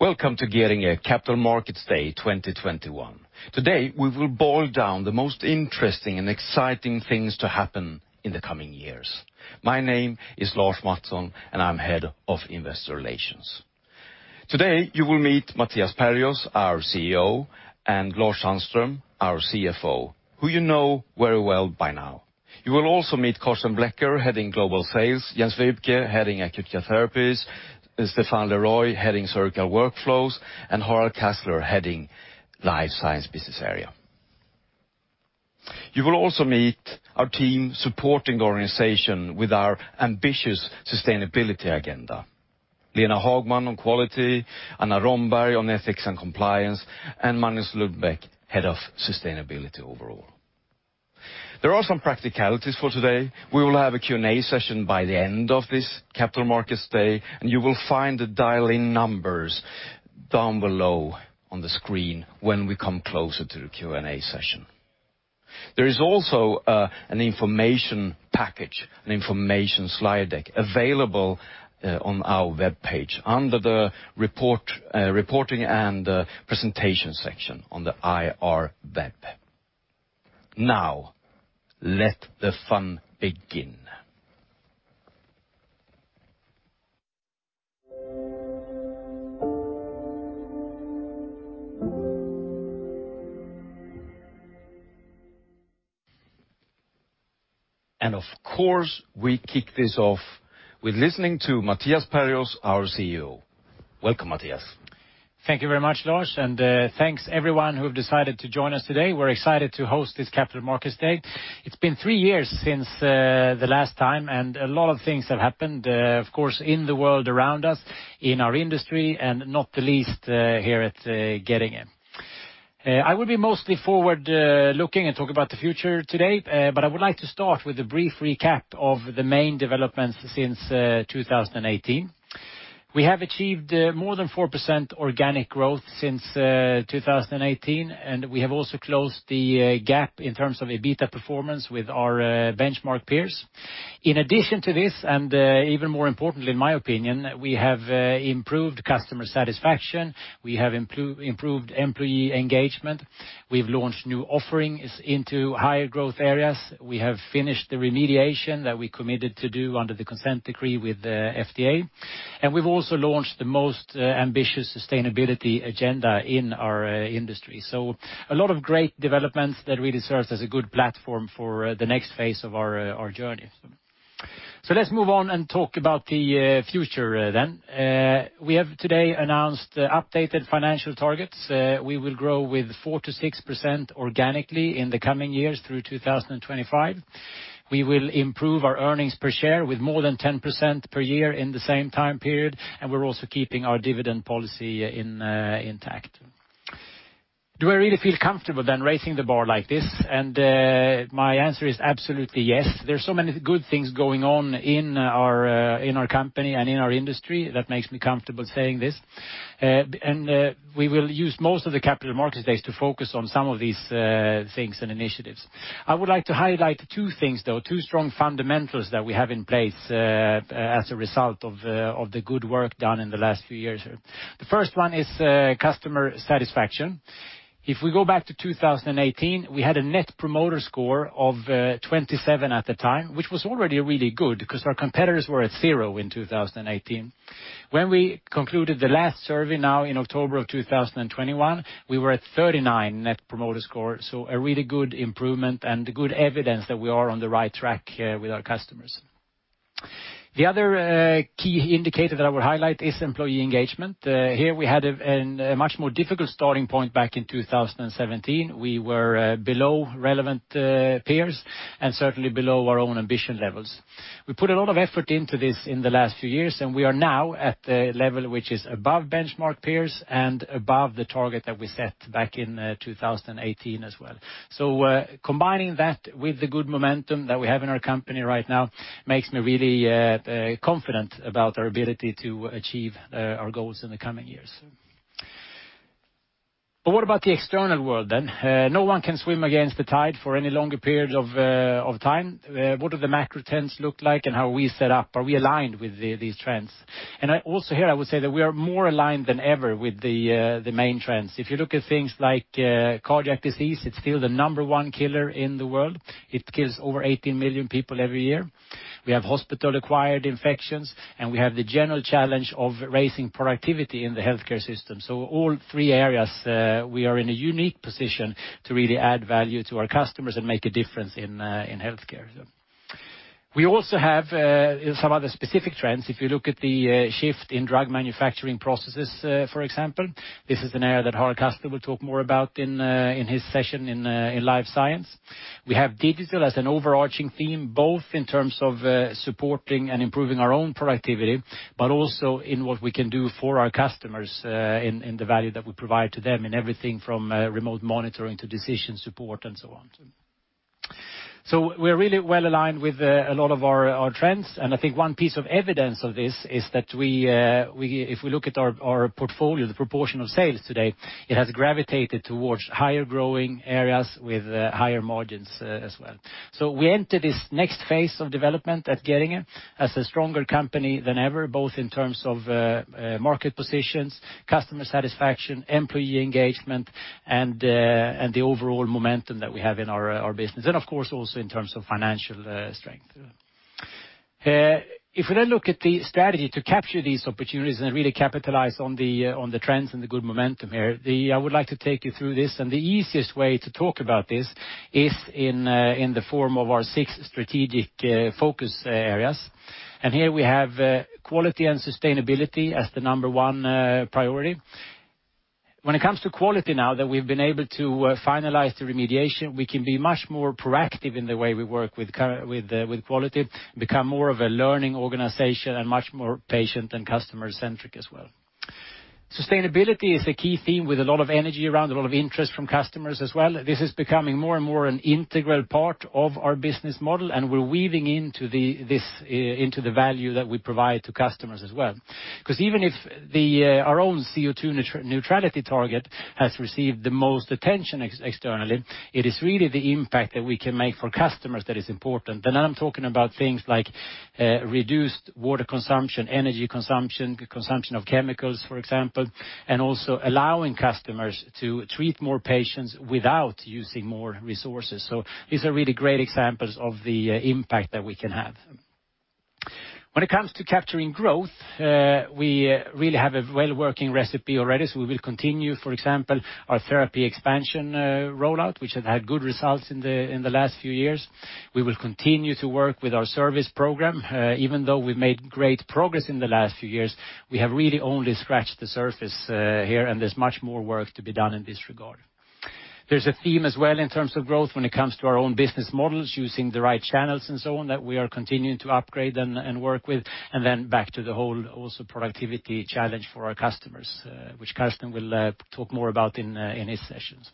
Welcome to Getinge Capital Markets Day 2021. Today, we will boil down the most interesting and exciting things to happen in the coming years. My name is Lars Mattsson, and I'm Head of Investor Relations. Today, you will meet Mattias Perjos, our CEO, and Lars Sandström, our CFO, who you know very well by now. You will also meet Carsten Blecker, heading Global Sales, Jens Viebke, heading Acute Care Therapies, Stéphane Le Roy, heading Surgical Workflows, and Harald Castler, heading Life Science Business Area. You will also meet our team supporting the organization with our ambitious sustainability agenda. Lena Hagman on quality, Anna Romberg on ethics and compliance, and Magnus Lundbäck, Head of Sustainability overall. There are some practicalities for today. We will have a Q&A session by the end of this Capital Markets Day, and you will find the dial-in numbers down below on the screen when we come closer to the Q&A session. There is also an information package, an information slide deck available on our webpage under the report reporting and presentation section on the IR web. Now, let the fun begin. Of course, we kick this off with listening to Mattias Perjos, our CEO. Welcome, Mattias. Thank you very much, Lars, and thanks everyone who have decided to join us today. We're excited to host this Capital Markets Day. It's been three years since the last time, and a lot of things have happened, of course, in the world around us, in our industry, and not the least, here at Getinge. I will be mostly forward looking and talk about the future today, but I would like to start with a brief recap of the main developments since 2018. We have achieved more than 4% organic growth since 2018, and we have also closed the gap in terms of EBITDA performance with our benchmark peers. In addition to this, and even more importantly in my opinion, we have improved customer satisfaction. We have improved employee engagement. We've launched new offerings into higher growth areas. We have finished the remediation that we committed to do under the consent decree with the FDA. We've also launched the most ambitious sustainability agenda in our industry. A lot of great developments that really serves as a good platform for the next phase of our journey. Let's move on and talk about the future then. We have today announced updated financial targets. We will grow with 4% to 6% organically in the coming years through 2025. We will improve our earnings per share with more than 10% per year in the same time period, and we're also keeping our dividend policy intact. Do I really feel comfortable then raising the bar like this? My answer is absolutely yes. There are so many good things going on in our company and in our industry that makes me comfortable saying this. We will use most of the capital markets days to focus on some of these things and initiatives. I would like to highlight two things, though, two strong fundamentals that we have in place as a result of the good work done in the last few years. The first one is customer satisfaction. If we go back to 2018, we had a Net Promoter Score of 27 at the time, which was already really good because our competitors were at 0 in 2018. When we concluded the last survey now in October 2021, we were at 39 Net Promoter Score. A really good improvement and good evidence that we are on the right track here with our customers. The other key indicator that I would highlight is employee engagement. Here we had a much more difficult starting point back in 2017. We were below relevant peers and certainly below our own ambition levels. We put a lot of effort into this in the last few years, and we are now at a level which is above benchmark peers and above the target that we set back in 2018 as well. Combining that with the good momentum that we have in our company right now makes me really confident about our ability to achieve our goals in the coming years. What about the external world then? No one can swim against the tide for any longer period of time. What do the macro trends look like and how are we set up? Are we aligned with these trends? Also here, I would say that we are more aligned than ever with the main trends. If you look at things like cardiac disease, it's still the number one killer in the world. It kills over 18 million people every year. We have hospital-acquired infections, and we have the general challenge of raising productivity in the healthcare system. All three areas, we are in a unique position to really add value to our customers and make a difference in healthcare. We also have some other specific trends. If you look at the shift in drug manufacturing processes, for example. This is an area that Harald Kastler will talk more about in his session in Life Science. We have digital as an overarching theme, both in terms of supporting and improving our own productivity, but also in what we can do for our customers, in the value that we provide to them in everything from remote monitoring to decision support and so on. We're really well aligned with a lot of our trends, and I think one piece of evidence of this is that if we look at our portfolio, the proportion of sales today, it has gravitated towards higher growing areas with higher margins, as well. We enter this next phase of development at Getinge as a stronger company than ever, both in terms of market positions, customer satisfaction, employee engagement, and the overall momentum that we have in our business, and of course, also in terms of financial strength. If we now look at the strategy to capture these opportunities and really capitalize on the trends and the good momentum here, I would like to take you through this. The easiest way to talk about this is in the form of our six strategic focus areas. Here we have quality and sustainability as the number one priority. When it comes to quality now that we've been able to finalize the remediation, we can be much more proactive in the way we work with quality, become more of a learning organization and much more patient and customer-centric as well. Sustainability is a key theme with a lot of energy around, a lot of interest from customers as well. This is becoming more and more an integral part of our business model, and we're weaving this into the value that we provide to customers as well. 'Cause even if our own CO2 neutrality target has received the most attention externally, it is really the impact that we can make for customers that is important. I'm talking about things like reduced water consumption, energy consumption of chemicals, for example, and also allowing customers to treat more patients without using more resources. These are really great examples of the impact that we can have. When it comes to capturing growth, we really have a well-working recipe already, so we will continue, for example, our therapy expansion rollout, which has had good results in the last few years. We will continue to work with our service program. Even though we've made great progress in the last few years, we have really only scratched the surface here, and there's much more work to be done in this regard. There's a theme as well in terms of growth when it comes to our own business models, using the right channels and so on, that we are continuing to upgrade and work with, and then back to the whole also productivity challenge for our customers, which Carsten will talk more about in his sessions.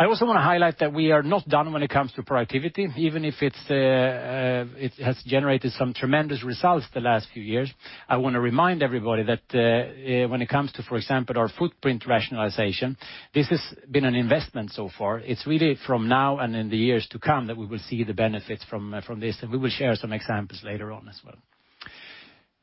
I also wanna highlight that we are not done when it comes to productivity, even if it has generated some tremendous results the last few years. I wanna remind everybody that when it comes to, for example, our footprint rationalization, this has been an investment so far. It's really from now and in the years to come that we will see the benefits from this, and we will share some examples later on as well.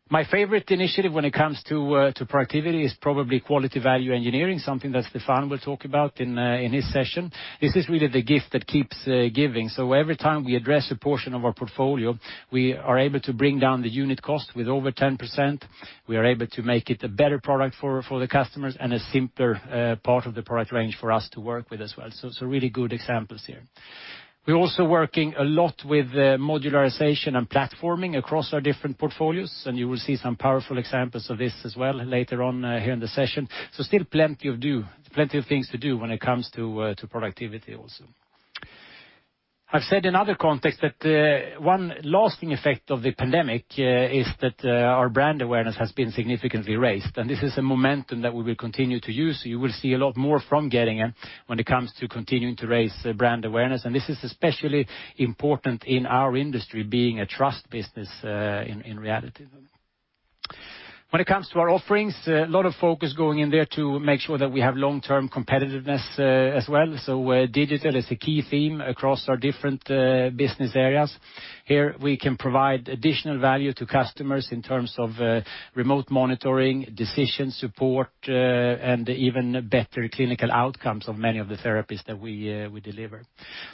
My favorite initiative when it comes to productivity is probably quality value engineering, something that Stefan will talk about in his session. This is really the gift that keeps giving. Every time we address a portion of our portfolio, we are able to bring down the unit cost with over 10%. We are able to make it a better product for the customers and a simpler part of the product range for us to work with as well. Really good examples here. We're also working a lot with modularization and platforming across our different portfolios, and you will see some powerful examples of this as well later on here in the session. Still plenty of things to do when it comes to productivity also. I've said in other contexts that one lasting effect of the pandemic is that our brand awareness has been significantly raised, and this is a momentum that we will continue to use, so you will see a lot more from Getinge when it comes to continuing to raise brand awareness. This is especially important in our industry being a trust business, in reality. When it comes to our offerings, a lot of focus going in there to make sure that we have long-term competitiveness, as well. Digital is a key theme across our different business areas. Here, we can provide additional value to customers in terms of remote monitoring, decision support, and even better clinical outcomes of many of the therapies that we deliver.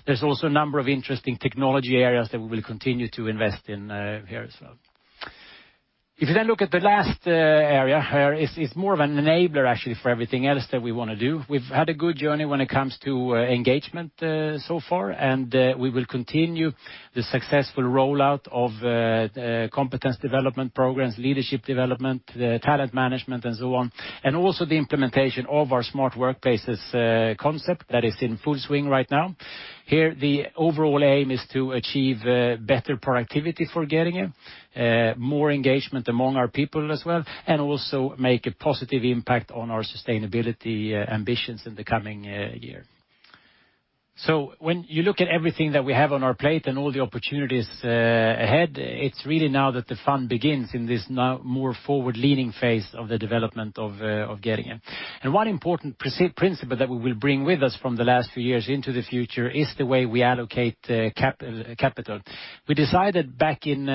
There's also a number of interesting technology areas that we will continue to invest in, here as well. If you then look at the last area, here, it's more of an enabler actually for everything else that we wanna do. We've had a good journey when it comes to engagement so far, and we will continue the successful rollout of competence development programs, leadership development, talent management, and so on. Also the implementation of our Smart Workplaces concept that is in full swing right now. Here, the overall aim is to achieve better productivity for Getinge, more engagement among our people as well, and also make a positive impact on our sustainability ambitions in the coming year. When you look at everything that we have on our plate and all the opportunities ahead, it's really now that the fun begins in this now more forward-leaning phase of the development of Getinge. One important principle that we will bring with us from the last few years into the future is the way we allocate capital. We decided back in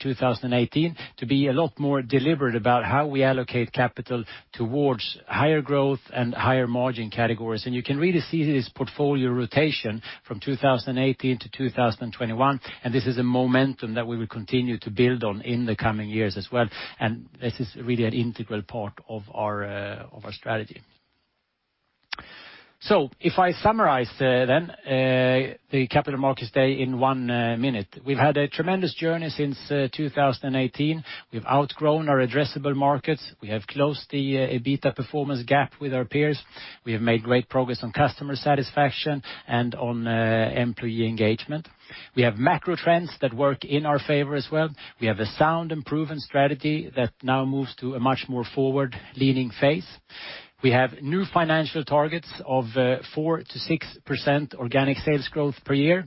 2018 to be a lot more deliberate about how we allocate capital towards higher growth and higher margin categories. You can really see this portfolio rotation from 2018 to 2021, and this is a momentum that we will continue to build on in the coming years as well. This is really an integral part of our strategy. If I summarize the capital markets day in 1 minute. We've had a tremendous journey since 2018. We've outgrown our addressable markets. We have closed the EBITDA performance gap with our peers. We have made great progress on customer satisfaction and on employee engagement. We have macro trends that work in our favor as well. We have a sound and proven strategy that now moves to a much more forward-leaning phase. We have new financial targets of 4%-6% organic sales growth per year.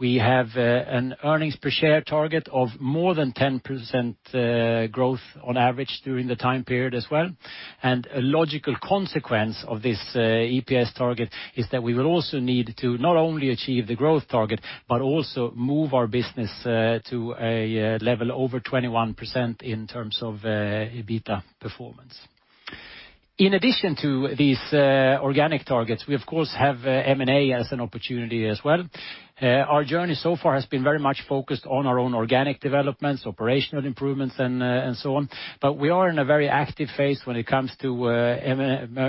We have an earnings per share target of more than 10% growth on average during the time period as well. A logical consequence of this EPS target is that we will also need to not only achieve the growth target, but also move our business to a level over 21% in terms of EBITDA performance. In addition to these organic targets, we of course have M&A as an opportunity as well. Our journey so far has been very much focused on our own organic developments, operational improvements, and so on, but we are in a very active phase when it comes to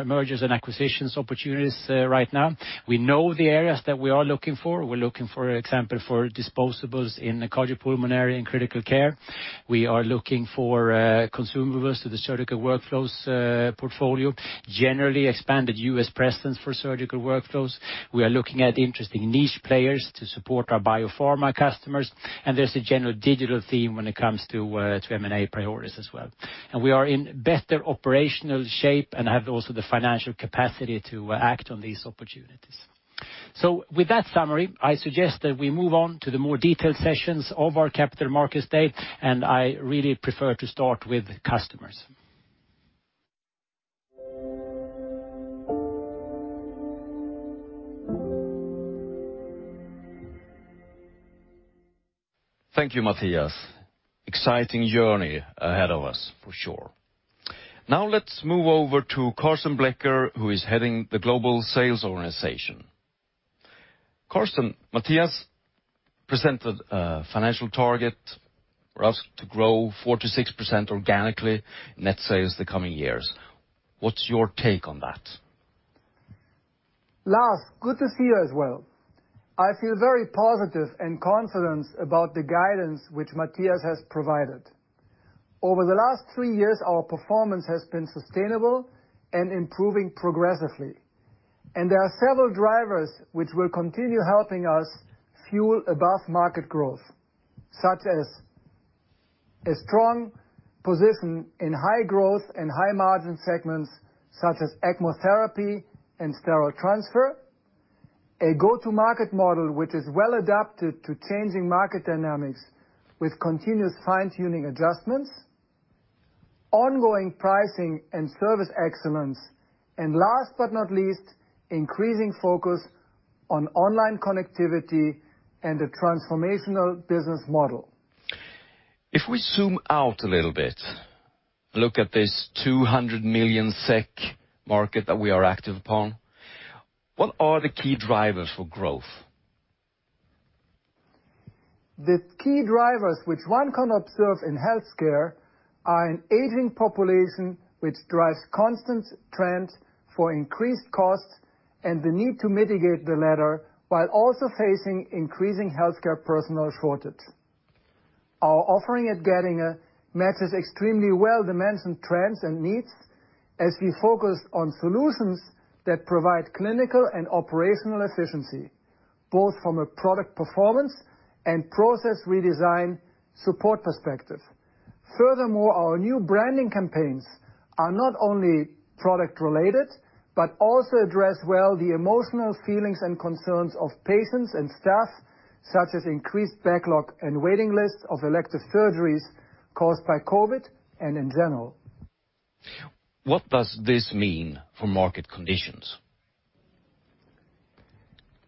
mergers and acquisitions opportunities right now. We know the areas that we are looking for. We're looking for example, disposables in the cardiopulmonary and critical care. We are looking for consumables to the Surgical Workflows portfolio. Generally expanded U.S. presence for Surgical Workflows. We are looking at interesting niche players to support our biopharma customers, and there's a general digital theme when it comes to to M&A priorities as well. We are in better operational shape and have also the financial capacity to act on these opportunities. With that summary, I suggest that we move on to the more detailed sessions of our Capital Markets Day, and I really prefer to start with customers. Thank you, Mattias. Exciting journey ahead of us, for sure. Now let's move over to Carsten Blecker, who is heading the global sales organization. Carsten, Mattias presented a financial target for us to grow 4%-6% organically net sales the coming years. What's your take on that? Lars, good to see you as well. I feel very positive and confident about the guidance which Mattias has provided. Over the last three years, our performance has been sustainable and improving progressively. There are several drivers which will continue helping us fuel above market growth, such as a strong position in high growth and high margin segments, such as ECMO therapy and sterile transfer. A go-to-market model, which is well adapted to changing market dynamics with continuous fine-tuning adjustments. Ongoing pricing and service excellence. Last but not least, increasing focus on online connectivity and a transformational business model. If we zoom out a little bit, look at this 200 million SEK market that we are active upon, what are the key drivers for growth? The key drivers which one can observe in healthcare are an aging population which drives constant trends for increased costs and the need to mitigate the latter while also facing increasing healthcare personnel shortage. Our offering at Getinge matches extremely well demands and trends and needs as we focus on solutions that provide clinical and operational efficiency, both from a product performance and process redesign support perspective. Furthermore, our new branding campaigns are not only product related, but also address well the emotional feelings and concerns of patients and staff, such as increased backlog and waiting lists of elective surgeries caused by COVID and in general. What does this mean for market conditions?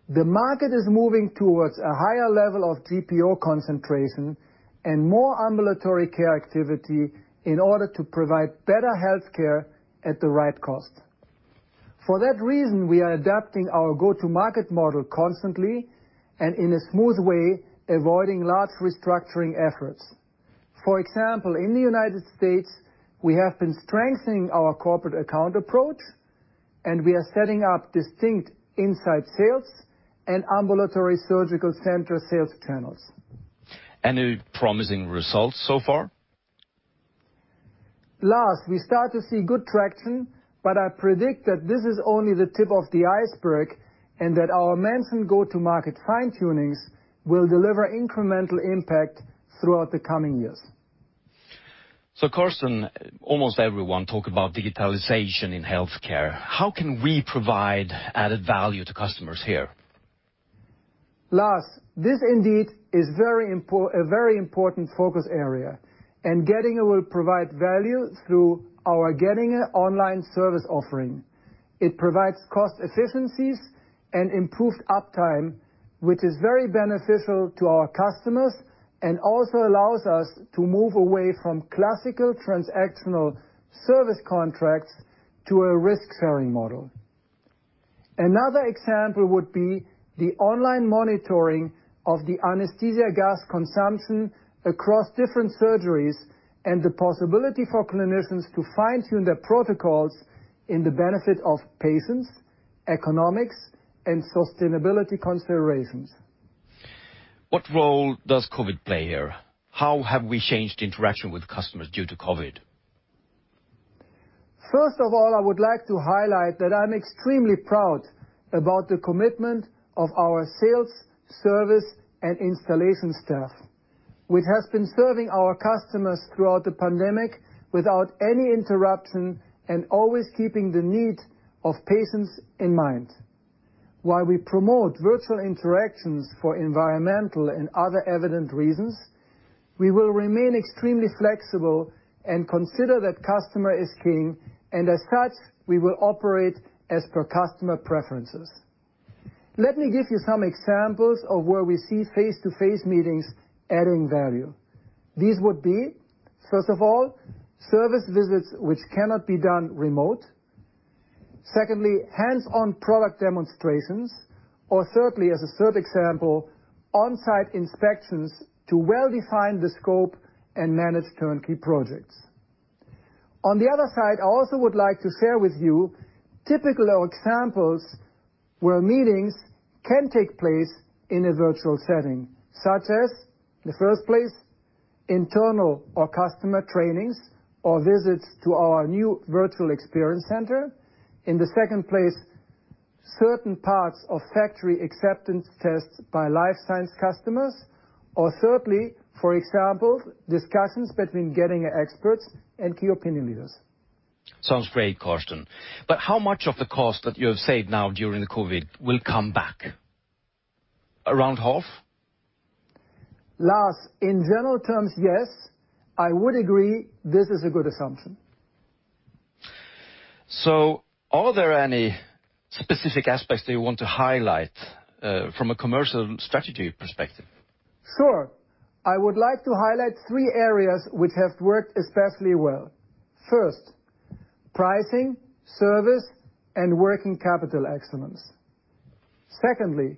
The market is moving towards a higher level of GPO concentration and more ambulatory care activity in order to provide better healthcare at the right cost. For that reason, we are adapting our go-to-market model constantly and in a smooth way, avoiding large restructuring efforts. For example, in the United States, we have been strengthening our corporate account approach, and we are setting up distinct inside sales and ambulatory surgical center sales channels. Any promising results so far? Lars, we start to see good traction, but I predict that this is only the tip of the iceberg and that our mentioned go-to-market fine-tunings will deliver incremental impact throughout the coming years. Carsten, almost everyone talk about digitalization in healthcare. How can we provide added value to customers here? Lars, this indeed is a very important focus area, and Getinge will provide value through our Getinge Online service offering. It provides cost efficiencies and improved uptime, which is very beneficial to our customers and also allows us to move away from classical transactional service contracts to a risk-sharing model. Another example would be the online monitoring of the anesthesia gas consumption across different surgeries and the possibility for clinicians to fine-tune their protocols for the benefit of patients, economics, and sustainability considerations. What role does COVID play here? How have we changed interaction with customers due to COVID? First of all, I would like to highlight that I'm extremely proud about the commitment of our sales, service, and installation staff, which has been serving our customers throughout the pandemic without any interruption and always keeping the needs of patients in mind. While we promote virtual interactions for environmental and other evident reasons, we will remain extremely flexible and consider that customer is king, and as such, we will operate as per customer preferences. Let me give you some examples of where we see face-to-face meetings adding value. These would be, first of all, service visits which cannot be done remote. Secondly, hands-on product demonstrations. Or thirdly, as a third example, on-site inspections to well-define the scope and manage turnkey projects. On the other side, I also would like to share with you typical examples where meetings can take place in a virtual setting, such as, in the first place, internal or customer trainings or visits to our new virtual experience center. In the second place, certain parts of factory acceptance tests by Life Science customers. Thirdly, for example, discussions between Getinge experts and key opinion leaders. Sounds great, Carsten. How much of the cost that you have saved now during the COVID will come back? Around half? Lars, in general terms, yes, I would agree this is a good assumption. Are there any specific aspects that you want to highlight from a commercial strategy perspective? Sure. I would like to highlight three areas which have worked especially well. First, pricing, service, and working capital excellence. Secondly,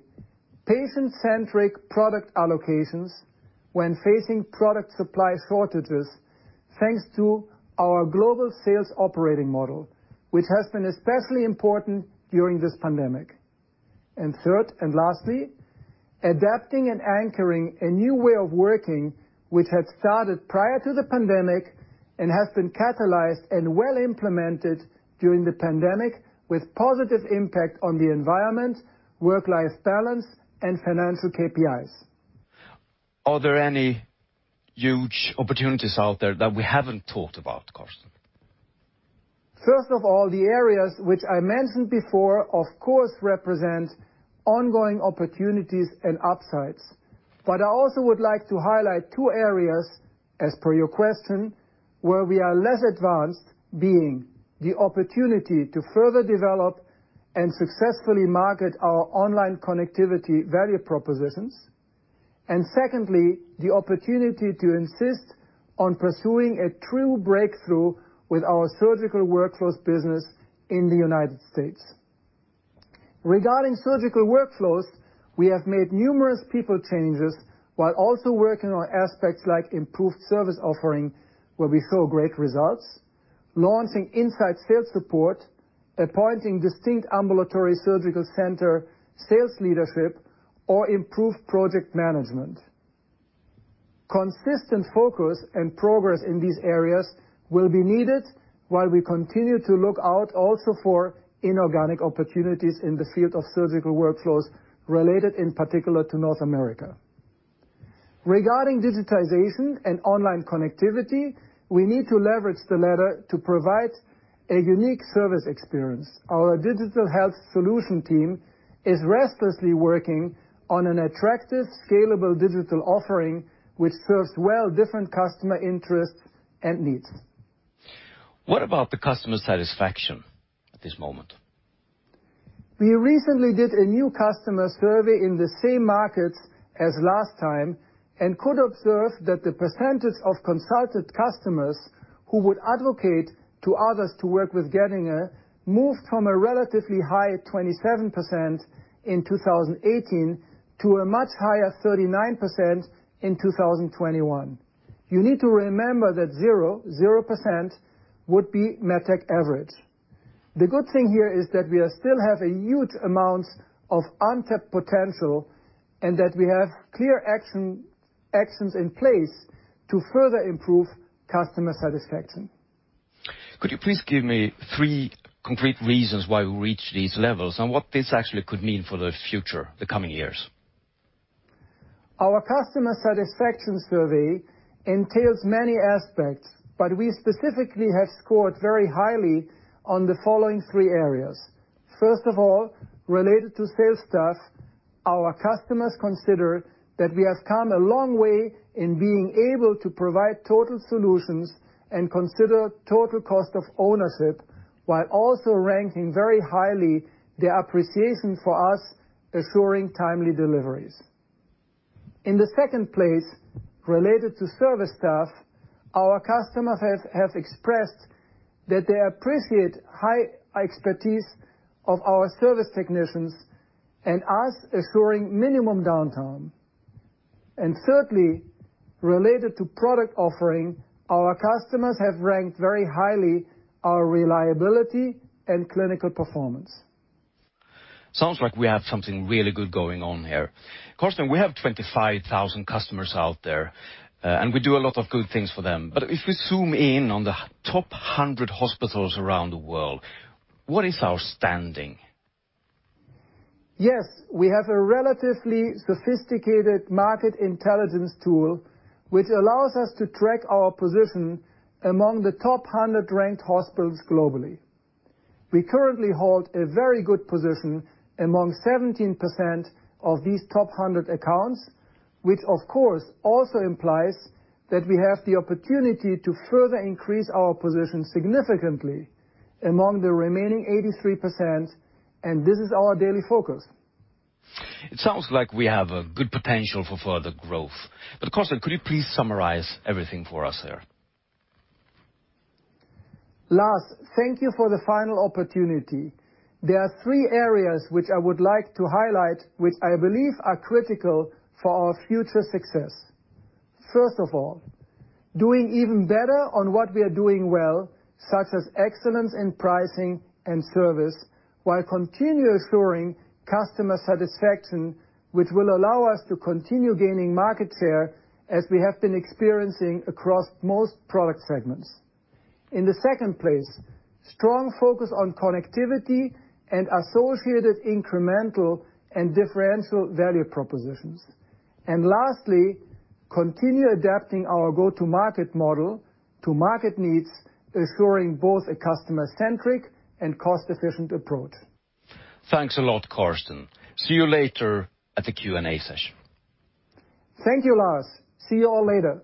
patient-centric product allocations when facing product supply shortages, thanks to our global sales operating model, which has been especially important during this pandemic. Third and lastly, adapting and anchoring a new way of working, which had started prior to the pandemic and has been catalyzed and well implemented during the pandemic with positive impact on the environment, work-life balance, and financial KPIs. Are there any huge opportunities out there that we haven't talked about, Carsten? First of all, the areas which I mentioned before, of course, represent ongoing opportunities and upsides. I also would like to highlight two areas, as per your question, where we are less advanced, being the opportunity to further develop and successfully market our online connectivity value propositions. Secondly, the opportunity to insist on pursuing a true breakthrough with our Surgical Workflows business in the United States. Regarding Surgical Workflows, we have made numerous people changes while also working on aspects like improved service offering, where we saw great results, launching inside sales support, appointing distinct ambulatory surgical center sales leadership, or improved project management. Consistent focus and progress in these areas will be needed while we continue to look out also for inorganic opportunities in the field of Surgical Workflows related in particular to North America. Regarding digitization and online connectivity, we need to leverage the latter to provide a unique service experience. Our digital health solution team is restlessly working on an attractive, scalable digital offering which serves well different customer interests and needs. What about the customer satisfaction at this moment? We recently did a new customer survey in the same markets as last time and could observe that the percentage of consulted customers who would advocate to others to work with Getinge moved from a relatively high 27% in 2018 to a much higher 39% in 2021. You need to remember that 0.0% would be MedTech average. The good thing here is that we still have a huge amount of untapped potential and that we have clear actions in place to further improve customer satisfaction. Could you please give me three concrete reasons why we reach these levels and what this actually could mean for the future, the coming years? Our customer satisfaction survey entails many aspects, but we specifically have scored very highly on the following three areas. First of all, related to sales staff, our customers consider that we have come a long way in being able to provide total solutions and consider total cost of ownership, while also ranking very highly their appreciation for us assuring timely deliveries. In the second place, related to service staff, our customers have expressed that they appreciate high expertise of our service technicians and us assuring minimum downtime. Thirdly, related to product offering, our customers have ranked very highly our reliability and clinical performance. Sounds like we have something really good going on here. Carsten, we have 25,000 customers out there, and we do a lot of good things for them. If we zoom in on the top 100 hospitals around the world, what is our standing? Yes. We have a relatively sophisticated market intelligence tool which allows us to track our position among the top 100 ranked hospitals globally. We currently hold a very good position among 17% of these top 100 accounts, which of course also implies that we have the opportunity to further increase our position significantly among the remaining 83%, and this is our daily focus. It sounds like we have a good potential for further growth. Carsten, could you please summarize everything for us here? Lars, thank you for the final opportunity. There are three areas which I would like to highlight, which I believe are critical for our future success. First of all, doing even better on what we are doing well, such as excellence in pricing and service, while continuously ensuring customer satisfaction, which will allow us to continue gaining market share as we have been experiencing across most product segments. In the second place, strong focus on connectivity and associated incremental and differential value propositions. Lastly, continue adapting our go-to-market model to market needs, ensuring both a customer-centric and cost-efficient approach. Thanks a lot, Carsten. See you later at the Q&A session. Thank you, Lars. See you all later.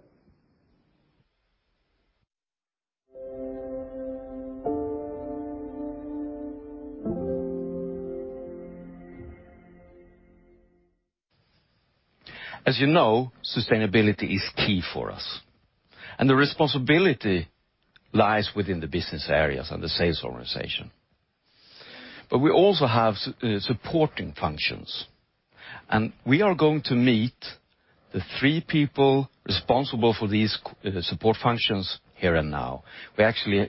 As you know, sustainability is key for us, and the responsibility lies within the business areas and the sales organization. We also have supporting functions, and we are going to meet the three people responsible for these support functions here and now. We actually,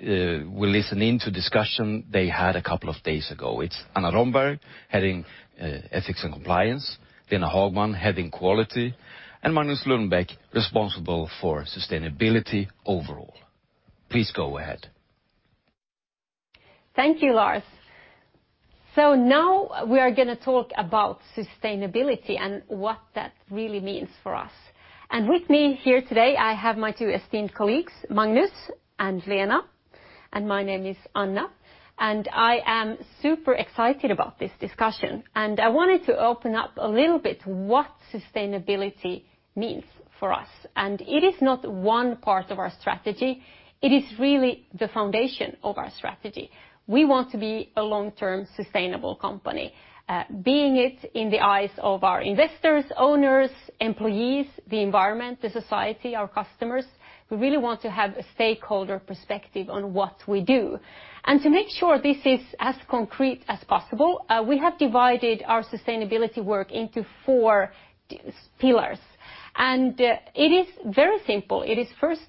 we're listening to discussion they had a couple of days ago. It's Anna Romberg, heading ethics and compliance, Lena Hagman, heading quality, and Magnus Lundbäck, responsible for sustainability overall. Please go ahead. Thank you, Lars. Now we are gonna talk about sustainability and what that really means for us. With me here today, I have my two esteemed colleagues, Magnus and Lena, and my name is Anna, and I am super excited about this discussion. I wanted to open up a little bit what sustainability means for us. It is not one part of our strategy, it is really the foundation of our strategy. We want to be a long-term sustainable company, being it in the eyes of our investors, owners, employees, the environment, the society, our customers. We really want to have a stakeholder perspective on what we do. To make sure this is as concrete as possible, we have divided our sustainability work into four pillars. It is very simple. It is first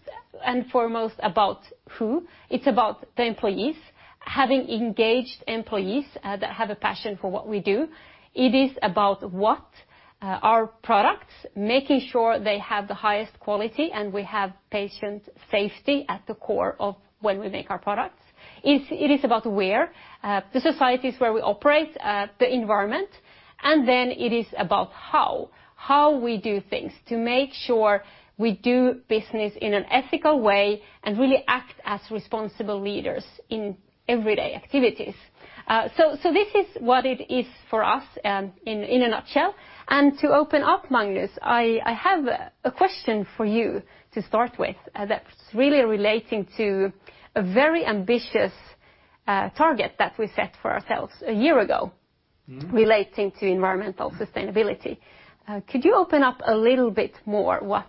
and foremost about who. It's about the employees, having engaged employees that have a passion for what we do. It is about what our products, making sure they have the highest quality, and we have patient safety at the core of when we make our products. It is about where the societies where we operate, the environment. Then it is about how we do things to make sure we do business in an ethical way and really act as responsible leaders in everyday activities. So this is what it is for us in a nutshell. To open up, Magnus, I have a question for you to start with that's really relating to a very ambitious target that we set for ourselves a year ago- Mm-hmm... relating to environmental sustainability. Could you open up a little bit more what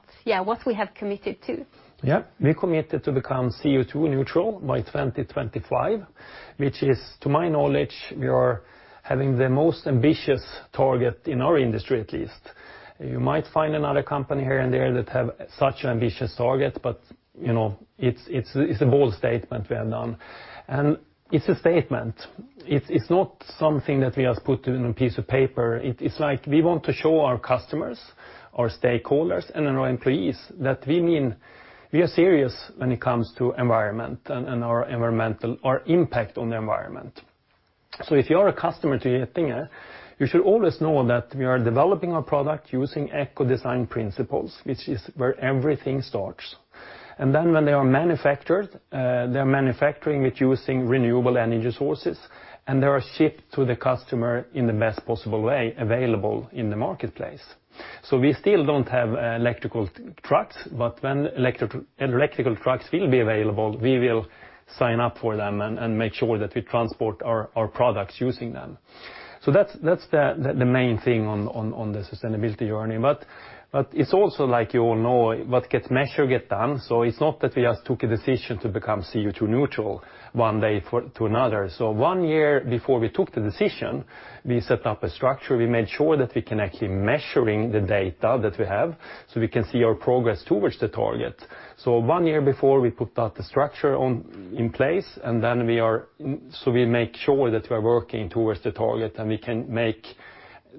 we have committed to? Yeah. We committed to become CO₂ neutral by 2025, which is, to my knowledge, we are having the most ambitious target in our industry, at least. You might find another company here and there that have such ambitious targets, but, you know, it's a bold statement we have done. It's a statement. It's not something that we just put in a piece of paper. It's like we want to show our customers, our stakeholders, and then our employees that we mean we are serious when it comes to environment and our environmental impact on the environment. If you are a customer to Getinge, you should always know that we are developing our product using eco-design principles, which is where everything starts. Then when they are manufactured, they are manufacturing with using renewable energy sources, and they are shipped to the customer in the best possible way available in the marketplace. We still don't have electrical trucks, but when electrical trucks will be available, we will sign up for them and make sure that we transport our products using them. That's the main thing on the sustainability journey. But it's also like you all know what gets measured get done. It's not that we just took a decision to become CO2 neutral one day to another. One year before we took the decision, we set up a structure. We made sure that we can actually measuring the data that we have, so we can see our progress towards the target. One year before we put that structure in place, and then we make sure that we are working towards the target, and we can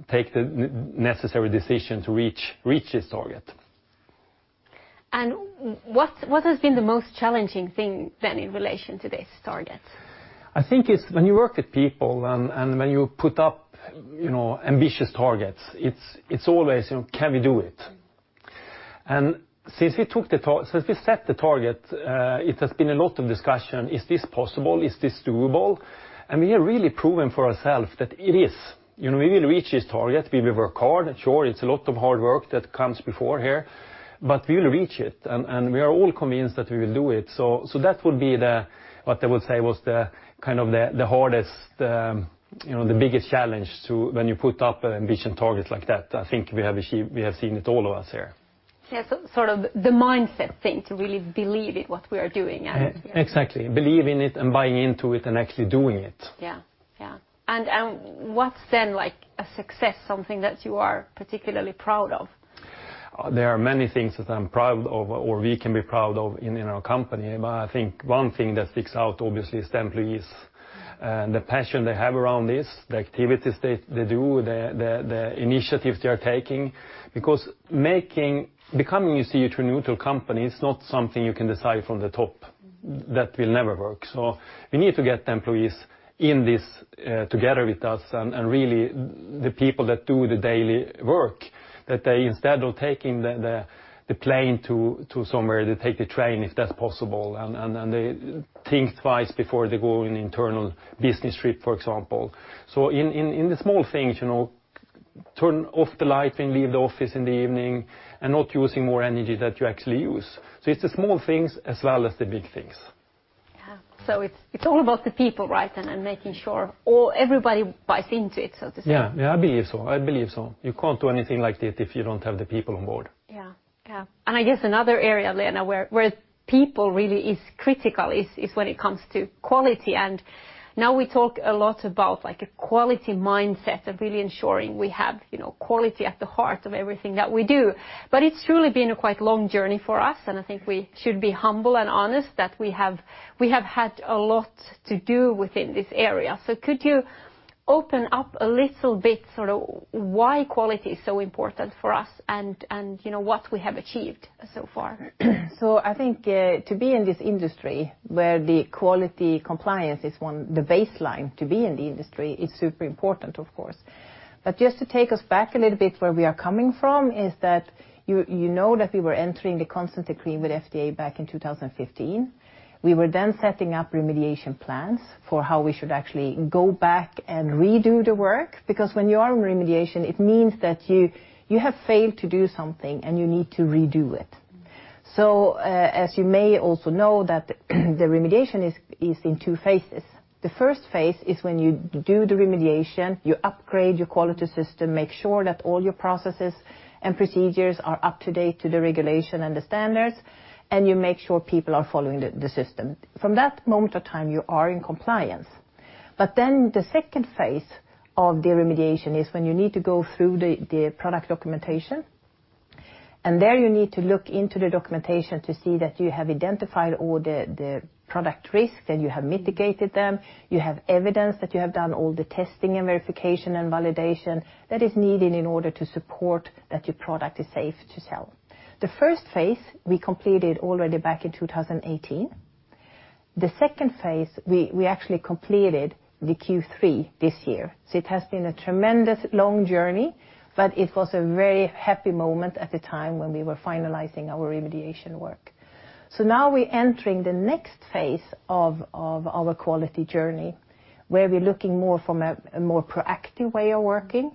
take the necessary decision to reach this target. What has been the most challenging thing then in relation to this target? I think it's when you work with people and when you put up, you know, ambitious targets, it's always, you know, can we do it? Since we set the target, it has been a lot of discussion, is this possible? Is this doable? We have really proven for ourselves that it is. You know, we will reach this target. We will work hard. Sure, it's a lot of hard work that comes before here, but we will reach it. We are all convinced that we will do it. That would be what I would say was the kind of the hardest, you know, the biggest challenge when you put up an ambitious target like that. I think we have seen it, all of us here. Yeah. Sort of the mindset thing to really believe in what we are doing and. Exactly. Believe in it and buying into it and actually doing it. Yeah. What's then like a success, something that you are particularly proud of? There are many things that I'm proud of, or we can be proud of in our company. I think one thing that sticks out obviously is the employees and the passion they have around this, the activities they do, the initiatives they are taking. Because becoming a CO2 neutral company is not something you can decide from the top. That will never work. We need to get the employees in this together with us and really the people that do the daily work, that they instead of taking the plane to somewhere, they take the train, if that's possible. They think twice before they go on internal business trip, for example. In the small things, you know, turn off the light and leave the office in the evening and not using more energy that you actually use. It's the small things as well as the big things. It's all about the people, right? Making sure everybody buys into it, so to say. Yeah. I believe so. You can't do anything like this if you don't have the people on board. Yeah. Yeah. I guess another area, Lena, where people really is critical is when it comes to quality. Now we talk a lot about like a quality mindset of really ensuring we have, you know, quality at the heart of everything that we do. It's truly been a quite long journey for us, and I think we should be humble and honest that we have had a lot to do within this area. Could you open up a little bit sort of why quality is so important for us and, you know, what we have achieved so far? I think to be in this industry where the quality compliance is one, the baseline to be in the industry is super important, of course. Just to take us back a little bit where we are coming from is that you know that we were entering the Consent Decree with FDA back in 2015. We were then setting up remediation plans for how we should actually go back and redo the work. Because when you are on remediation, it means that you have failed to do something and you need to redo it. As you may also know, the remediation is in two phases. The first phase is when you do the remediation, you upgrade your quality system, make sure that all your processes and procedures are up to date to the regulation and the standards, and you make sure people are following the system. From that moment of time, you are in compliance. The second phase of the remediation is when you need to go through the product documentation. There you need to look into the documentation to see that you have identified all the product risks, and you have mitigated them. You have evidence that you have done all the testing and verification and validation that is needed in order to support that your product is safe to sell. The first phase we completed already back in 2018. The second phase, we actually completed the Q3 this year. It has been a tremendous long journey, but it was a very happy moment at the time when we were finalizing our remediation work. Now we're entering the next phase of our quality journey, where we're looking more from a more proactive way of working,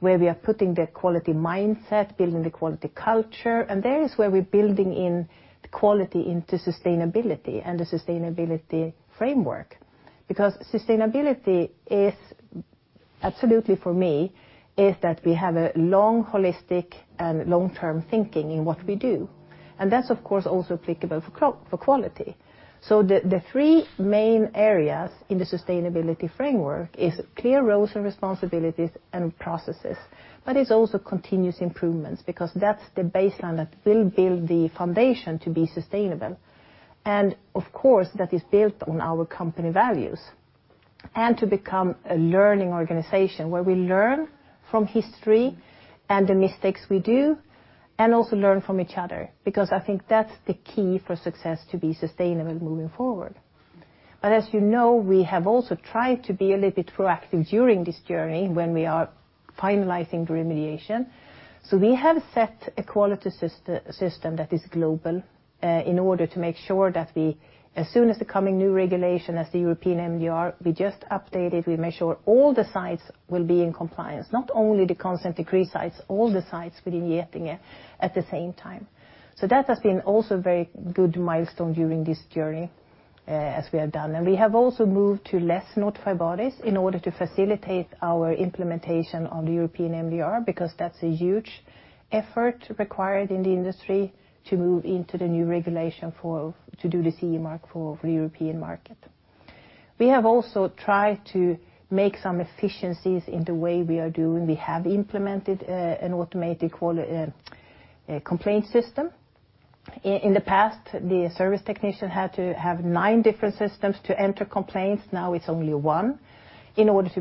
where we are putting the quality mindset, building the quality culture. There is where we're building in quality into sustainability and the sustainability framework. Because sustainability is absolutely for me, is that we have a long holistic and long-term thinking in what we do. That's of course also applicable for quality. The three main areas in the sustainability framework is clear roles and responsibilities and processes. It's also continuous improvements because that's the baseline that will build the foundation to be sustainable. Of course, that is built on our company values. To become a learning organization where we learn from history and the mistakes we do, and also learn from each other. Because I think that's the key for success to be sustainable moving forward. As you know, we have also tried to be a little bit proactive during this journey when we are finalizing the remediation. We have set a quality system that is global, in order to make sure that we, as soon as the coming new regulation as the European MDR, we just update it, we make sure all the sites will be in compliance, not only the Consent Decree sites, all the sites within Getinge at the same time. That has been also a very good milestone during this journey. We have done. We have also moved to less Notified Bodies in order to facilitate our implementation on the European MDR, because that's a huge effort required in the industry to move into the new regulation to do the CE mark for the European market. We have also tried to make some efficiencies in the way we are doing. We have implemented an automated complaint system. In the past, the service technician had to have nine different systems to enter complaints, now it's only one, in order to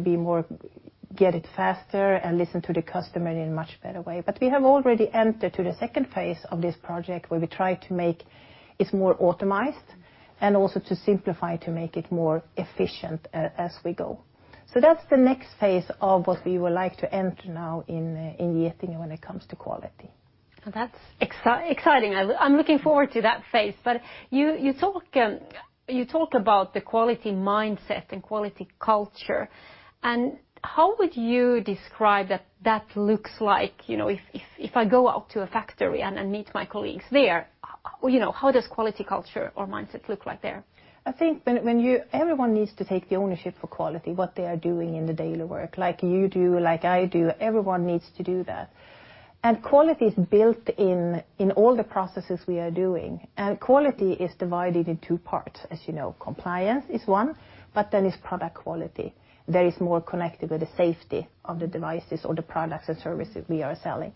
get it faster and listen to the customer in a much better way. We have already entered the second phase of this project, where we try to make it more automated, and also to simplify to make it more efficient as we go. That's the next phase of what we would like to enter now in Getinge when it comes to quality. That's exciting. I'm looking forward to that phase. You talk about the quality mindset and quality culture, and how would you describe that looks like? You know, if I go out to a factory and meet my colleagues there, how, you know, how does quality culture or mindset look like there? I think everyone needs to take the ownership for quality, what they are doing in the daily work, like you do, like I do, everyone needs to do that. Quality is built in in all the processes we are doing. Quality is divided in two parts, as you know. Compliance is one, but then it's product quality that is more connected with the safety of the devices or the products and services we are selling.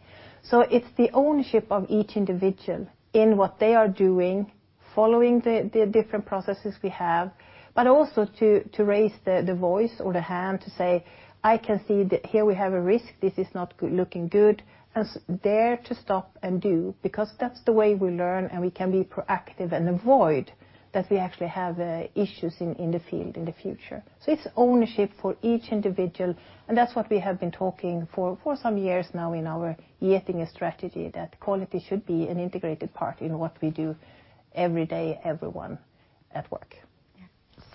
It's the ownership of each individual in what they are doing, following the different processes we have, but also to raise the voice or the hand to say, "I can see that here we have a risk. This is not looking good." Dare to stop and do, because that's the way we learn, and we can be proactive and avoid that we actually have issues in the field in the future. It's ownership for each individual, and that's what we have been talking for some years now in our Getinge strategy, that quality should be an integrated part in what we do every day, everyone at work.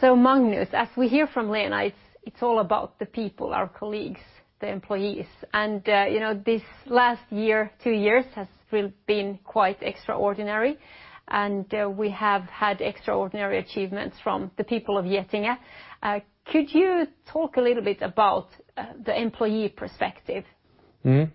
Magnus, as we hear from Lena, it's all about the people, our colleagues, the employees. You know, this last year, two years, has really been quite extraordinary, and we have had extraordinary achievements from the people of Getinge. Could you talk a little bit about the employee perspective? The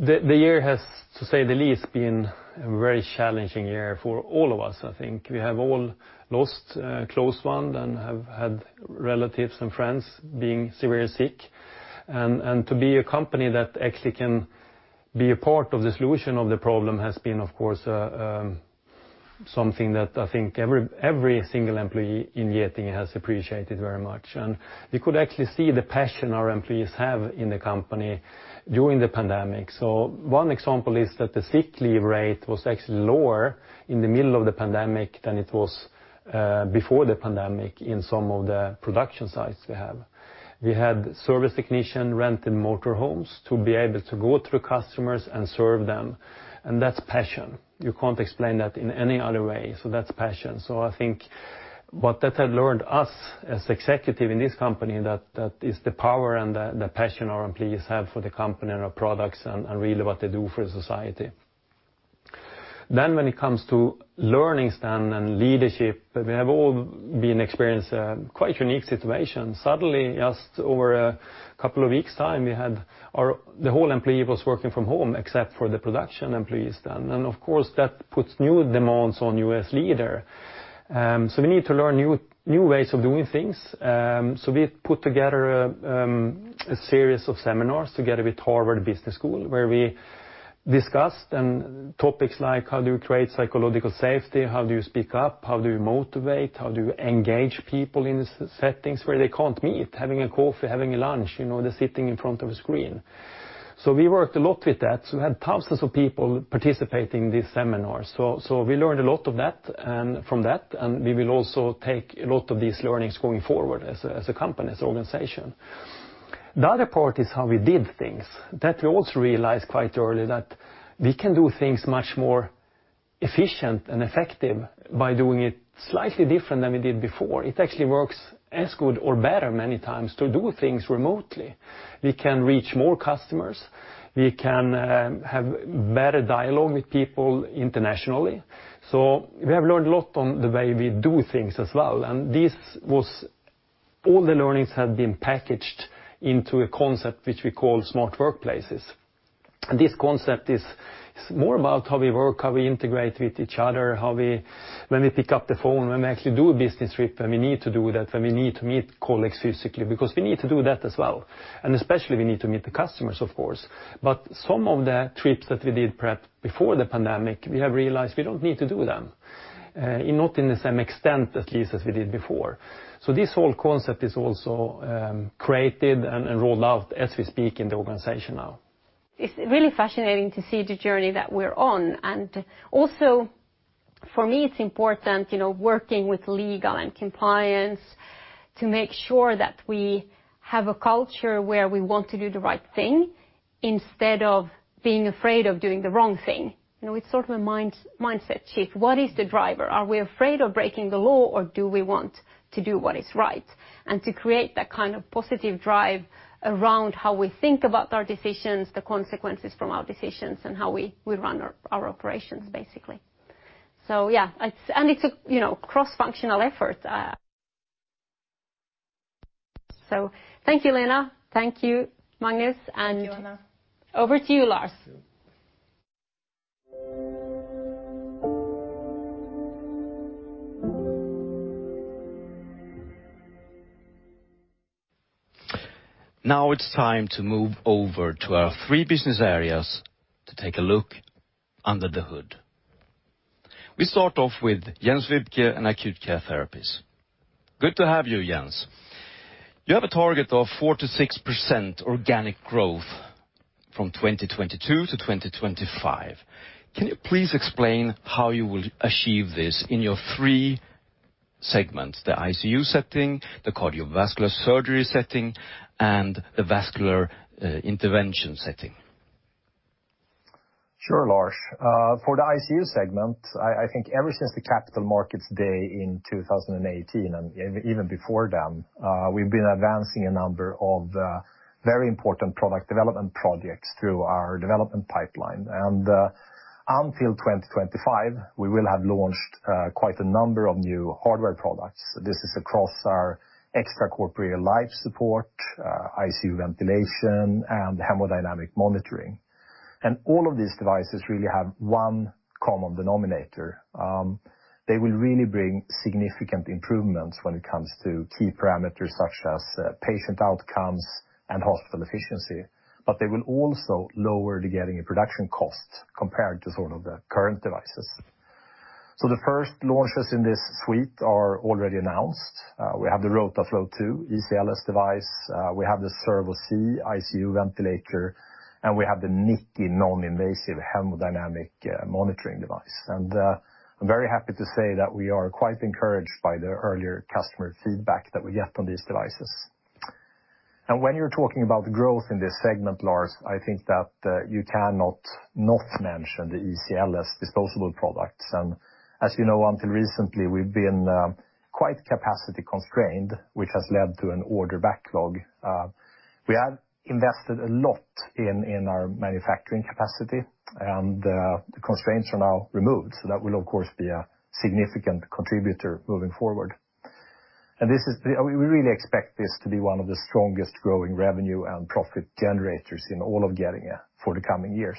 year has, to say the least, been a very challenging year for all of us, I think. We have all lost a close one, and have had relatives and friends being seriously sick. To be a company that actually can be a part of the solution of the problem has been, of course, something that I think every single employee in Getinge has appreciated very much. We could actually see the passion our employees have in the company during the pandemic. One example is that the sick leave rate was actually lower in the middle of the pandemic than it was before the pandemic in some of the production sites we have. We had service technician renting motor homes to be able to go to customers and serve them, and that's passion. You can't explain that in any other way. That's passion. I think what that had learned us as executive in this company that is the power and the passion our employees have for the company and our products and really what they do for society. When it comes to learnings and leadership, we have all been experience a quite unique situation. Suddenly, just over a couple of weeks' time, we had the whole employee was working from home except for the production employees then. Of course, that puts new demands on you as leader. We need to learn new ways of doing things. We put together a series of seminars together with Harvard Business School, where we discussed topics like how do you create psychological safety? How do you speak up? How do you motivate? How do you engage people in settings where they can't meet, having a coffee, having a lunch, you know, they're sitting in front of a screen. We worked a lot with that. We learned a lot of that and from that, and we will also take a lot of these learnings going forward as a company, as an organization. The other part is how we did things that we also realized quite early that we can do things much more efficient and effective by doing it slightly different than we did before. It actually works as good or better many times to do things remotely. We can reach more customers, we can have better dialogue with people internationally. We have learned a lot on the way we do things as well, and this was all the learnings have been packaged into a concept which we call Smart Workplaces. This concept is more about how we work, how we integrate with each other, how we, when we pick up the phone, when we actually do a business trip, when we need to do that, when we need to meet colleagues physically, because we need to do that as well. Especially we need to meet the customers, of course. But some of the trips that we did perhaps before the pandemic, we have realized we don't need to do them, not in the same extent at least as we did before. This whole concept is also created and rolled out as we speak in the organization now. It's really fascinating to see the journey that we're on. Also for me, it's important, you know, working with legal and compliance to make sure that we have a culture where we want to do the right thing instead of being afraid of doing the wrong thing. You know, it's sort of a mindset shift. What is the driver? Are we afraid of breaking the law, or do we want to do what is right? To create that kind of positive drive around how we think about our decisions, the consequences from our decisions, and how we run our operations basically. Yeah, it's a, you know, cross-functional effort. Thank you, Lena. Thank you, Magnus. Thank you, Anna. Over to you, Lars. Now it's time to move over to our three business areas to take a look under the hood. We start off with Jens Viebke in Acute Care Therapies. Good to have you, Jens. You have a target of 4%-6% organic growth from 2022-2025. Can you please explain how you will achieve this in your three segments, the ICU setting, the cardiovascular surgery setting, and the vascular intervention setting? Sure, Lars. For the ICU segment, I think ever since the Capital Markets Day in 2018 and even before them, we've been advancing a number of very important product development projects through our development pipeline. Until 2025, we will have launched quite a number of new hardware products. This is across our extracorporeal life support, ICU ventilation, and hemodynamic monitoring. All of these devices really have one common denominator. They will really bring significant improvements when it comes to key parameters such as patient outcomes and hospital efficiency. They will also lower the Getinge and production costs compared to sort of the current devices. The first launches in this suite are already announced. We have the Rotaflow II ECLS device. We have the Servo C ICU ventilator, and we have the NICCI non-invasive hemodynamic monitoring device. I'm very happy to say that we are quite encouraged by the earlier customer feedback that we get on these devices. When you're talking about growth in this segment, Lars, I think that you cannot not mention the ECLS disposable products. As you know, until recently, we've been quite capacity constrained, which has led to an order backlog. We have invested a lot in our manufacturing capacity, and the constraints are now removed. That will, of course, be a significant contributor moving forward. We really expect this to be one of the strongest growing revenue and profit generators in all of Getinge for the coming years.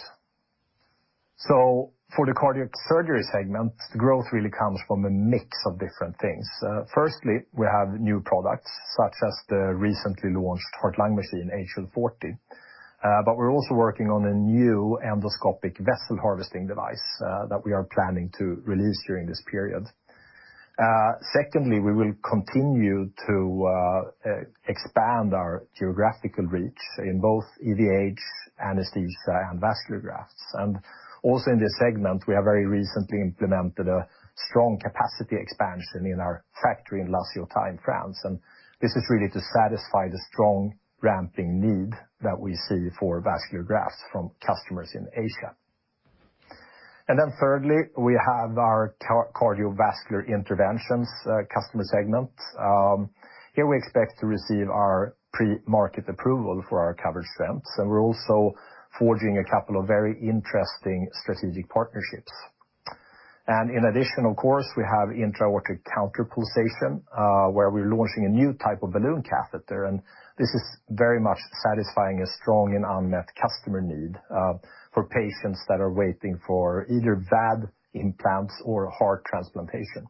For the cardiac surgery segment, the growth really comes from a mix of different things. First, we have new products such as the recently launched heart lung machine, HL 40. But we're also working on a new endoscopic vessel harvesting device that we are planning to release during this period. Second, we will continue to expand our geographical reach in both EVH, anesthesia, and vascular grafts. Also in this segment, we have very recently implemented a strong capacity expansion in our factory in La Ciotat in France. This is really to satisfy the strong ramping need that we see for vascular grafts from customers in Asia. Then third, we have our cardiovascular interventions customer segment. Here we expect to receive our pre-market approval for our covered stents, and we're also forging a couple of very interesting strategic partnerships. In addition, of course, we have intra-aortic counterpulsation, where we're launching a new type of balloon catheter, and this is very much satisfying a strong and unmet customer need, for patients that are waiting for either VAD implants or heart transplantation.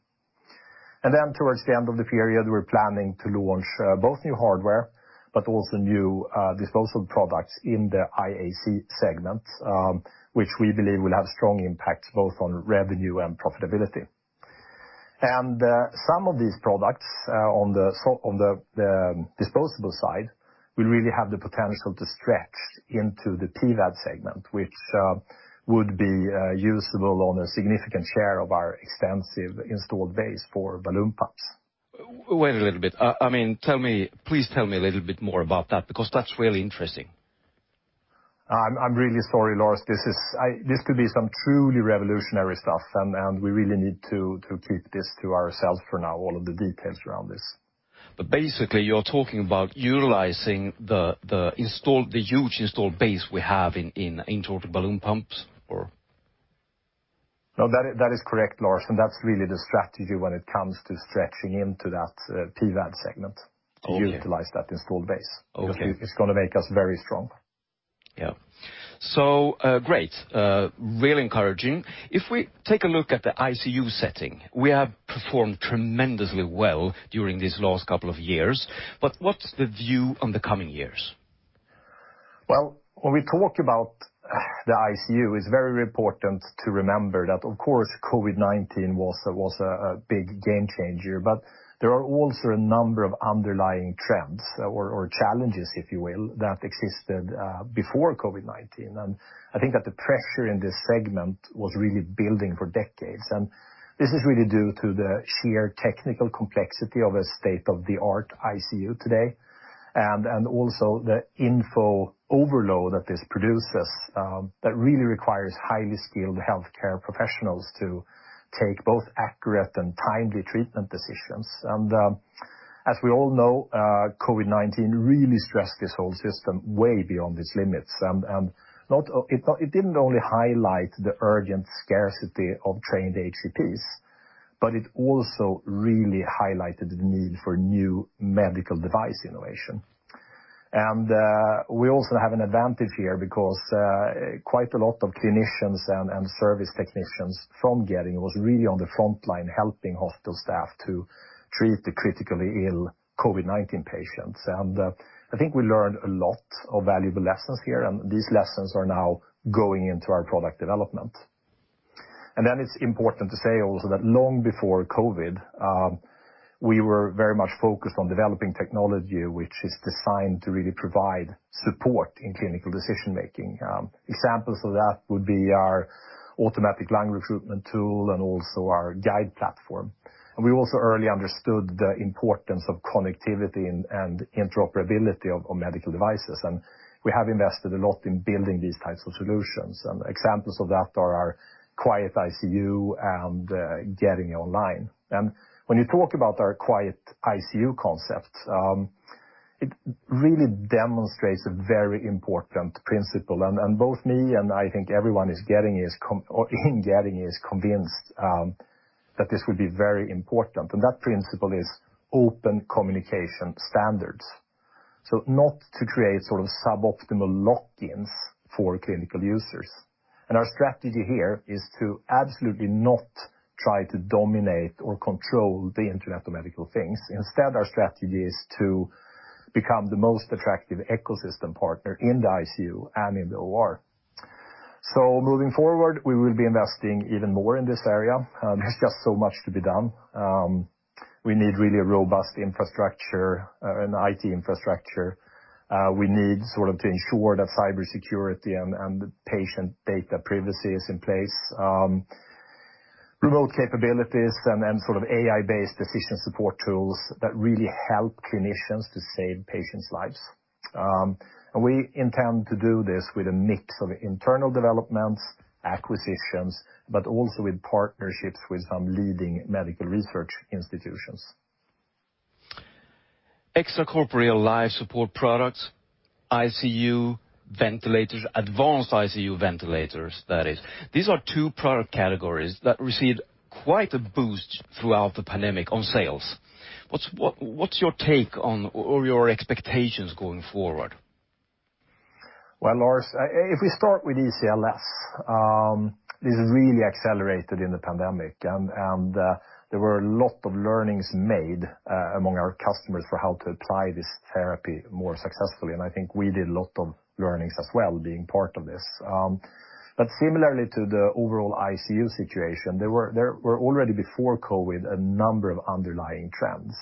Then towards the end of the period, we're planning to launch both new hardware, but also new disposal products in the IABP segment, which we believe will have strong impact both on revenue and profitability. Some of these products, on the disposable side will really have the potential to stretch into the PVAD segment, which would be usable on a significant share of our extensive installed base for balloon pumps. Wait a little bit. I mean, please tell me a little bit more about that because that's really interesting. I'm really sorry, Lars. This could be some truly revolutionary stuff, and we really need to keep this to ourselves for now, all of the details around this. Basically you're talking about utilizing the huge installed base we have in intra-aortic balloon pumps, or? No, that is correct, Lars, and that's really the strategy when it comes to stretching into that PVAD segment. Okay. To utilize that installed base. Okay. It's gonna make us very strong. Great. Really encouraging. If we take a look at the ICU setting, we have performed tremendously well during these last couple of years, but what's the view on the coming years? Well, when we talk about the ICU, it's very important to remember that, of course, COVID-19 was a big game changer, but there are also a number of underlying trends or challenges, if you will, that existed before COVID-19. I think that the pressure in this segment was really building for decades. This is really due to the sheer technical complexity of a state-of-the-art ICU today and also the info overload that this produces that really requires highly skilled healthcare professionals to take both accurate and timely treatment decisions. As we all know, COVID-19 really stressed this whole system way beyond its limits. It didn't only highlight the urgent scarcity of trained HCPs. But it also really highlighted the need for new medical device innovation. We also have an advantage here because quite a lot of clinicians and service technicians from Getinge was really on the front line, helping hospital staff to treat the critically ill COVID-19 patients. I think we learned a lot of valuable lessons here, and these lessons are now going into our product development. It's important to say also that long before COVID, we were very much focused on developing technology, which is designed to really provide support in clinical decision-making. Examples of that would be our automatic lung recruitment tool and also our GUIDE platform. We also early understood the importance of connectivity and interoperability of medical devices. We have invested a lot in building these types of solutions. Examples of that are our Quiet ICU and Getinge Online. When you talk about our Quiet ICU concept, it really demonstrates a very important principle. Both I and I think everyone in Getinge is convinced that this would be very important. That principle is open communication standards. Not to create sort of suboptimal lock-ins for clinical users. Our strategy here is to absolutely not try to dominate or control the Internet of Medical Things. Instead, our strategy is to become the most attractive ecosystem partner in the ICU and in the OR. Moving forward, we will be investing even more in this area. There's just so much to be done. We need really a robust infrastructure, an IT infrastructure. We need to ensure that cybersecurity and patient data privacy is in place. Remote capabilities and then sort of AI-based decision support tools that really help clinicians to save patients' lives. We intend to do this with a mix of internal developments, acquisitions, but also with partnerships with some leading medical research institutions. Extracorporeal life support products, ICU ventilators, advanced ICU ventilators, that is. These are two product categories that received quite a boost throughout the pandemic on sales. What's your take on or your expectations going forward? Well, Lars, if we start with ECLS, this really accelerated in the pandemic and there were a lot of learnings made among our customers for how to apply this therapy more successfully. I think we did a lot of learnings as well, being part of this. Similarly to the overall ICU situation, there were already before COVID a number of underlying trends.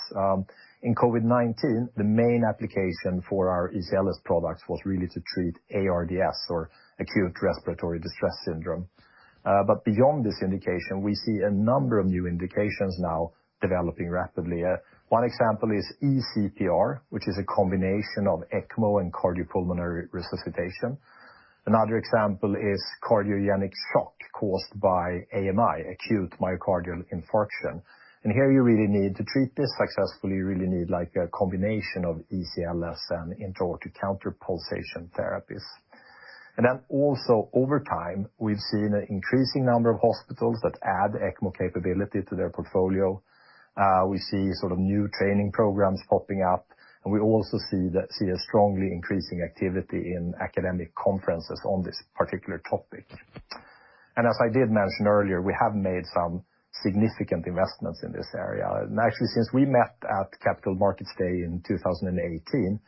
In COVID-19, the main application for our ECLS products was really to treat ARDS or acute respiratory distress syndrome. Beyond this indication, we see a number of new indications now developing rapidly. One example is ECPR, which is a combination of ECMO and cardiopulmonary resuscitation. Another example is cardiogenic shock caused by AMI, acute myocardial infarction. Here you really need to treat this successfully. You really need like a combination of ECLS and intra-aortic counterpulsation therapies. Also over time, we've seen an increasing number of hospitals that add ECMO capability to their portfolio. We see sort of new training programs popping up, and we also see a strongly increasing activity in academic conferences on this particular topic. As I did mention earlier, we have made some significant investments in this area. Actually, since we met at Capital Markets Day in 2018,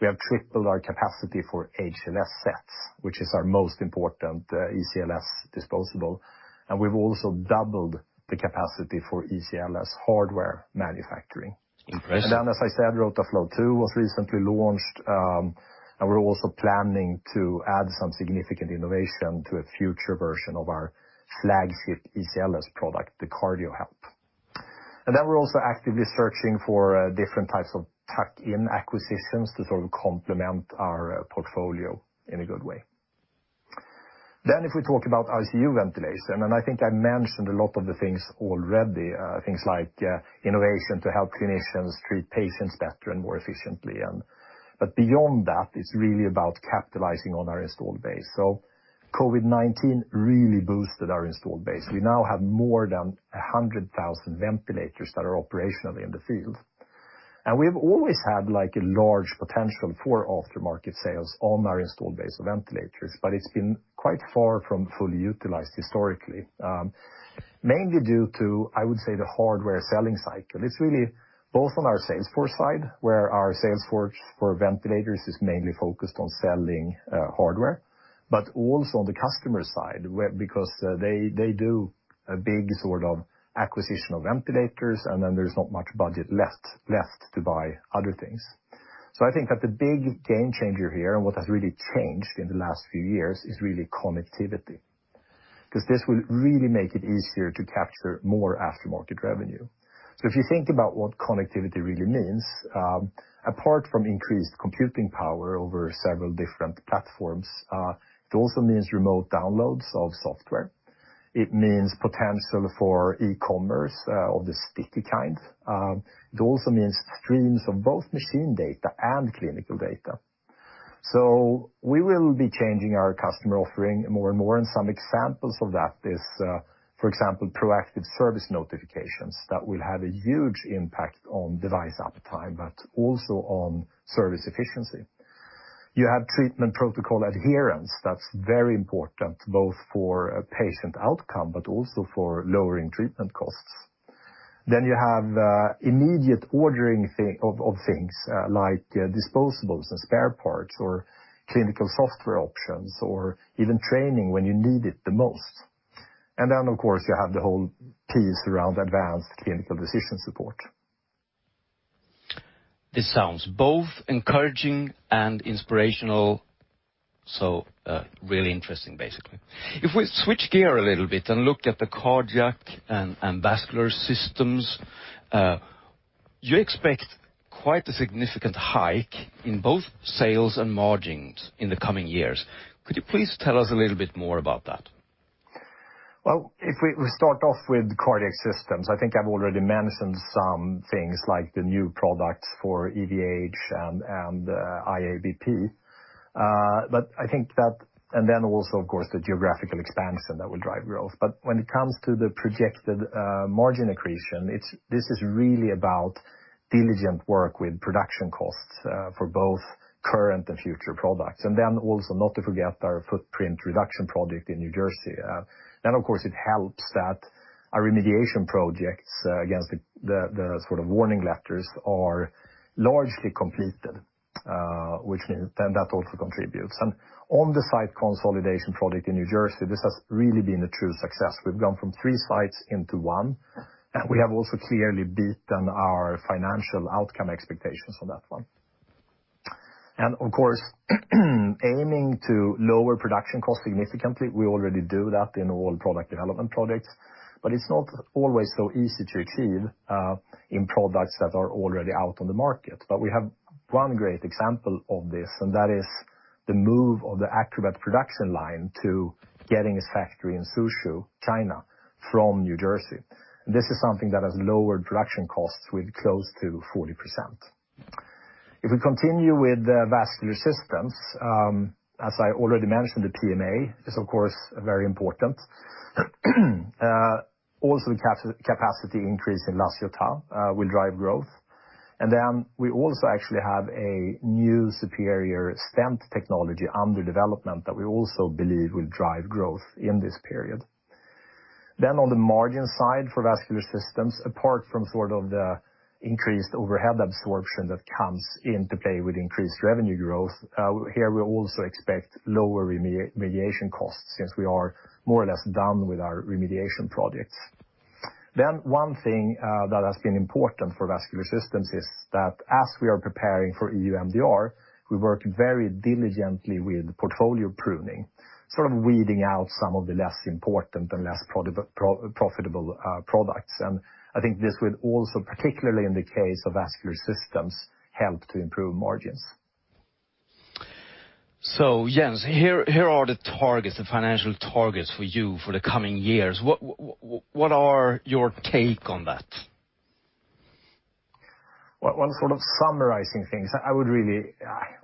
we have tripled our capacity for HLS sets, which is our most important ECLS disposable. We've also doubled the capacity for ECLS hardware manufacturing. Impressive. As I said, Rotaflow II was recently launched, and we're also planning to add some significant innovation to a future version of our flagship ECLS product, the Cardiohelp. We're also actively searching for different types of tuck-in acquisitions to sort of complement our portfolio in a good way. If we talk about ICU ventilation, I think I mentioned a lot of the things already, things like innovation to help clinicians treat patients better and more efficiently. Beyond that, it's really about capitalizing on our installed base. COVID-19 really boosted our installed base. We now have more than 100,000 ventilators that are operational in the field. We've always had like a large potential for after-market sales on our installed base of ventilators, but it's been quite far from fully utilized historically. Mainly due to, I would say, the hardware selling cycle. It's really both on our sales force side, where our sales force for ventilators is mainly focused on selling hardware, but also on the customer side where, because they do a big sort of acquisition of ventilators, and then there is not much budget left to buy other things. I think that the big game changer here and what has really changed in the last few years is really connectivity, 'cause this will really make it easier to capture more after-market revenue. If you think about what connectivity really means, apart from increased computing power over several different platforms, it also means remote downloads of software. It means potential for e-commerce of the sticky kind. It also means streams of both machine data and clinical data. We will be changing our customer offering more and more. Some examples of that is, for example, proactive service notifications that will have a huge impact on device uptime, but also on service efficiency. You have treatment protocol adherence, that's very important both for a patient outcome, but also for lowering treatment costs. You have immediate ordering of things, like disposables and spare parts or clinical software options or even training when you need it the most. Of course, you have the whole piece around advanced clinical decision support. This sounds both encouraging and inspirational, so, really interesting, basically. If we switch gear a little bit and look at the cardiac and vascular systems, you expect quite a significant hike in both sales and margins in the coming years. Could you please tell us a little bit more about that? Well, if we start off with cardiac systems, I think I've already mentioned some things like the new products for EVH and IABP. I think that and then also, of course, the geographical expansion that will drive growth. When it comes to the projected margin accretion, this is really about diligent work with production costs for both current and future products. Also not to forget our footprint reduction project in New Jersey. Of course it helps that our remediation projects against the sort of warning letters are largely completed, which also contributes. On the site consolidation project in New Jersey, this has really been a true success. We've gone from three sites into one, and we have also clearly beaten our financial outcome expectations on that one. Of course, aiming to lower production costs significantly. We already do that in all product development projects, but it's not always so easy to achieve in products that are already out on the market. We have one great example of this, and that is the move of the Acurate production line to Getinge's factory in Suzhou, China, from New Jersey. This is something that has lowered production costs with close to 40%. If we continue with the vascular systems, as I already mentioned, the PMA is of course very important. Also the capacity increase in La Ciotat will drive growth. Then we also actually have a new superior stent technology under development that we also believe will drive growth in this period. On the margin side for vascular systems, apart from sort of the increased overhead absorption that comes into play with increased revenue growth, here we also expect lower remediation costs since we are more or less done with our remediation projects. One thing that has been important for vascular systems is that as we are preparing for EU MDR, we work very diligently with portfolio pruning, sort of weeding out some of the less important and less profitable products. I think this will also, particularly in the case of vascular systems, help to improve margins. Jens, here are the targets, the financial targets for you for the coming years. What are your take on that? Well, one sort of summarizing things, I would really,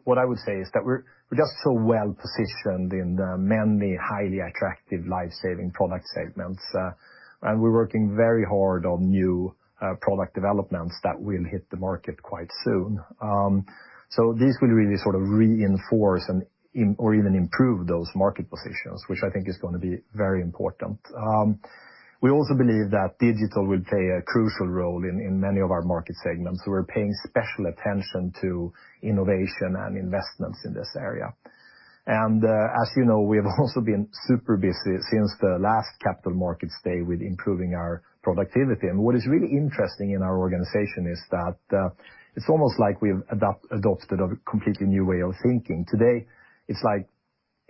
what I would say is that we're just so well-positioned in the many highly attractive life-saving product segments, and we're working very hard on new product developments that will hit the market quite soon. So this will really sort of reinforce and or even improve those market positions, which I think is gonna be very important. We also believe that digital will play a crucial role in many of our market segments. We're paying special attention to innovation and investments in this area. As you know, we have also been super busy since the last Capital Markets Day with improving our productivity. What is really interesting in our organization is that it's almost like we've adopted a completely new way of thinking. Today, it's like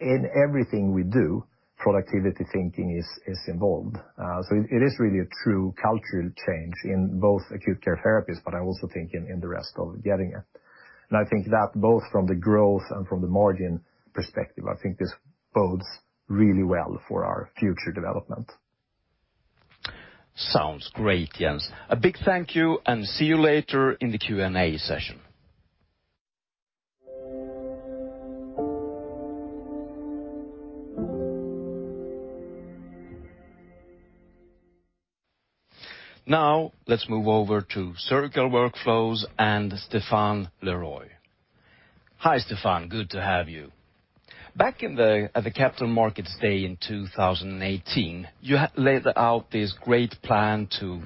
in everything we do, productivity thinking is involved. It is really a true cultural change in both Acute Care Therapies, but I also think in the rest of Getinge. I think that both from the growth and from the margin perspective, I think this bodes really well for our future development. Sounds great, Jens. A big thank you, and see you later in the Q&A session. Now, let's move over to Surgical Workflows and Stéphane Le Roy. Hi, Stéphane. Good to have you. Back at the Capital Markets Day in 2018, you laid out this great plan to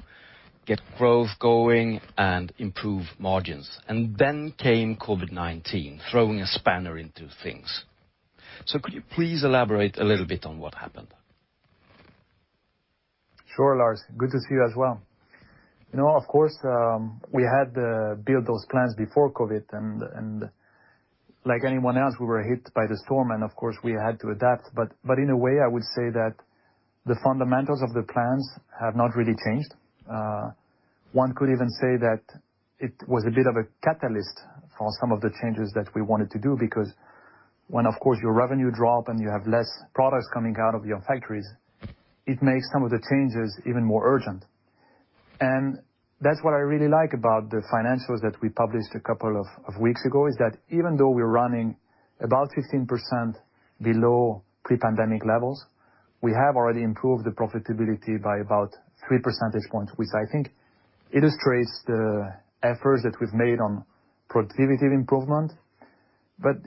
get growth going and improve margins. Then came COVID-19, throwing a spanner into things. Could you please elaborate a little bit on what happened? Sure, Lars. Good to see you as well. You know, of course, we had built those plans before COVID, and like anyone else, we were hit by the storm, and of course, we had to adapt. In a way, I would say that the fundamentals of the plans have not really changed. One could even say that it was a bit of a catalyst for some of the changes that we wanted to do, because when, of course, your revenue drop and you have less products coming out of your factories, it makes some of the changes even more urgent. That's what I really like about the financials that we published a couple of weeks ago, is that even though we're running about 15% below pre-pandemic levels, we have already improved the profitability by about three percentage points, which I think illustrates the efforts that we've made on productivity improvement.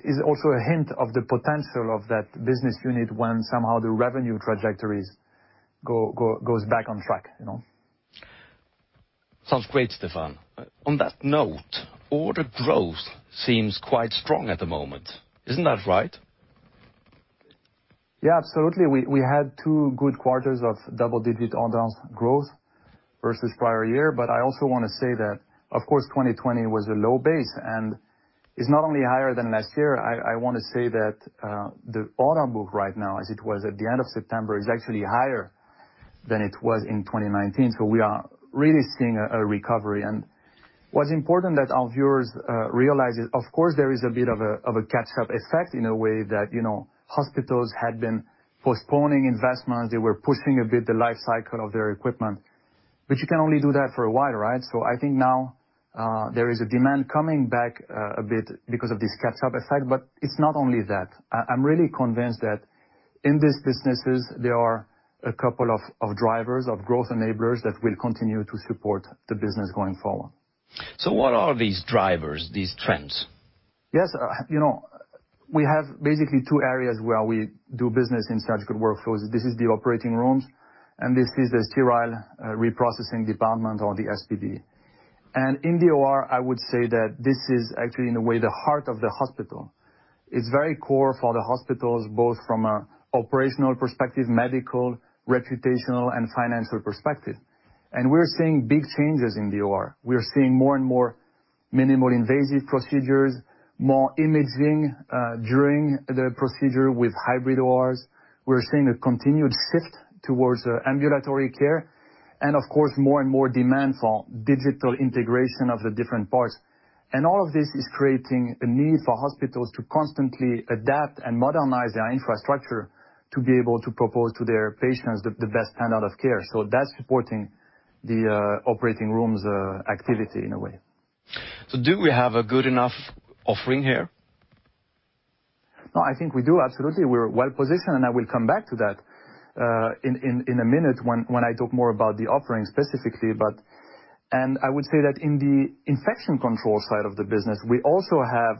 It's also a hint of the potential of that business unit when somehow the revenue trajectories goes back on track, you know? Sounds great, Stéphane. On that note, order growth seems quite strong at the moment. Isn't that right? Yeah, absolutely. We had two good quarters of double-digit orders growth versus prior year, but I also wanna say that, of course, 2020 was a low base, and it's not only higher than last year. I wanna say that the order book right now, as it was at the end of September, is actually higher than it was in 2019. We are really seeing a recovery. What's important that our viewers realize is, of course, there is a bit of a catch-up effect in a way that, you know, hospitals had been postponing investments. They were pushing a bit the life cycle of their equipment, but you can only do that for a while, right? I think now there is a demand coming back a bit because of this catch-up effect, but it's not only that. I'm really convinced that in these businesses, there are a couple of drivers of growth enablers that will continue to support the business going forward. What are these drivers, these trends? Yes. You know, we have basically two areas where we do business in Surgical Workflows. This is the operating rooms, and this is the sterile reprocessing department or the SPD. In the OR, I would say that this is actually in a way, the heart of the hospital. It's very core for the hospitals, both from an operational perspective, medical, reputational, and financial perspective. We're seeing big changes in the OR. We are seeing more and more minimally invasive procedures, more imaging during the procedure with hybrid ORs. We're seeing a continued shift towards ambulatory care and of course, more and more demand for digital integration of the different parts. All of this is creating a need for hospitals to constantly adapt and modernize their infrastructure to be able to propose to their patients the best standard of care. That's supporting the operating room's activity in a way. Do we have a good enough offering here? No, I think we do, absolutely. We're well positioned, and I will come back to that in a minute when I talk more about the offering specifically, but. I would say that in the infection control side of the business, we also have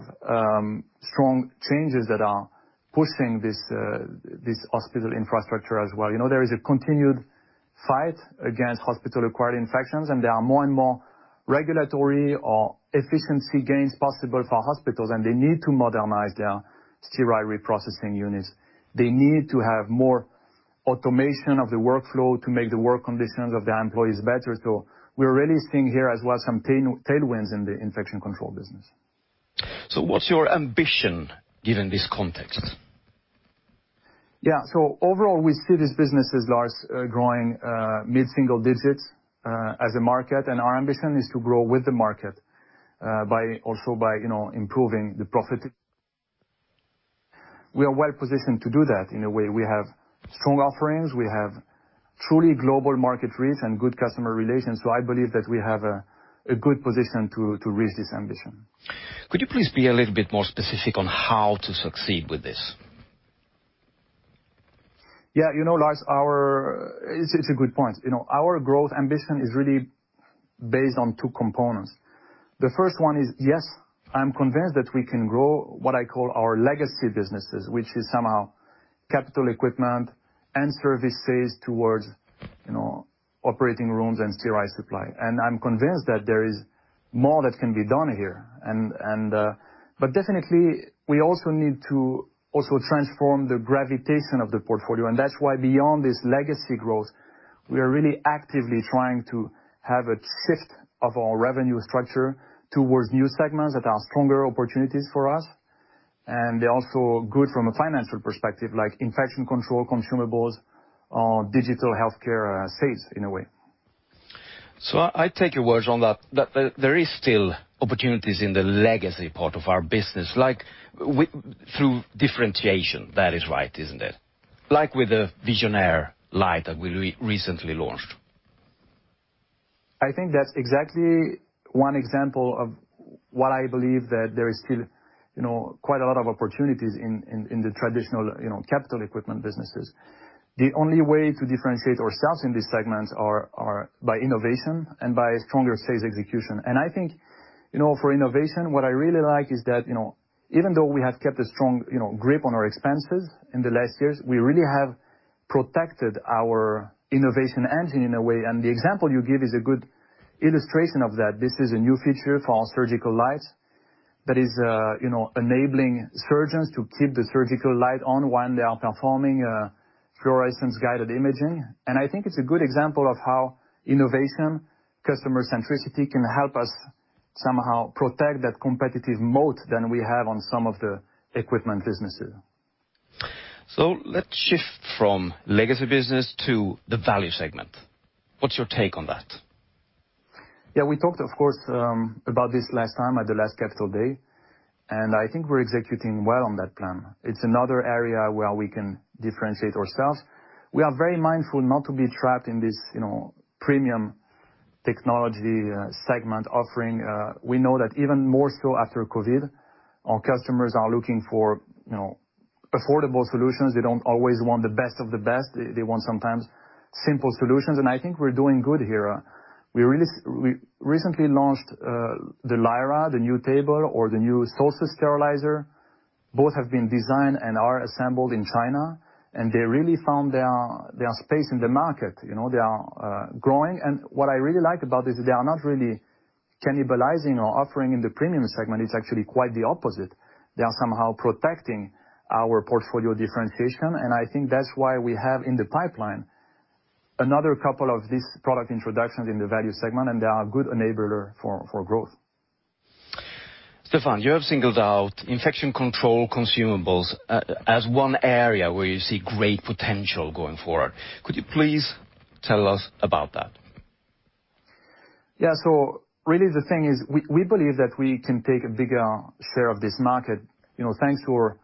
strong changes that are pushing this hospital infrastructure as well. You know, there is a continued fight against hospital-acquired infections, and there are more and more regulatory or efficiency gains possible for hospitals, and they need to modernize their sterile reprocessing units. They need to have more automation of the workflow to make the work conditions of their employees better. So we're really seeing here as well, some tailwinds in the infection control business. What's your ambition, given this context? Yeah. Overall, we see this business as large, growing, mid-single digits% as a market. Our ambition is to grow with the market by also, you know, improving the profit. We are well positioned to do that in a way. We have strong offerings. We have truly global market reach and good customer relations, so I believe that we have a good position to reach this ambition. Could you please be a little bit more specific on how to succeed with this? You know, Lars, it's a good point. You know, our growth ambition is really based on two components. The first one is, yes, I'm convinced that we can grow what I call our legacy businesses, which is somehow capital equipment and services towards, you know, operating rooms and sterile supply. I'm convinced that there is more that can be done here. Definitely, we also need to transform the gravity of the portfolio. That's why beyond this legacy growth, we are really actively trying to have a shift of our revenue structure towards new segments that are stronger opportunities for us, and they're also good from a financial perspective, like infection control, consumables or digital healthcare sales in a way. I take your word on that there is still opportunities in the legacy part of our business, like through differentiation. That is right, isn't it? Like with the Maquet Volista that we recently launched. I think that's exactly one example of what I believe that there is still, you know, quite a lot of opportunities in the traditional, you know, capital equipment businesses. The only way to differentiate ourselves in these segments are by innovation and by stronger sales execution. I think, you know, for innovation, what I really like is that, you know, even though we have kept a strong, you know, grip on our expenses in the last years, we really have protected our innovation engine in a way. The example you give is a good illustration of that. This is a new feature for our surgical lights that is, you know, enabling surgeons to keep the surgical light on when they are performing fluorescence-guided imaging. I think it's a good example of how innovation, customer centricity can help us somehow protect that competitive moat that we have on some of the equipment businesses. Let's shift from legacy business to the value segment. What's your take on that? Yeah, we talked of course about this last time at the last capital day, and I think we're executing well on that plan. It's another area where we can differentiate ourselves. We are very mindful not to be trapped in this, you know, premium technology segment offering. We know that even more so after COVID, our customers are looking for, you know, affordable solutions. They don't always want the best of the best. They want sometimes simple solutions, and I think we're doing good here. We recently launched the Lyra, the new table or the new Solsus sterilizer. Both have been designed and are assembled in China, and they really found their space in the market. You know, they are growing. What I really like about it is they are not really cannibalizing or offering in the premium segment. It's actually quite the opposite. They are somehow protecting our portfolio differentiation, and I think that's why we have in the pipeline another couple of these product introductions in the value segment, and they are a good enabler for growth. Stéphane, you have singled out infection control consumables as one area where you see great potential going forward. Could you please tell us about that? Yeah. Really the thing is, we believe that we can take a bigger share of this market, you know, thanks to our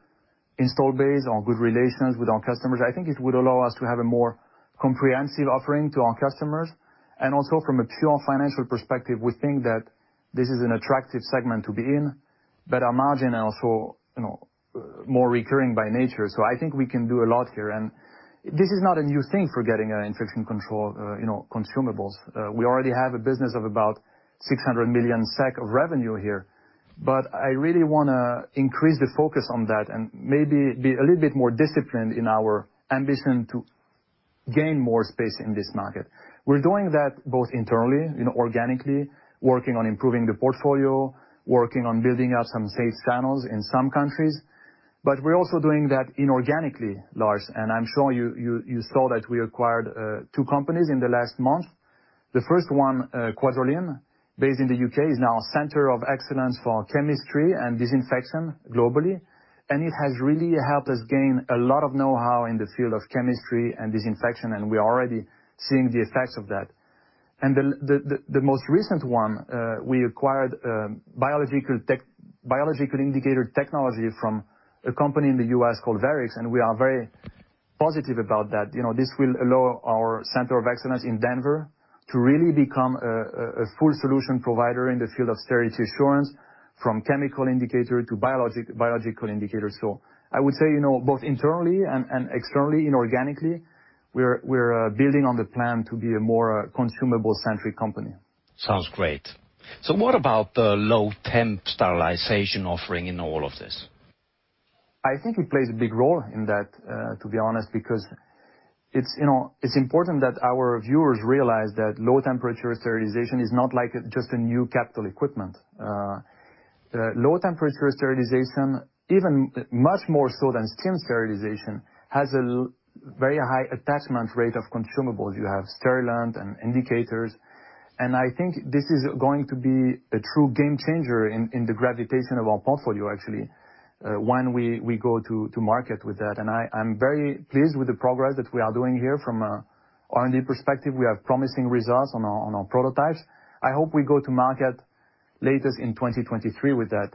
install base, our good relations with our customers. I think it would allow us to have a more comprehensive offering to our customers. Also from a pure financial perspective, we think that this is an attractive segment to be in, but our margins are also, you know, more recurring by nature. I think we can do a lot here. This is not a new thing for Getinge, infection control, you know, consumables. We already have a business of about 600 million SEK of revenue here, but I really wanna increase the focus on that and maybe be a little bit more disciplined in our ambition to gain more space in this market. We're doing that both internally, you know, organically, working on improving the portfolio, working on building out some sales channels in some countries, but we're also doing that inorganically, Lars, and I'm sure you saw that we acquired two companies in the last month. The first one, Quadralene, based in the UK, is now a center of excellence for chemistry and disinfection globally, and it has really helped us gain a lot of know-how in the field of chemistry and disinfection, and we are already seeing the effects of that. The most recent one, we acquired biological indicator technology from a company in the U.S. called Verrix, and we are very positive about that. You know, this will allow our center of excellence in Denver to really become a full solution provider in the field of sterility assurance from chemical indicator to biological indicators. I would say, you know, both internally and externally inorganically, we're building on the plan to be a more consumable-centric company. Sounds great. What about the low temp sterilization offering in all of this? I think it plays a big role in that, to be honest, because it's, you know, it's important that our viewers realize that low temperature sterilization is not like a just a new capital equipment. Low temperature sterilization, even much more so than steam sterilization, has a very high attachment rate of consumables. You have sterilant and indicators. I think this is going to be a true game changer in the gravitation of our portfolio actually, when we go to market with that. I'm very pleased with the progress that we are doing here from a R&D perspective. We have promising results on our prototypes. I hope we go to market latest in 2023 with that.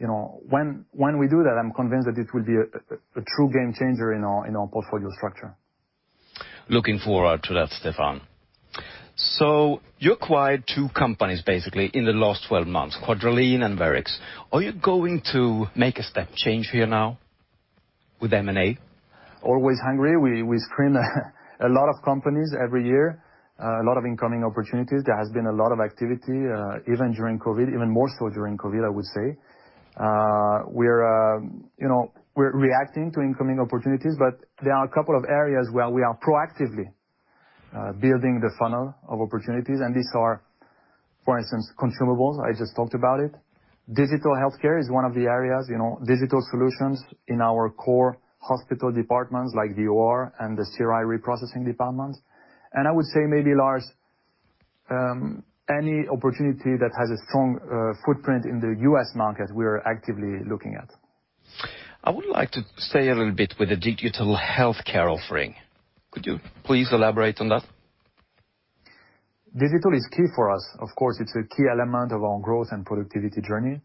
You know, when we do that, I'm convinced that it will be a true game changer in our portfolio structure. Looking forward to that, Stéphane. You acquired two companies basically in the last 12 months, Quadralene and Verrix. Are you going to make a step change here now with M&A? Always hungry. We screen a lot of companies every year, a lot of incoming opportunities. There has been a lot of activity, even during COVID, even more so during COVID, I would say. You know, we're reacting to incoming opportunities, but there are a couple of areas where we are proactively building the funnel of opportunities, and these are, for instance, consumables, I just talked about it. Digital healthcare is one of the areas, you know, digital solutions in our core hospital departments like the OR and the CSSD reprocessing department. I would say maybe, Lars, any opportunity that has a strong footprint in the U.S. market, we are actively looking at. I would like to stay a little bit with the digital healthcare offering. Could you please elaborate on that? Digital is key for us. Of course, it's a key element of our growth and productivity journey.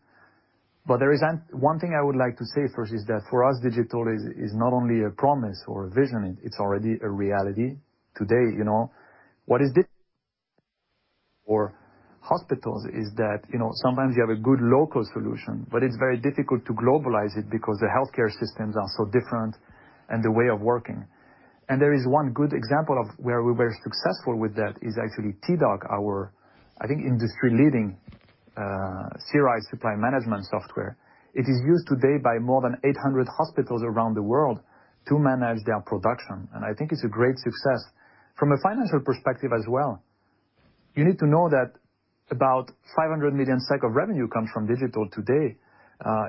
There is one thing I would like to say first is that for us, digital is not only a promise or a vision, it's already a reality today, you know. What is different for hospitals is that, you know, sometimes you have a good local solution, but it's very difficult to globalize it because the healthcare systems are so different and the way of working. There is one good example of where we were successful with that is actually T-DOC, our, I think, industry-leading CSSD supply management software. It is used today by more than 800 hospitals around the world to manage their production, and I think it's a great success. From a financial perspective as well, you need to know that about 500 million of revenue comes from digital today.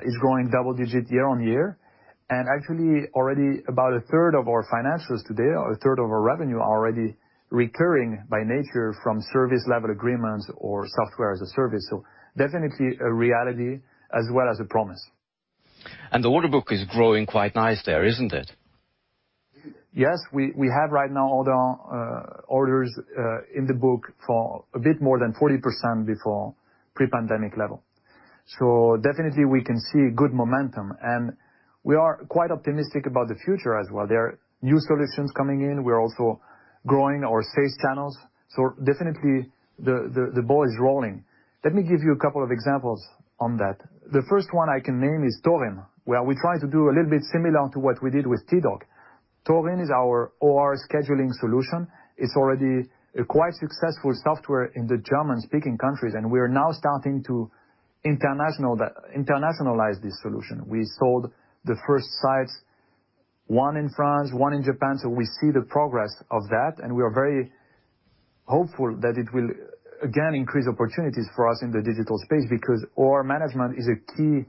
It's growing double-digit year-on-year. Actually already about a third of our financials today or a third of our revenue are already recurring by nature from service level agreements or software as a service. Definitely a reality as well as a promise. The order book is growing quite nice there, isn't it? Yes, we have right now all the orders in the book for a bit more than 40% above pre-pandemic level. Definitely we can see good momentum, and we are quite optimistic about the future as well. There are new solutions coming in. We're also growing our sales channels. Definitely the ball is rolling. Let me give you a couple of examples on that. The first one I can name is Torin, where we try to do a little bit similar to what we did with T-DOC. Torin is our OR scheduling solution. It's already a quite successful software in the German-speaking countries, and we are now starting to internationalize this solution. We sold the first sites, one in France, one in Japan, so we see the progress of that, and we are very hopeful that it will, again, increase opportunities for us in the digital space because OR management is a key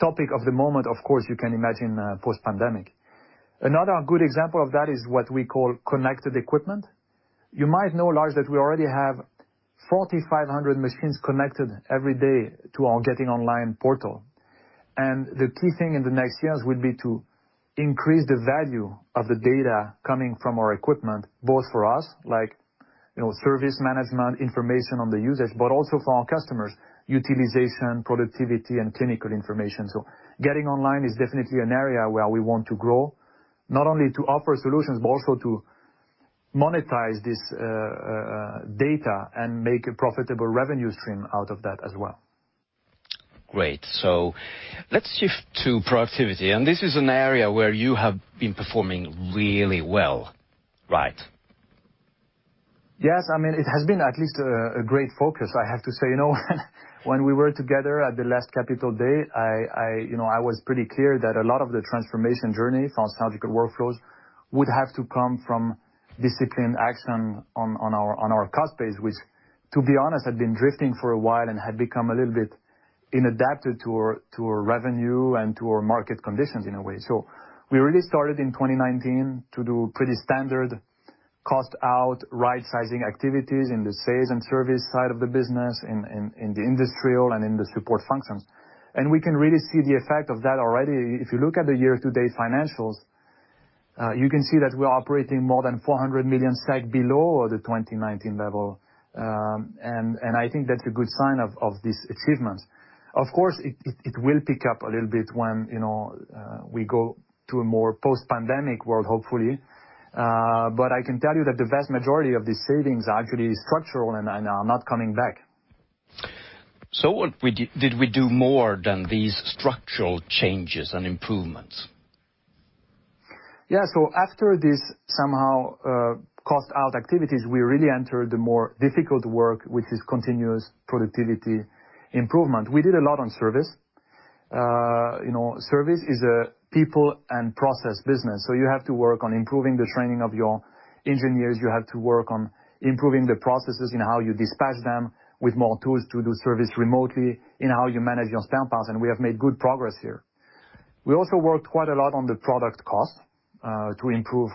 topic of the moment, of course, you can imagine, post-pandemic. Another good example of that is what we call connected equipment. You might know, Lars, that we already have 4,500 machines connected every day to our Getinge Online portal. The key thing in the next years will be to increase the value of the data coming from our equipment, both for us, like, you know, service management, information on the usage, but also for our customers, utilization, productivity and clinical information. Getinge Online is definitely an area where we want to grow, not only to offer solutions, but also to monetize this data and make a profitable revenue stream out of that as well. Great. Let's shift to productivity. This is an area where you have been performing really well, right? Yes. I mean, it has been at least a great focus, I have to say. You know when we were together at the last Capital Day, you know, I was pretty clear that a lot of the transformation journey from Surgical Workflows would have to come from disciplined action on our cost base, which, to be honest, had been drifting for a while and had become a little bit inadapted to our revenue and to our market conditions in a way. So we really started in 2019 to do pretty standard cost out right sizing activities in the sales and service side of the business, in the industrial and in the support functions. We can really see the effect of that already. If you look at the year-to-date financials, you can see that we are operating more than 400 million SEK SG&A below the 2019 level. I think that's a good sign of this achievement. Of course, it will pick up a little bit when we go to a more post-pandemic world, hopefully. I can tell you that the vast majority of these savings are actually structural and are not coming back. What did we do more than these structural changes and improvements? After this somehow, cost out activities, we really entered the more difficult work, which is continuous productivity improvement. We did a lot on service. You know, service is a people and process business, so you have to work on improving the training of your engineers, you have to work on improving the processes in how you dispatch them with more tools to do service remotely, in how you manage your spare parts, and we have made good progress here. We also worked quite a lot on the product cost, to improve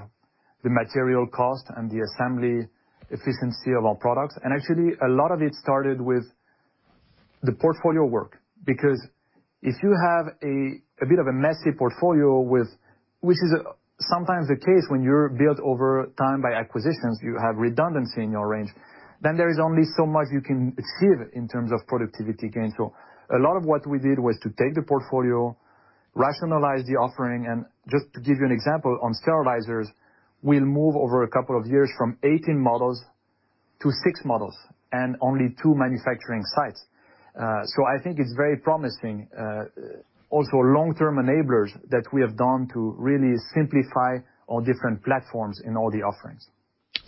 the material cost and the assembly efficiency of our products. Actually, a lot of it started with the portfolio work. Because if you have a bit of a messy portfolio with which is sometimes the case when you're built over time by acquisitions, you have redundancy in your range, then there is only so much you can achieve in terms of productivity gain. A lot of what we did was to take the portfolio, rationalize the offering, and just to give you an example, on sterilizers, we'll move over a couple of years from 18 models to 6 models and only two manufacturing sites. I think it's very promising. Also long-term enablers that we have done to really simplify our different platforms in all the offerings.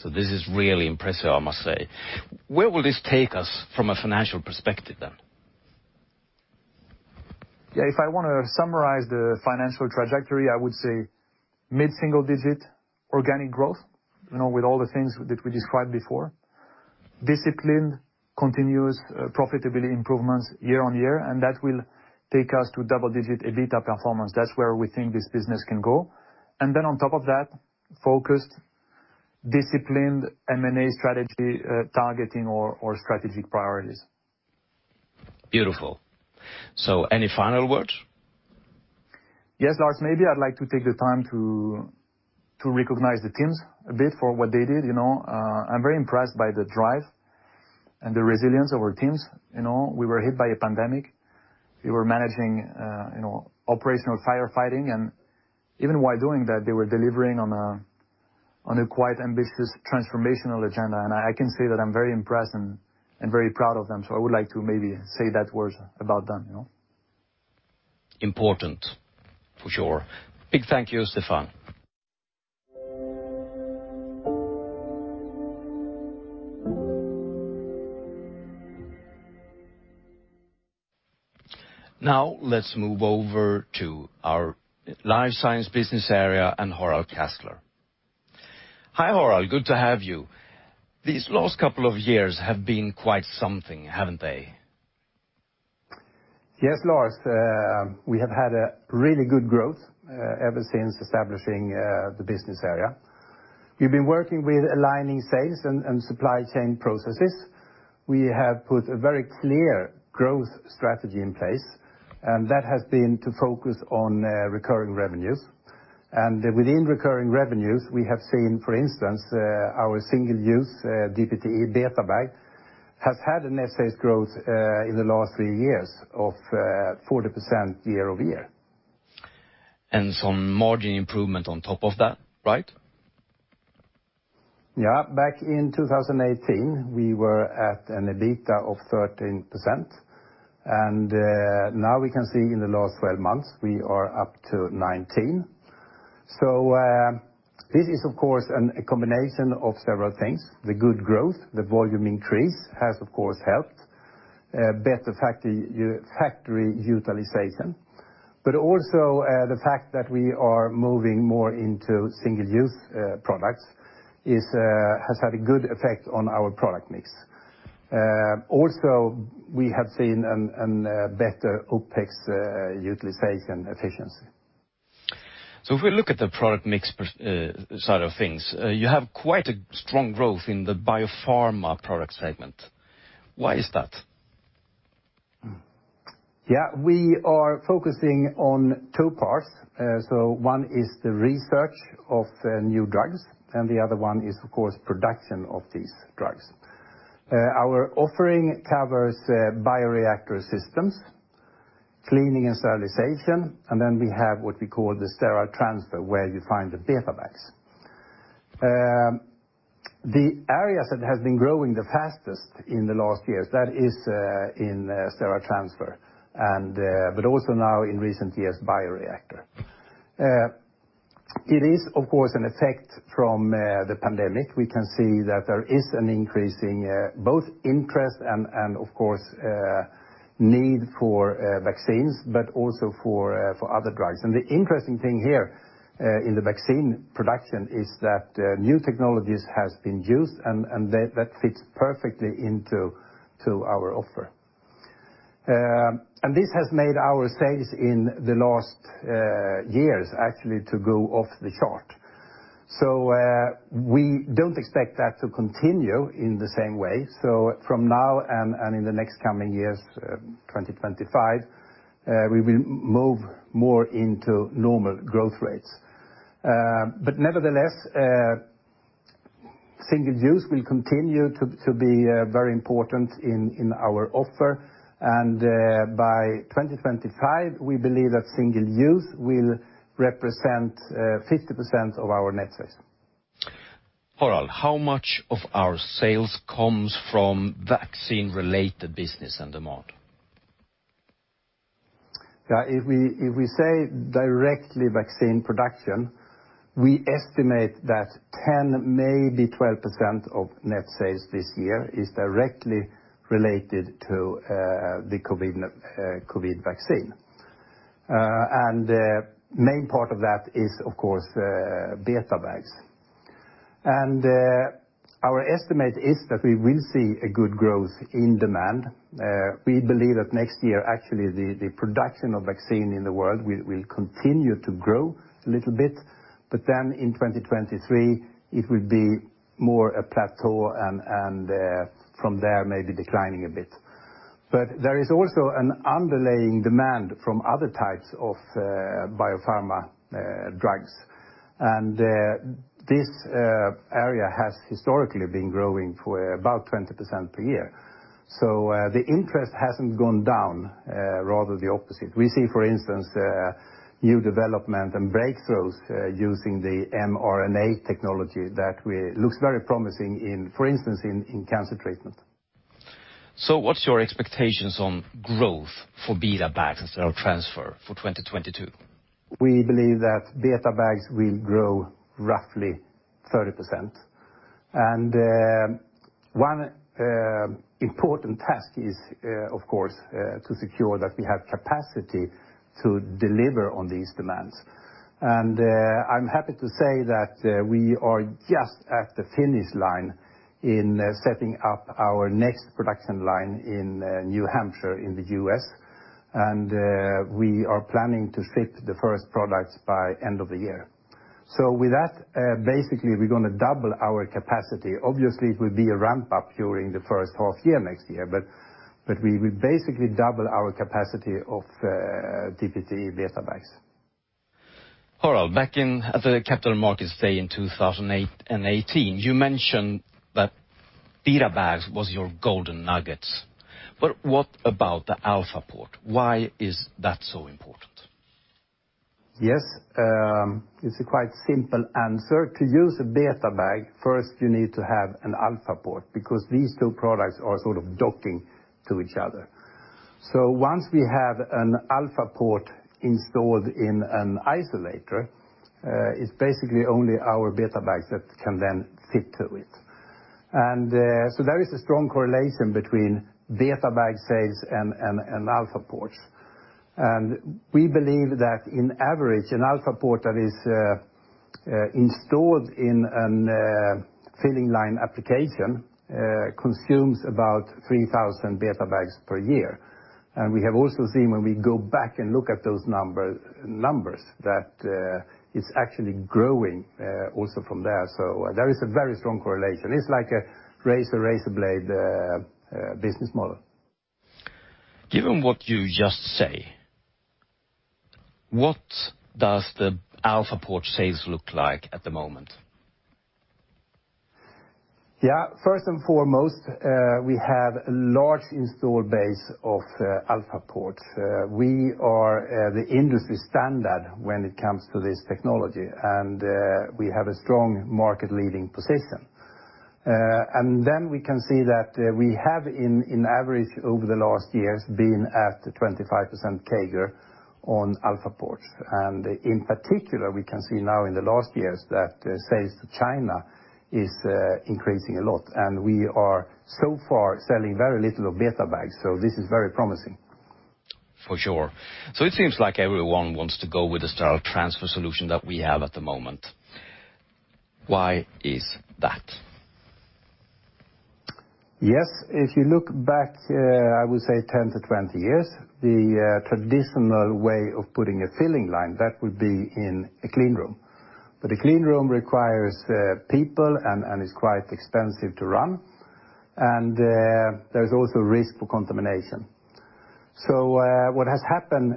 This is really impressive, I must say. Where will this take us from a financial perspective then? Yeah. If I wanna summarize the financial trajectory, I would say mid-single digit organic growth, you know, with all the things that we described before. Discipline, continuous profitability improvements year-on-year, and that will take us to double-digit EBITDA performance. That's where we think this business can go. On top of that, focused, disciplined M&A strategy targeting our strategic priorities. Beautiful. Any final words? Yes, Lars. Maybe I'd like to take the time to recognize the teams a bit for what they did. You know, I'm very impressed by the drive and the resilience of our teams. You know, we were hit by a pandemic. We were managing, you know, operational firefighting. Even while doing that, they were delivering on a quite ambitious transformational agenda. I can say that I'm very impressed and very proud of them. I would like to maybe say those words about them, you know. Important, for sure. Big thank you, Stéphane. Now let's move over to our Life Science business area and Harald Castler. Hi, Harald. Good to have you. These last couple of years have been quite something, haven't they? Yes, Lars. We have had a really good growth ever since establishing the business area. We've been working with aligning sales and supply chain processes. We have put a very clear growth strategy in place, and that has been to focus on recurring revenues. Within recurring revenues, we have seen, for instance, our single-use DPTE-Beta Bag has had a net sales growth in the last three years of 40% year-over-year. Some margin improvement on top of that, right? Back in 2018, we were at an EBITDA of 13%. Now we can see in the last 12 months we are up to 19%. This is, of course, a combination of several things. The good growth, the volume increase has of course helped, better factory utilization. The fact that we are moving more into single-use products has had a good effect on our product mix. We have seen a better OPEX utilization efficiency. If we look at the product mix side of things, you have quite a strong growth in the biopharma product segment. Why is that? Yeah. We are focusing on two parts. One is the research of new drugs and the other one is, of course, production of these drugs. Our offering covers bioreactor systems, cleaning and sterilization, and then we have what we call the Sterile Transfer, where you find the Beta Bags. The areas that has been growing the fastest in the last years, that is, in Sterile Transfer and but also now in recent years, bioreactor. It is, of course, an effect from the pandemic. We can see that there is an increase in both interest and of course need for vaccines, but also for other drugs. The interesting thing here in the vaccine production is that new technologies has been used and that fits perfectly into our offer. This has made our sales in the last years actually to go off the chart. We don't expect that to continue in the same way. From now and in the next coming years, 2025, we will move more into normal growth rates. Nevertheless, single use will continue to be very important in our offer. By 2025, we believe that single use will represent 50% of our net sales. Harald, how much of our sales comes from vaccine-related business and demand? If we say directly vaccine production, we estimate that 10, maybe 12% of net sales this year is directly related to the COVID vaccine. Main part of that is, of course, Beta Bags. Our estimate is that we will see a good growth in demand. We believe that next year, actually, the production of vaccine in the world will continue to grow a little bit. Then in 2023, it will be more a plateau and from there, maybe declining a bit. There is also an underlying demand from other types of biopharma drugs. This area has historically been growing for about 20% a year. The interest hasn't gone down, rather the opposite. We see, for instance, new development and breakthroughs using the mRNA technology that looks very promising in, for instance, cancer treatment. What's your expectations on growth for Beta Bags and Sterile Transfer for 2022? We believe that Beta Bags will grow roughly 30%. An important task is, of course, to secure that we have capacity to deliver on these demands. I'm happy to say that we are just at the finish line in setting up our next production line in New Hampshire in the U.S. We are planning to ship the first products by end of the year. With that, basically, we're gonna double our capacity. Obviously, it will be a ramp-up during the first half year next year, but we will basically double our capacity of DPTE Beta Bags. Harald, back in at the Capital Markets Day in 2008 and 2018, you mentioned that BetaBag was your golden nuggets. What about the Alpha Port? Why is that so important? Yes, it's a quite simple answer. To use a Beta Bag, first you need to have an Alpha Port, because these two products are sort of docking to each other. Once we have an Alpha Port installed in an isolator, it's basically only our Beta Bags that can then fit to it. There is a strong correlation between Beta Bag sales and Alpha Ports. We believe that in average, an Alpha Port that is installed in a filling line application consumes about 3,000 Beta Bags per year. We have also seen when we go back and look at those numbers that it's actually growing also from there. There is a very strong correlation. It's like a razor blade business model. Given what you just said, what does the Alpha Port sales look like at the moment? Yeah. First and foremost, we have a large installed base of Alpha Ports. We are the industry standard when it comes to this technology, and we have a strong market-leading position. Then we can see that we have on average over the last years been at a 25% CAGR on Alpha Ports. In particular, we can see now in the last years that sales to China is increasing a lot. We are so far selling very little of beta bags, so this is very promising. For sure. It seems like everyone wants to go with the Sterile Transfer solution that we have at the moment. Why is that? Yes. If you look back, I would say 10-20 years, the traditional way of putting a filling line, that would be in a clean room. A clean room requires people and is quite expensive to run. There's also risk for contamination. What has happened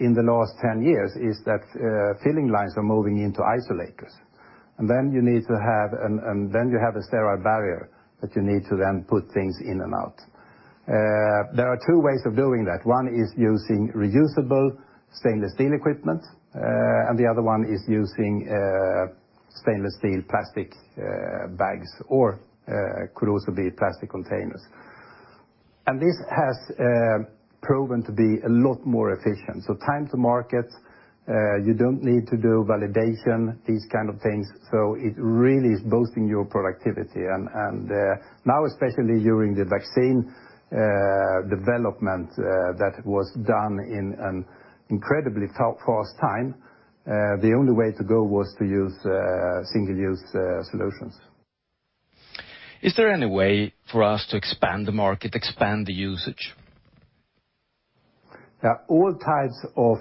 in the last 10 years is that filling lines are moving into isolators. You have a sterile barrier that you need to put things in and out. There are two ways of doing that. One is using reusable stainless steel equipment, and the other one is using stainless steel plastic bags or could also be plastic containers. This has proven to be a lot more efficient. Time to market, you don't need to do validation, these kind of things, so it really is boosting your productivity. Now especially during the vaccine development that was done in an incredibly fast time, the only way to go was to use single-use solutions. Is there any way for us to expand the market, expand the usage? Yeah. All types of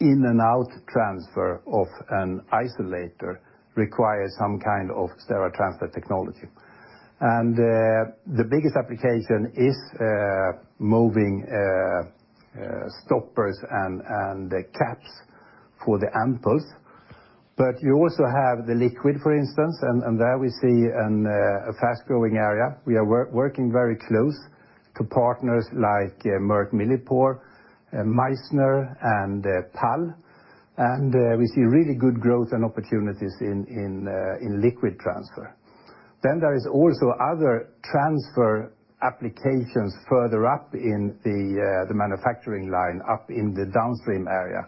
in and out transfer of an isolator require some kind of sterile transfer technology. The biggest application is moving stoppers and caps for the ampules. You also have the liquid, for instance, and there we see a fast-growing area. We are working very close to partners like Merck Millipore, Meissner, and Pall. We see really good growth and opportunities in liquid transfer. There is also other transfer applications further up in the manufacturing line, up in the downstream area.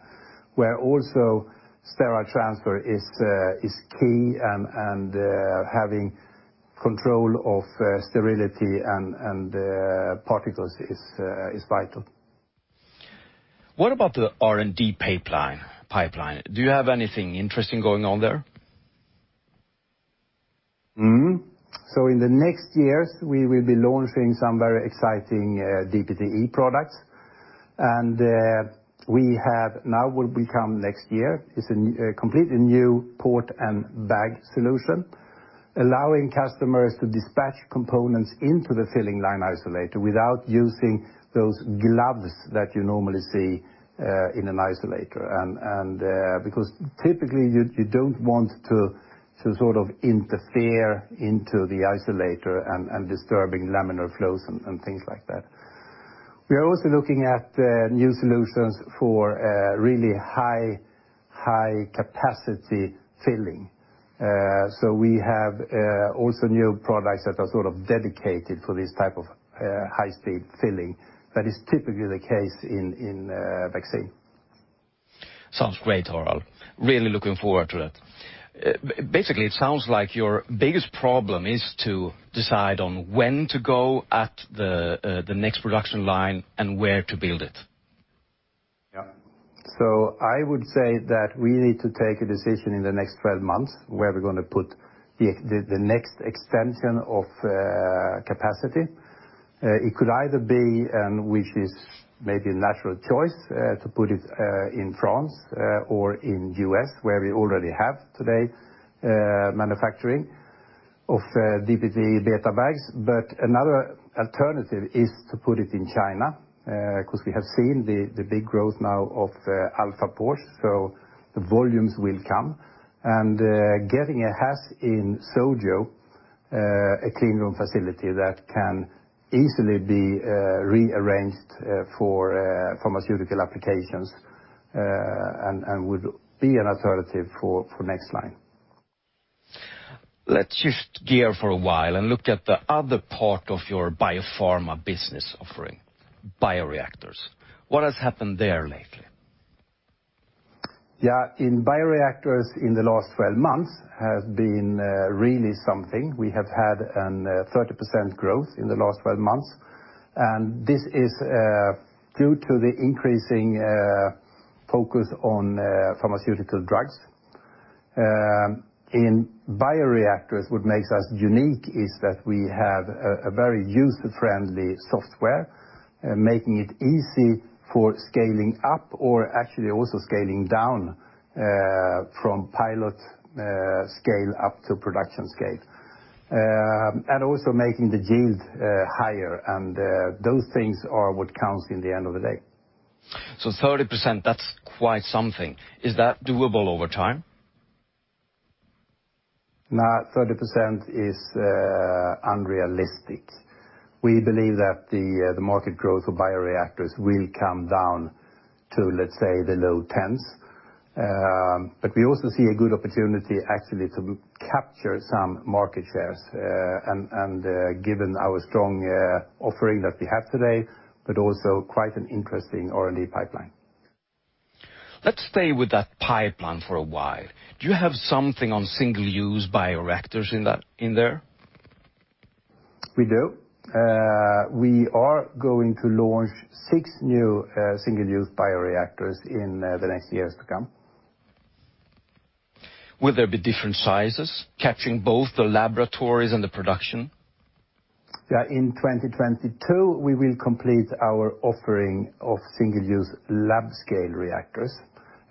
Where also sterile transfer is key and having control of sterility and particles is vital. What about the R&D pipeline? Do you have anything interesting going on there? In the next years, we will be launching some very exciting DPTE products. We have now what will come next year is a completely new port and bag solution, allowing customers to dispatch components into the filling line isolator without using those gloves that you normally see in an isolator. Because typically you don't want to sort of interfere into the isolator and disturbing laminar flows and things like that. We are also looking at new solutions for really high capacity filling. We have also new products that are sort of dedicated for this type of high-speed filling that is typically the case in vaccine. Sounds great, Harald. Really looking forward to it. Basically, it sounds like your biggest problem is to decide on when to go ahead with the next production line and where to build it. Yeah, I would say that we need to take a decision in the next 12 months where we're gonna put the next extension of capacity. It could either be, which is maybe a natural choice, to put it in France or in the U.S., where we already have today manufacturing of DPTE-BetaBags. Another alternative is to put it in China because we have seen the big growth now of DPTE Alpha Port, so the volumes will come, getting a HASS in Suzhou, a clean room facility that can easily be rearranged for pharmaceutical applications, and would be an alternative for next line. Let's shift gear for a while and look at the other part of your biopharma business offering, bioreactors. What has happened there lately? Yeah. In bioreactors in the last 12 months has been really something. We have had a 30% growth in the last 12 months, and this is due to the increasing focus on pharmaceutical drugs. In bioreactors, what makes us unique is that we have a very user-friendly software making it easy for scaling up or actually also scaling down from pilot scale up to production scale. And also making the yield higher and those things are what counts in the end of the day. 30%, that's quite something. Is that doable over time? No, 30% is unrealistic. We believe that the market growth for bioreactors will come down to, let's say, the low tens. We also see a good opportunity, actually, to capture some market shares, and given our strong offering that we have today, but also quite an interesting R&D pipeline. Let's stay with that pipeline for a while. Do you have something on single-use bioreactors in that, in there? We do. We are going to launch six new single-use bioreactors in the next years to come. Will there be different sizes, capturing both the laboratories and the production? Yeah, in 2022, we will complete our offering of single-use lab scale reactors,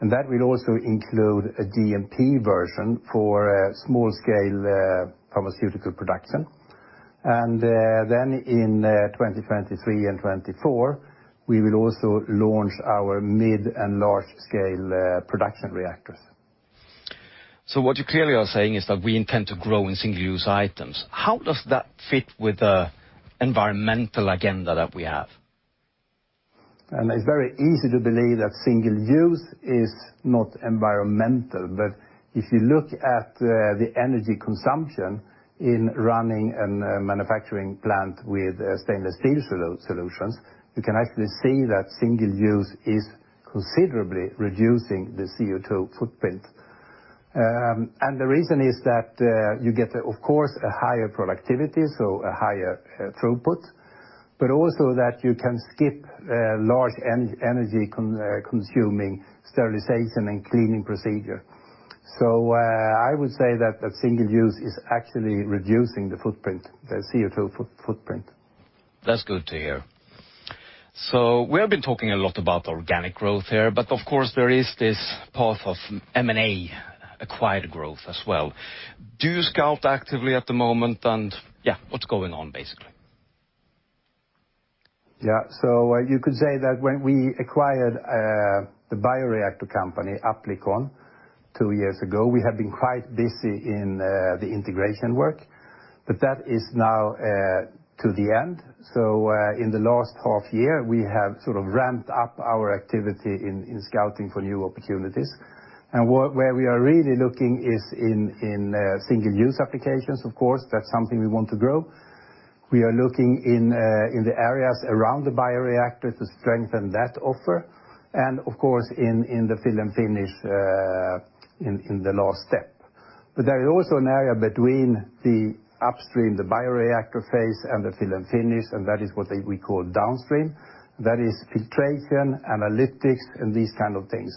and that will also include a GMP version for small scale pharmaceutical production. In 2023 and 2024, we will also launch our mid and large scale production reactors. What you clearly are saying is that we intend to grow in single-use items. How does that fit with the environmental agenda that we have? It's very easy to believe that single use is not environmental. If you look at the energy consumption in running a manufacturing plant with stainless steel solutions, you can actually see that single use is considerably reducing the CO2 footprint. The reason is that you get of course a higher productivity, so a higher throughput, but also that you can skip large energy-consuming sterilization and cleaning procedure. I would say that the single use is actually reducing the footprint, the CO2 footprint. That's good to hear. We have been talking a lot about organic growth here, but of course, there is this path of M&A acquired growth as well. Do you scout actively at the moment and, yeah, what's going on, basically? Yeah. You could say that when we acquired the bioreactor company, Applikon, two years ago, we have been quite busy in the integration work, but that is now to the end. In the last half year, we have sort of ramped up our activity in scouting for new opportunities. Where we are really looking is in single use applications, of course, that's something we want to grow. We are looking in the areas around the bioreactor to strengthen that offer, and of course, in the fill and finish in the last step. There is also an area between the upstream, the bioreactor phase and the fill and finish, and that is what we call downstream. That is filtration, analytics, and these kind of things.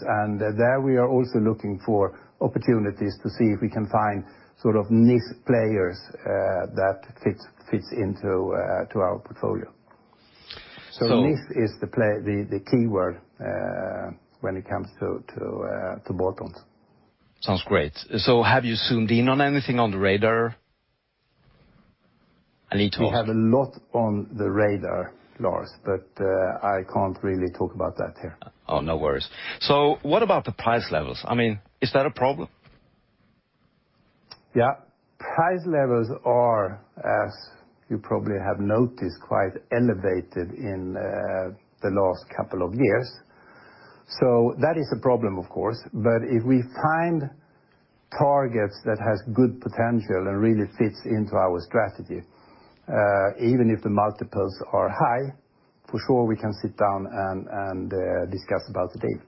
There we are also looking for opportunities to see if we can find sort of niche players that fits into to our portfolio. So- Niche is the play, the keyword, when it comes to bolt-ons. Sounds great. Have you zoomed in on anything on the radar? I need to ask. We have a lot on the radar, Lars, but, I can't really talk about that here. Oh, no worries. What about the price levels? I mean, is that a problem? Yeah. Price levels are, as you probably have noticed, quite elevated in the last couple of years. That is a problem, of course. If we find targets that has good potential and really fits into our strategy, even if the multiples are high, for sure, we can sit down and discuss about the deal.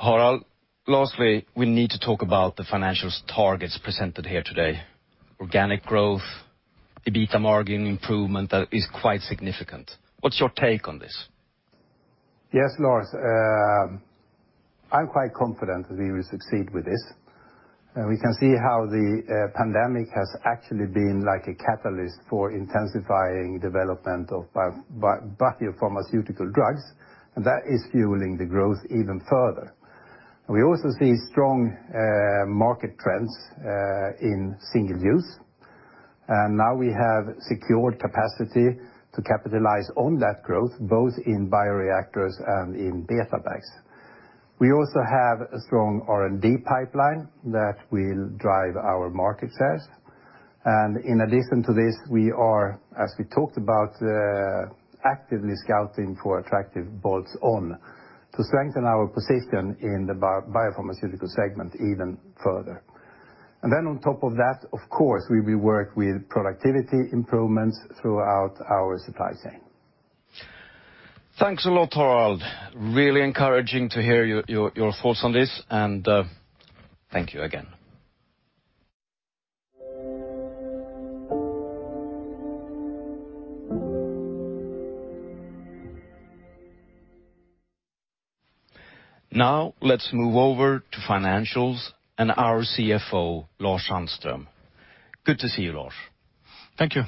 Harald Castler, lastly, we need to talk about the financial targets presented here today. Organic growth, the EBITDA margin improvement that is quite significant. What's your take on this? Yes, Lars. I'm quite confident that we will succeed with this. We can see how the pandemic has actually been like a catalyst for intensifying development of biopharmaceutical drugs, and that is fueling the growth even further. We also see strong market trends in single use. Now we have secured capacity to capitalize on that growth, both in bioreactors and in beta bags. We also have a strong R&D pipeline that will drive our market shares. In addition to this, we are, as we talked about, actively scouting for attractive bolt-ons to strengthen our position in the biopharmaceutical segment even further. Then on top of that, of course, we will work with productivity improvements throughout our supply chain. Thanks a lot, Harald. Really encouraging to hear your thoughts on this, and thank you again. Now let's move over to financials and our CFO, Lars Sandström. Good to see you, Lars. Thank you.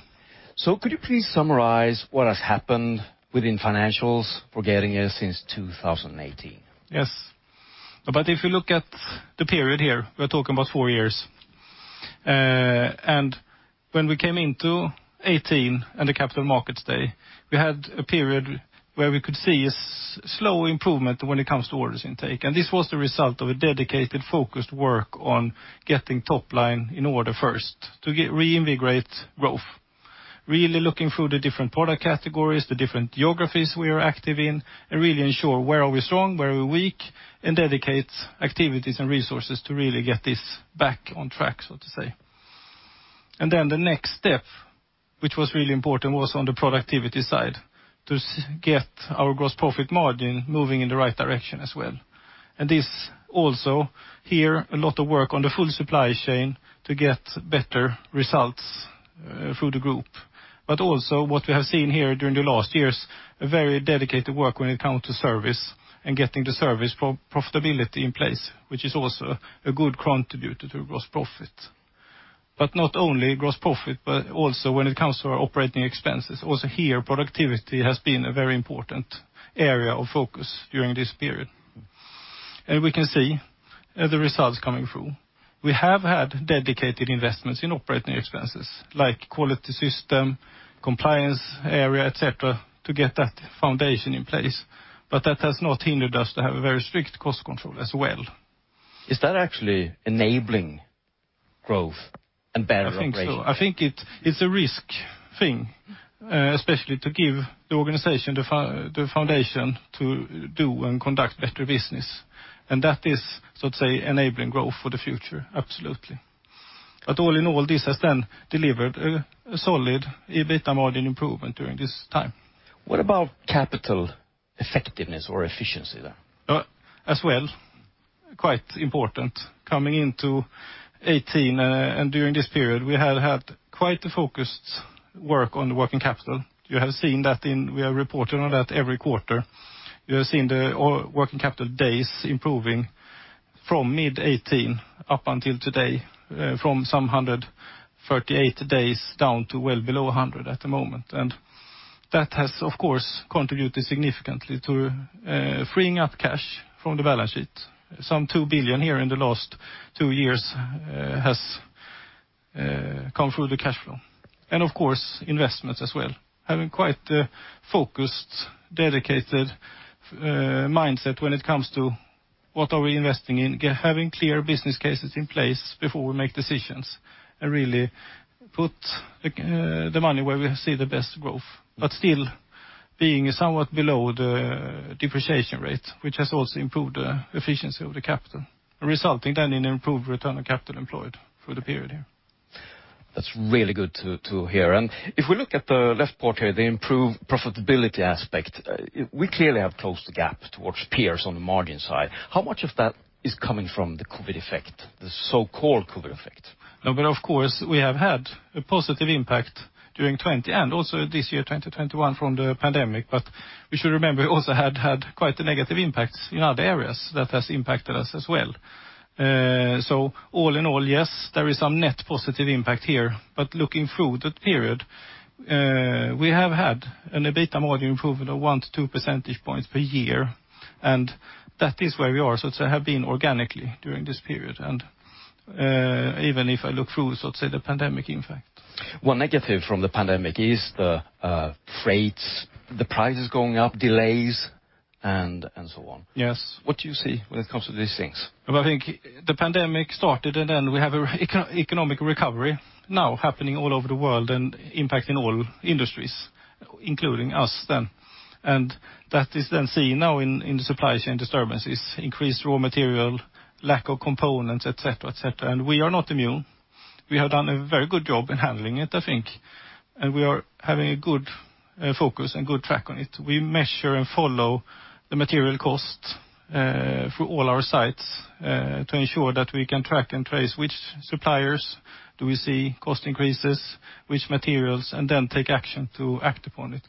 Could you please summarize what has happened within financials for Getinge since 2018? Yes. If you look at the period here, we're talking about four years. When we came into 2018 and the Capital Markets Day, we had a period where we could see a slow improvement when it comes to order intake. This was the result of a dedicated, focused work on getting top line in order first to reinvigorate growth. Really looking through the different product categories, the different geographies we are active in, and really ensure where are we strong, where are we weak, and dedicate activities and resources to really get this back on track, so to say. The next step, which was really important, was on the productivity side, to get our gross profit margin moving in the right direction as well. This also, here, a lot of work on the full supply chain to get better results through the group. Also what we have seen here during the last years, a very dedicated work when it comes to service and getting the service profitability in place, which is also a good contributor to gross profit. Not only gross profit, but also when it comes to our operating expenses. Also here, productivity has been a very important area of focus during this period. We can see the results coming through. We have had dedicated investments in operating expenses, like quality system, compliance area, et cetera, to get that foundation in place, but that has not hindered us to have a very strict cost control as well. Is that actually enabling growth and better operations? I think so. I think it's a risk thing, especially to give the organization the foundation to do and conduct better business. And that is, so to say, enabling growth for the future, absolutely. All in all, this has then delivered a solid EBITDA margin improvement during this time. What about capital effectiveness or efficiency then? As well, quite important. Coming into 2018 and during this period, we have had quite a focused work on working capital. You have seen that. We are reporting on that every quarter. You have seen all working capital days improving from mid-2018 up until today, from some 138 days down to well below 100 at the moment. That has, of course, contributed significantly to freeing up cash from the balance sheet. Some 2 billion here in the last two years has come through the cash flow. Of course, investments as well. Having quite a focused, dedicated mindset when it comes to what are we investing in, having clear business cases in place before we make decisions, and really put the money where we see the best growth. Still being somewhat below the depreciation rate, which has also improved the efficiency of the capital, resulting then in improved return on capital employed through the period here. That's really good to hear. If we look at the left part here, the improved profitability aspect, we clearly have closed the gap towards peers on the margin side. How much of that is coming from the COVID effect, the so-called COVID effect? No, but of course, we have had a positive impact during 2020, and also this year, 2021 from the pandemic. We should remember we also had quite a negative impact in other areas that has impacted us as well. So all in all, yes, there is some net positive impact here. Looking through the period, we have had an EBITDA margin improvement of 1-2 percentage points per year. That is where we are, so to have been organically during this period. Even if I look through, so to say, the pandemic impact. One negative from the pandemic is the freights, the prices going up, delays, and so on. Yes. What do you see when it comes to these things? I think the pandemic started, and then we have a geo-economic recovery now happening all over the world and impacting all industries, including us then. That is then seen now in the supply chain disturbances, increased raw material, lack of components, et cetera, et cetera. We are not immune. We have done a very good job in handling it, I think. We are having a good focus and good track on it. We measure and follow the material cost through all our sites to ensure that we can track and trace which suppliers do we see cost increases, which materials, and then take action to act upon it,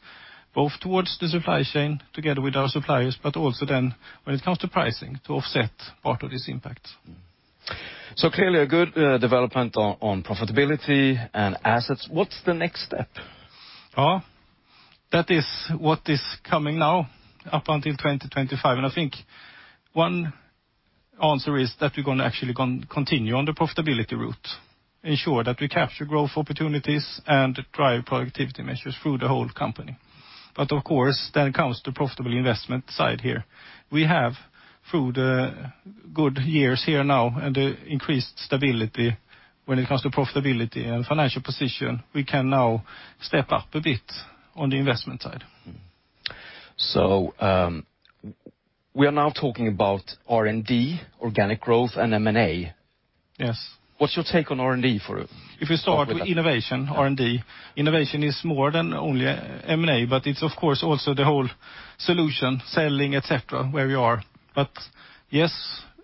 both towards the supply chain together with our suppliers, but also then when it comes to pricing to offset part of this impact. Clearly a good development on profitability and assets. What's the next step? Oh, that is what is coming now up until 2025. I think one answer is that we're gonna actually continue on the profitability route, ensure that we capture growth opportunities and drive productivity measures through the whole company. Of course, then it comes to profitable investment side here. We have through the good years here now and the increased stability when it comes to profitability and financial position, we can now step up a bit on the investment side. We are now talking about R&D, organic growth, and M&A. Yes. What's your take on R&D? If we start with innovation, R&D, innovation is more than only M&A, but it's of course also the whole solution, selling, et cetera, where we are. Yes,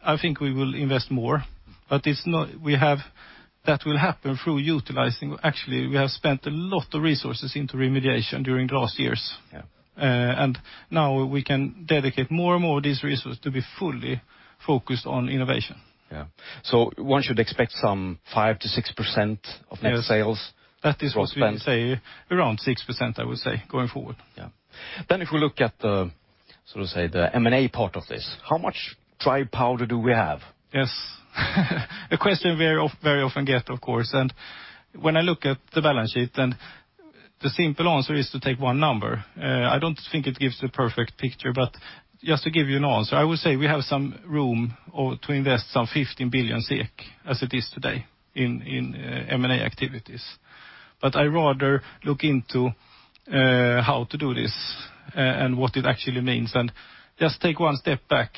I think we will invest more. That will happen through utilizing. Actually, we have spent a lot of resources into remediation during last years. Yeah. Now we can dedicate more and more of this resource to be fully focused on innovation. Yeah. One should expect some 5% to 6% of net sales to be spent. That is what we say, around 6%, I would say, going forward. Yeah. If we look at the, so to say, the M&A part of this, how much dry powder do we have? Yes. A question we very often get, of course. When I look at the balance sheet, the simple answer is to take one number. I don't think it gives the perfect picture, but just to give you an answer, I would say we have some room or to invest 15 billion SEK as it is today in M&A activities. I rather look into how to do this and what it actually means, and just take one step back.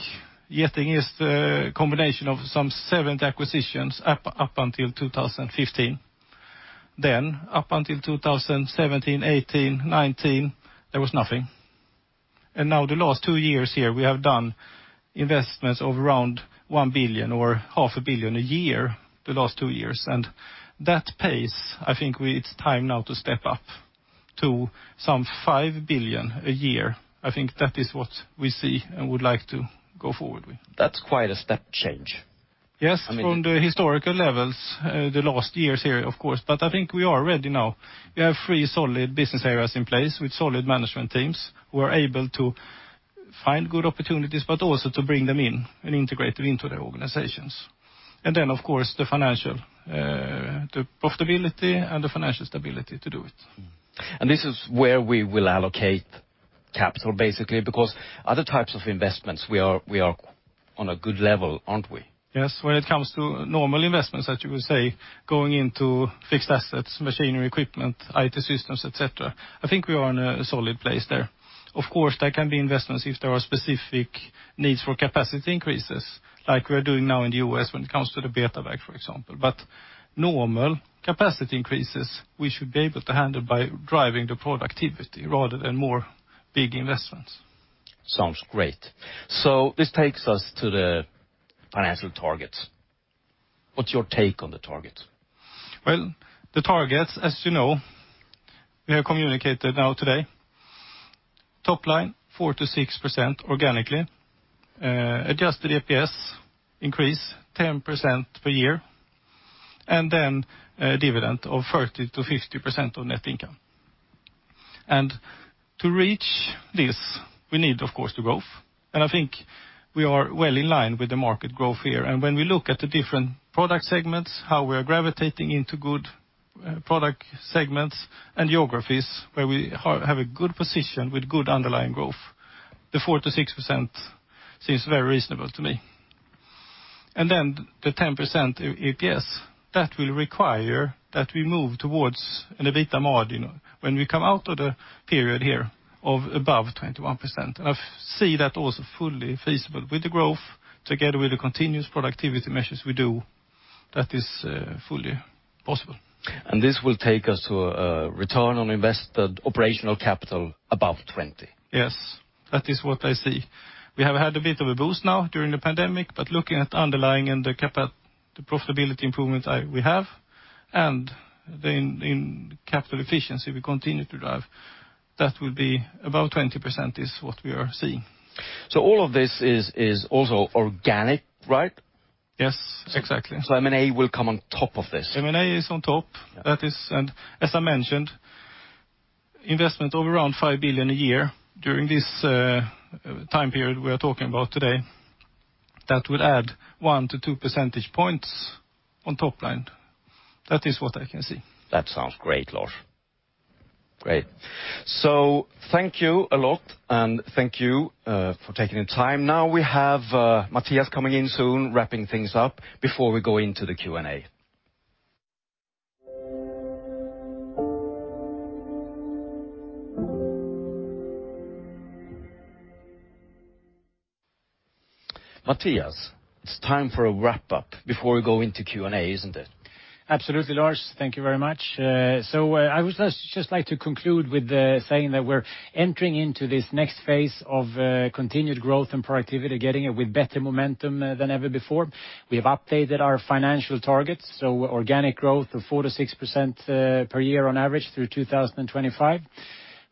Getinge is the combination of some 70 acquisitions up until 2015. Up until 2017, 2018, 2019, there was nothing. Now the last 2 years here, we have done investments of around 1 billion or half a billion SEK a year, the last 2 years. That pace, I think it's time now to step up to some 5 billion a year. I think that is what we see and would like to go forward with. That's quite a step change. I mean. Yes, from the historical levels, the last years here, of course. But I think we are ready now. We have three solid business areas in place with solid management teams who are able to find good opportunities, but also to bring them in and integrate them into their organizations. Of course, the financial, the profitability and the financial stability to do it. This is where we will allocate capital, basically, because other types of investments, we are on a good level, aren't we? Yes. When it comes to normal investments that you would say, going into fixed assets, machinery, equipment, IT systems, et cetera, I think we are in a solid place there. Of course, there can be investments if there are specific needs for capacity increases like we are doing now in the U.S. when it comes to the BetaBag, for example. Normal capacity increases, we should be able to handle by driving the productivity rather than more big investments. Sounds great. This takes us to the financial targets. What's your take on the targets? Well, the targets, as you know, we have communicated now today, top line, 4% to 6% organically, adjusted EPS increase 10% per year, and then a dividend of 30% to 50% of net income. To reach this, we need, of course, the growth. I think we are well in line with the market growth here. When we look at the different product segments, how we are gravitating into good product segments and geographies where we have a good position with good underlying growth, the 4% to 6% seems very reasonable to me. Then the 10% EPS, that will require that we move towards an EBITDA margin when we come out of the period here of above 21%. I see that also fully feasible with the growth, together with the continuous productivity measures we do, that is, fully possible. This will take us to a return on invested operational capital above 20%. Yes. That is what I see. We have had a bit of a boost now during the pandemic, but looking at underlying and the profitability improvement we have, and then in capital efficiency, we continue to drive, that will be about 20% is what we are seeing. All of this is also organic, right? Yes, exactly. M&A will come on top of this. M&A is on top. Yeah. That is, as I mentioned, investment of around 5 billion a year during this time period we are talking about today, that would add 1% to 2% points on top line. That is what I can see. That sounds great, Lars. Great. Thank you a lot, and thank you for taking the time. Now we have Mattias coming in soon, wrapping things up before we go into the Q&A. Mattias, it's time for a wrap-up before we go into Q&A, isn't it? Absolutely, Lars. Thank you very much. I would just like to conclude with saying that we're entering into this next phase of continued growth and productivity, Getinge with better momentum than ever before. We have updated our financial targets, so organic growth of 4% to 6% per year on average through 2025.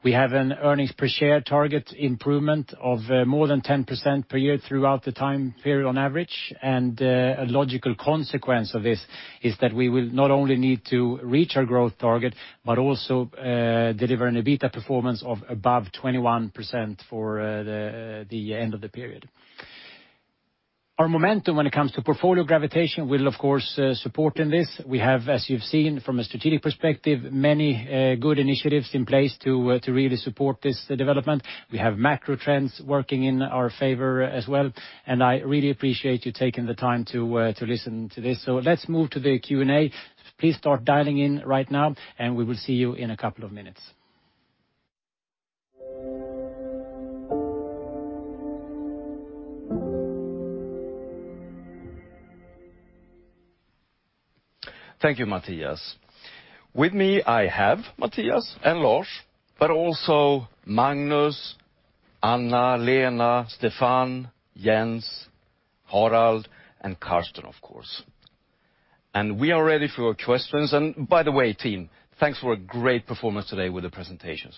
We have an earnings per share target improvement of more than 10% per year throughout the time period on average. A logical consequence of this is that we will not only need to reach our growth target, but also deliver an EBITDA performance of above 21% for the end of the period. Our momentum when it comes to portfolio gravitation will of course support in this. We have, as you've seen from a strategic perspective, many good initiatives in place to really support this development. We have macro trends working in our favor as well, and I really appreciate you taking the time to listen to this. Let's move to the Q&A. Please start dialing in right now, and we will see you in a couple of minutes. Thank you, Mattias. With me, I have Mattias and Lars, but also Magnus, Anna, Lena, Stéphane, Jens, Harald, and Carsten, of course. We are ready for your questions. By the way, team, thanks for a great performance today with the presentations.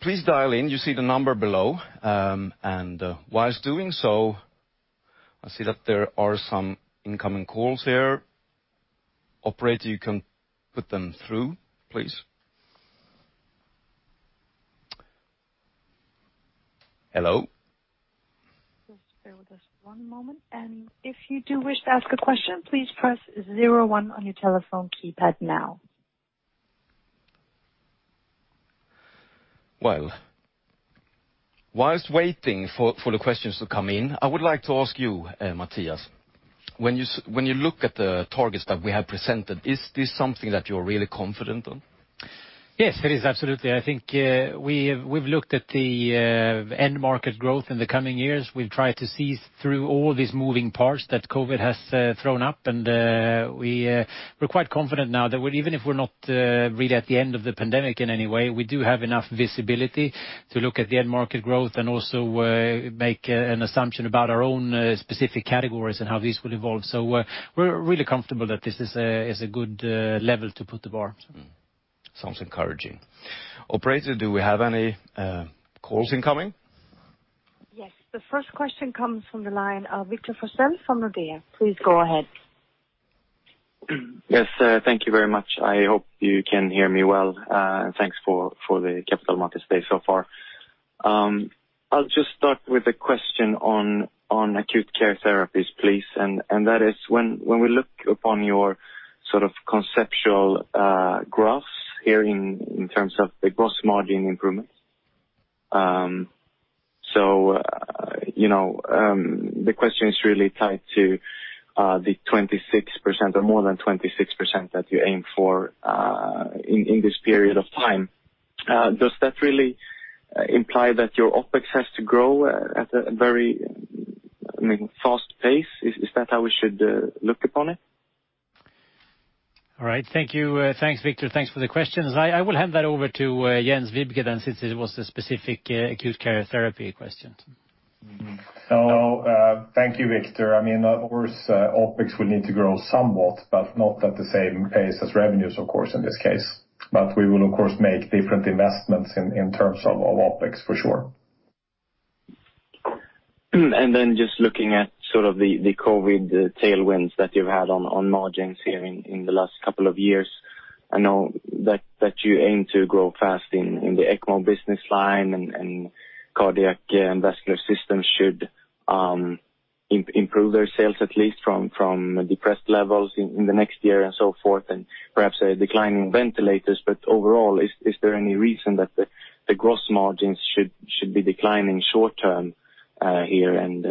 Please dial in. You see the number below. While doing so, I see that there are some incoming calls here. Operator, you can put them through, please. Hello. Just bear with us one moment. And if you do wish to ask a question, please press zero-one on your telephone keypad now. Well, while waiting for the questions to come in, I would like to ask you, Mattias, when you look at the targets that we have presented, is this something that you're really confident on? Yes, it is absolutely. I think, we've looked at the end market growth in the coming years. We've tried to see through all these moving parts that COVID has thrown up, and we're quite confident now that even if we're not really at the end of the pandemic in any way, we do have enough visibility to look at the end market growth and also make an assumption about our own specific categories and how these will evolve. We're really comfortable that this is a good level to put the bar. Sounds encouraging. Operator, do we have any calls incoming? Yes. The first question comes from the line of Victor Forssell from Nordea. Please go ahead. Yes, thank you very much. I hope you can hear me well, and thanks for the Capital Markets Day so far. I'll just start with a question on Acute Care Therapies, please. That is when we look upon your sort of conceptual graphs here in terms of the gross margin improvements. So, you know, the question is really tied to the 26% or more than 26% that you aim for in this period of time. Does that really imply that your OpEx has to grow at a very, I mean, fast pace? Is that how we should look upon it? All right. Thank you. Thanks, Victor. Thanks for the questions. I will hand that over to Jens Viebke since it was a specific acute care therapy question. Thank you, Victor. I mean, of course, OPEX will need to grow somewhat, but not at the same pace as revenues, of course, in this case. We will, of course, make different investments in terms of OPEX for sure. Just looking at sort of the COVID tailwinds that you've had on margins here in the last couple of years. I know that you aim to grow fast in the ECMO business line and cardiac and vascular systems should improve their sales, at least from depressed levels in the next year and so forth, and perhaps a decline in ventilators. Overall, is there any reason that the gross margins should be declining short-term here and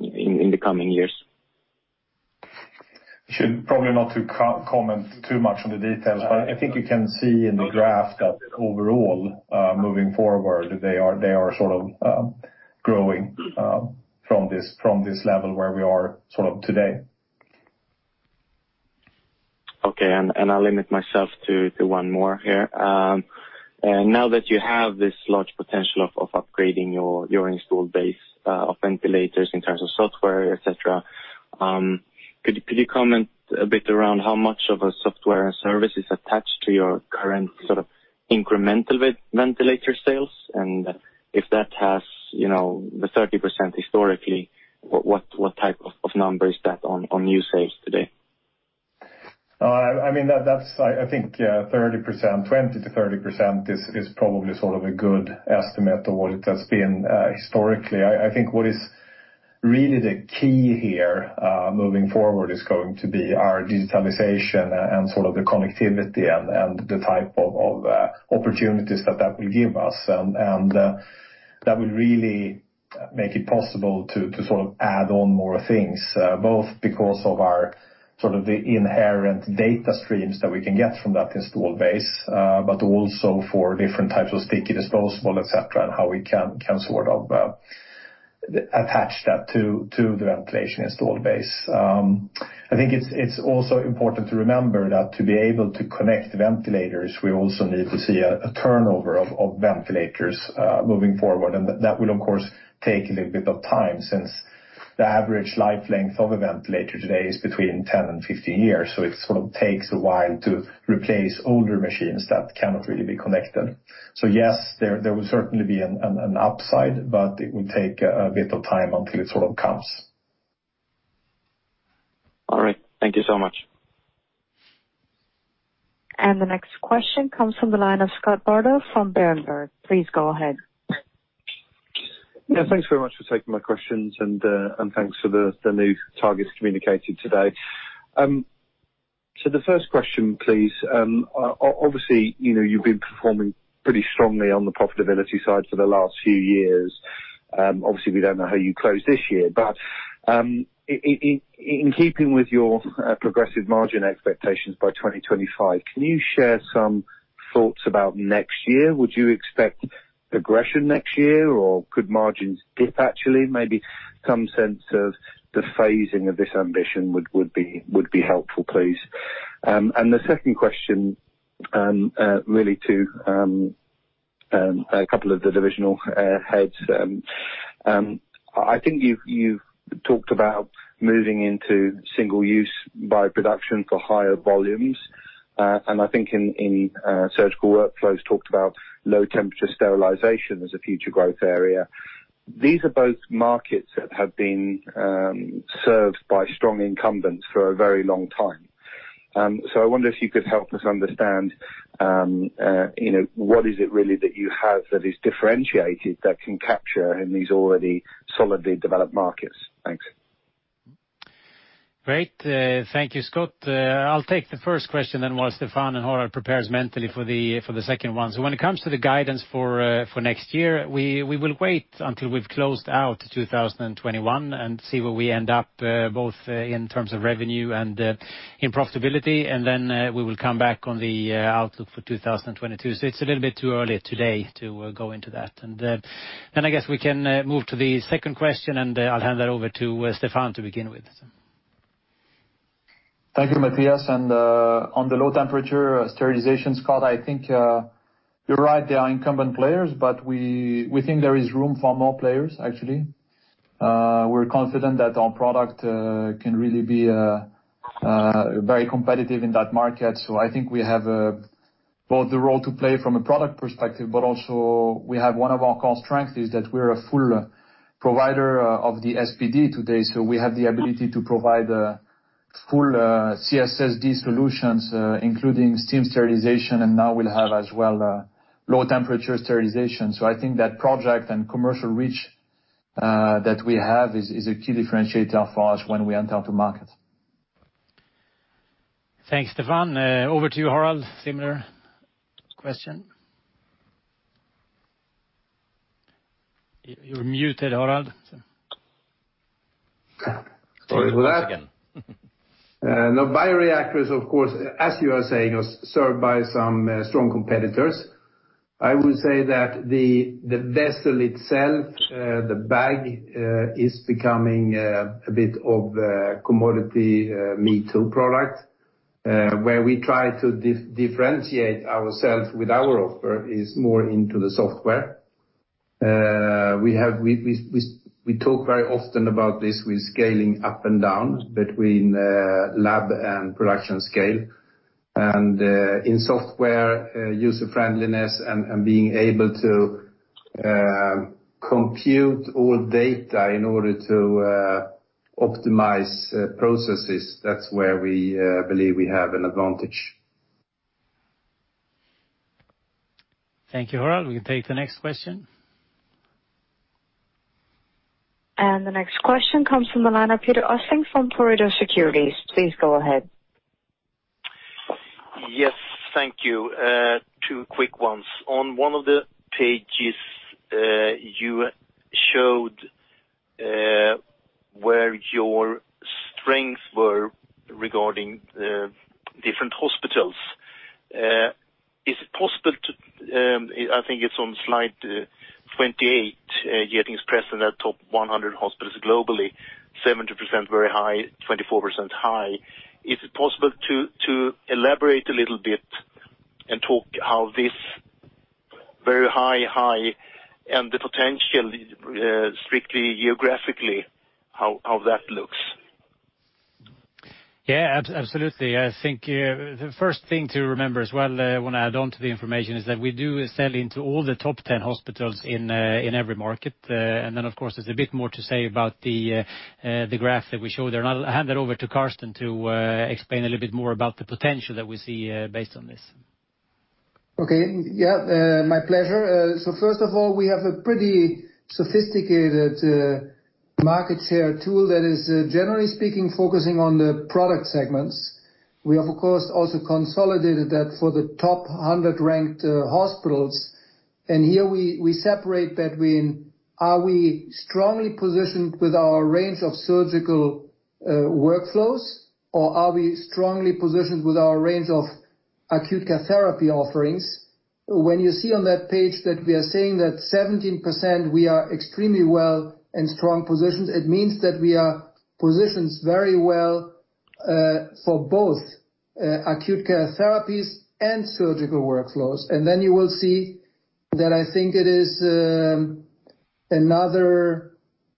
in the coming years? Should probably not comment too much on the details, but I think you can see in the graph that overall, moving forward, they are sort of growing from this level where we are sort of today. Okay. I'll limit myself to one more here. Now that you have this large potential of upgrading your installed base of ventilators in terms of software, et cetera, could you comment a bit around how much of a software and service is attached to your current sort of incremental ventilator sales? If that has, you know, the 30% historically, what type of number is that on new sales today? I mean, that's I think 30%, 20% to 30% is probably sort of a good estimate of what it has been historically. I think what is really the key here moving forward is going to be our digitalization and sort of the connectivity and the type of opportunities that that will give us. That will really make it possible to sort of add on more things both because of our sort of the inherent data streams that we can get from that installed base but also for different types of sticky disposable, et cetera, and how we can sort of attach that to the ventilation installed base. I think it's also important to remember that to be able to connect ventilators, we also need to see a turnover of ventilators moving forward. That will, of course, take a little bit of time since the average life length of a ventilator today is 10-15 years. It sort of takes a while to replace older machines that cannot really be connected. Yes, there will certainly be an upside, but it will take a bit of time until it sort of comes. All right. Thank you so much. The next question comes from the line of Scott Bardo from Berenberg. Please go ahead. Yeah, thanks very much for taking my questions, and thanks for the new targets communicated today. The first question, please. Obviously, you know, you've been performing pretty strongly on the profitability side for the last few years. Obviously, we don't know how you close this year, but in keeping with your progressive margin expectations by 2025, can you share some Thoughts about next year. Would you expect aggression next year or could margins dip actually? Maybe some sense of the phasing of this ambition would be helpful, please. The second question, really to a couple of the divisional heads. I think you've talked about moving into single-use bioproduction for higher volumes. I think in Surgical Workflows talked about low temperature sterilization as a future growth area. These are both markets that have been served by strong incumbents for a very long time. I wonder if you could help us understand, you know, what is it really that you have that is differentiated that can capture in these already solidly developed markets? Thanks. Great. Thank you, Scott. I'll take the first question then while Stéphane and Harald prepares mentally for the second one. When it comes to the guidance for next year, we will wait until we've closed out 2021 and see where we end up both in terms of revenue and in profitability. We will come back on the outlook for 2022. It's a little bit too early today to go into that. I guess we can move to the second question, and I'll hand that over to Stéphane to begin with. Thank you, Mattias. On the low temperature sterilization, Scott, I think you're right, there are incumbent players, but we think there is room for more players, actually. We're confident that our product can really be very competitive in that market. I think we have both the role to play from a product perspective, but also we have one of our core strength is that we're a full provider of the SPD today. We have the ability to provide full CSSD solutions, including steam sterilization, and now we'll have as well low temperature sterilization. I think that project and commercial reach that we have is a key differentiator for us when we enter the market. Thanks, Stéphane. Over to you, Harald. Similar question. You're muted, Harald. Sorry for that. Once again. No bioreactors, of course, as you are saying, are served by some strong competitors. I would say that the vessel itself, the bag, is becoming a bit of a commodity, me-too product. Where we try to differentiate ourselves with our offer is more into the software. We talk very often about this with scaling up and down between lab and production scale, and in software, user friendliness and being able to compute all data in order to optimize processes. That's where we believe we have an advantage. Thank you, Harald. We can take the next question. The next question comes from the line of Peter Östling from Pareto Securities. Please go ahead. Yes, thank you. Two quick ones. On one of the pages, you showed where your strengths were regarding different hospitals. Is it possible to, I think it's on slide 28, Getinge is present at top 100 hospitals globally, 70% very high, 24% high. Is it possible to elaborate a little bit and talk how this very high, high and the potential, strictly geographically, how that looks? Yeah, absolutely. I think the first thing to remember as well, when I add on to the information, is that we do sell into all the top 10 hospitals in every market. Then, of course, there's a bit more to say about the graph that we showed there. I'll hand it over to Carsten to explain a little bit more about the potential that we see based on this. Okay. Yeah, my pleasure. So first of all, we have a pretty sophisticated market share tool that is, generally speaking, focusing on the product segments. We have, of course, also consolidated that for the top 100 ranked hospitals. Here we separate between are we strongly positioned with our range of Surgical Workflows, or are we strongly positioned with our range of Acute Care Therapies offerings? When you see on that page that we are saying that 17% we are extremely well and strong positions, it means that we are positioned very well for both Acute Care Therapies and Surgical Workflows. Then you will see that I think it is another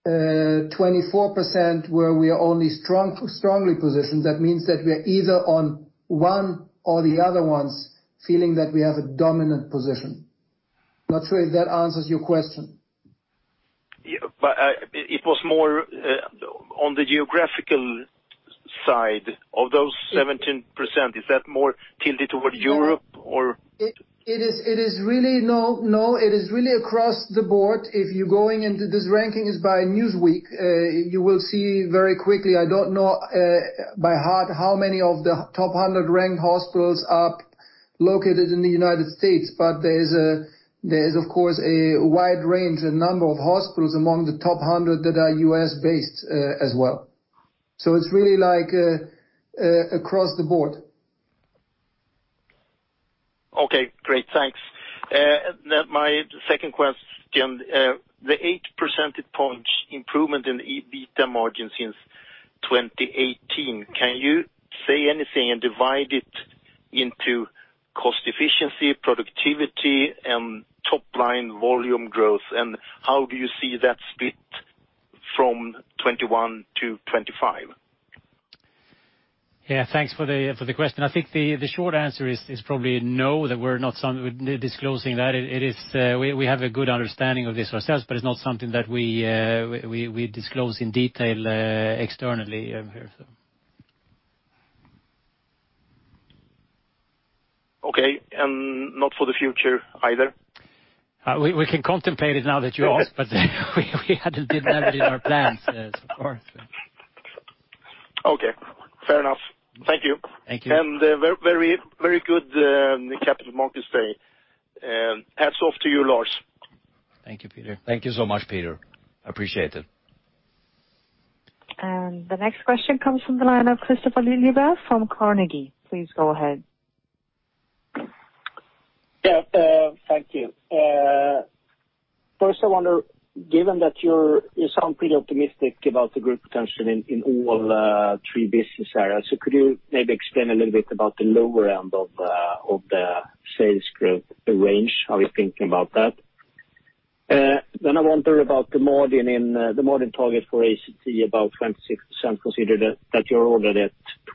24% where we are only strongly positioned. That means that we are either on one or the other ones feeling that we have a dominant position. Not sure if that answers your question. Yeah, it was more on the geographical side of those 17%. Is that more tilted toward Europe or? It is really across the board. If you're going into this ranking is by Newsweek, you will see very quickly. I don't know by heart how many of the top 100 ranked hospitals are located in the United States, but there is of course a wide range and number of hospitals among the top 100 that are U.S.-based, as well. It's really like, across the board. Okay, great. Thanks. Now my second question. The 8% point improvement in EBITDA margin since 2018, can you say anything and divide it into cost efficiency, productivity and top line volume growth? How do you see that split from 2021 to 2025? Yeah. Thanks for the question. I think the short answer is probably no, that we're not disclosing that. It is, we have a good understanding of this ourselves, but it's not something that we disclose in detail externally here, so. Okay. Not for the future either? We can contemplate it now that you ask, but we hadn't it in our plans. Yes, of course. Okay. Fair enough. Thank you. Thank you. Very good Capital Markets Day. Hats off to you, Lars. Thank you, Peter. Thank you so much, Peter. Appreciate it. The next question comes from the line of Kristofer Liljeberg from DNB Carnegie. Please go ahead. Yeah. Thank you. First I wonder, given that you sound pretty optimistic about the group potential in all three business areas. Could you maybe explain a little bit about the lower end of the sales growth range? How are you thinking about that? Then I wonder about the margin target for ACT, about 26%, considering that you're already at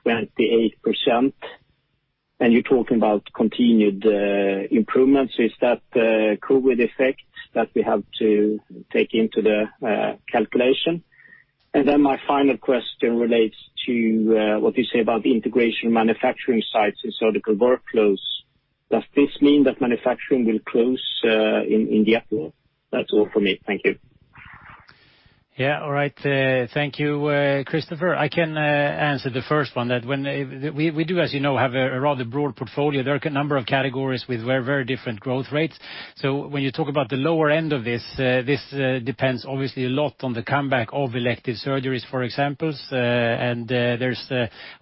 28%, and you're talking about continued improvements. Is that COVID effect that we have to take into the calculation? My final question relates to what you say about the integration manufacturing sites and Surgical Workflows. Does this mean that manufacturing will close in India at all? That's all from me. Thank you. Yeah. All right. Thank you, Kristofer. I can answer the first one. We do, as you know, have a rather broad portfolio. There are a number of categories with very, very different growth rates. So when you talk about the lower end of this depends obviously a lot on the comeback of elective surgeries, for example. And there's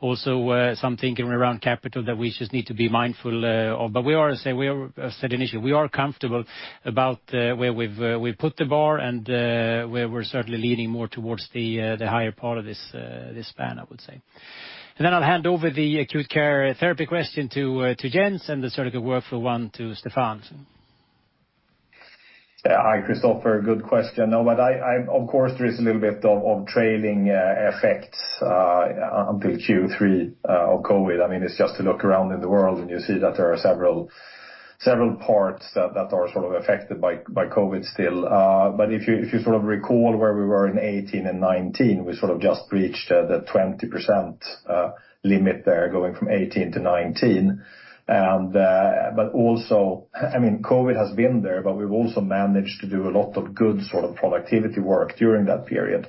also some thinking around capital that we just need to be mindful of. But I said initially, we are comfortable about where we've put the bar and where we're certainly leaning more towards the higher part of this span, I would say. Then I'll hand over the Acute Care Therapies question to Jens and the Surgical Workflows one to Stéphane. Hi, Kristofer. Good question. No, but of course, there is a little bit of trailing effects until Q3 of COVID. I mean, it's just to look around in the world and you see that there are several parts that are sort of affected by COVID still. If you sort of recall where we were in 18 and 19, we sort of just breached the 20% limit there going from 18 to 19. I mean, COVID has been there, but we've also managed to do a lot of good sort of productivity work during that period.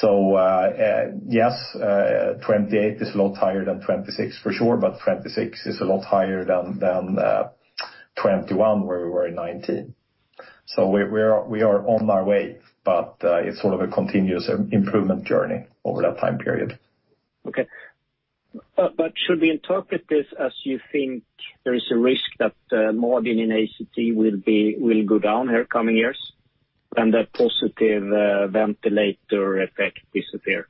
28% is a lot higher than 26% for sure, but 26% is a lot higher than 21%, where we were in 19. We are on our way, but it's sort of a continuous improvement journey over that time period. Okay. Should we interpret this as you think there is a risk that the margin in ACT will go down here coming years when the positive ventilator effect disappear?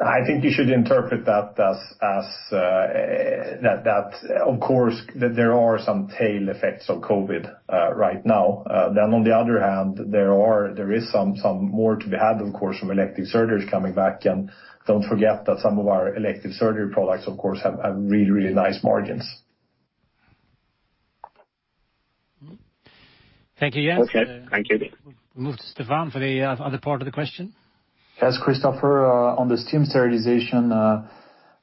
I think you should interpret that as that of course there are some tail effects of COVID right now. On the other hand, there is some more to be had, of course, from elective surgeries coming back. Don't forget that some of our elective surgery products, of course, have really nice margins. Thank you, Jens. Okay. Thank you. Move to Stéphane for the other part of the question. Yes, Kristofer. On the steam sterilization,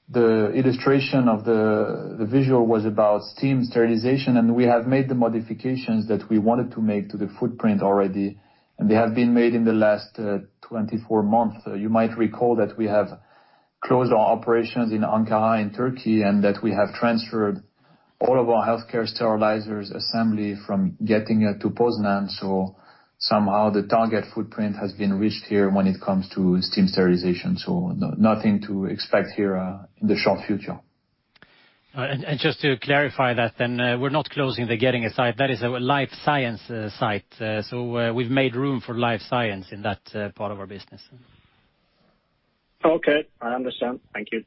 the illustration of the visual was about steam sterilization, and we have made the modifications that we wanted to make to the footprint already, and they have been made in the last 24 months. You might recall that we have closed our operations in Ankara in Turkey and that we have transferred all of our healthcare sterilizers assembly from Getinge to Poznań. Somehow the target footprint has been reached here when it comes to steam sterilization. Nothing to expect here in the short future. Just to clarify that then, we're not closing the Getinge site. That is our Life Science site. We've made room for Life Science in that part of our business. Okay, I understand. Thank you.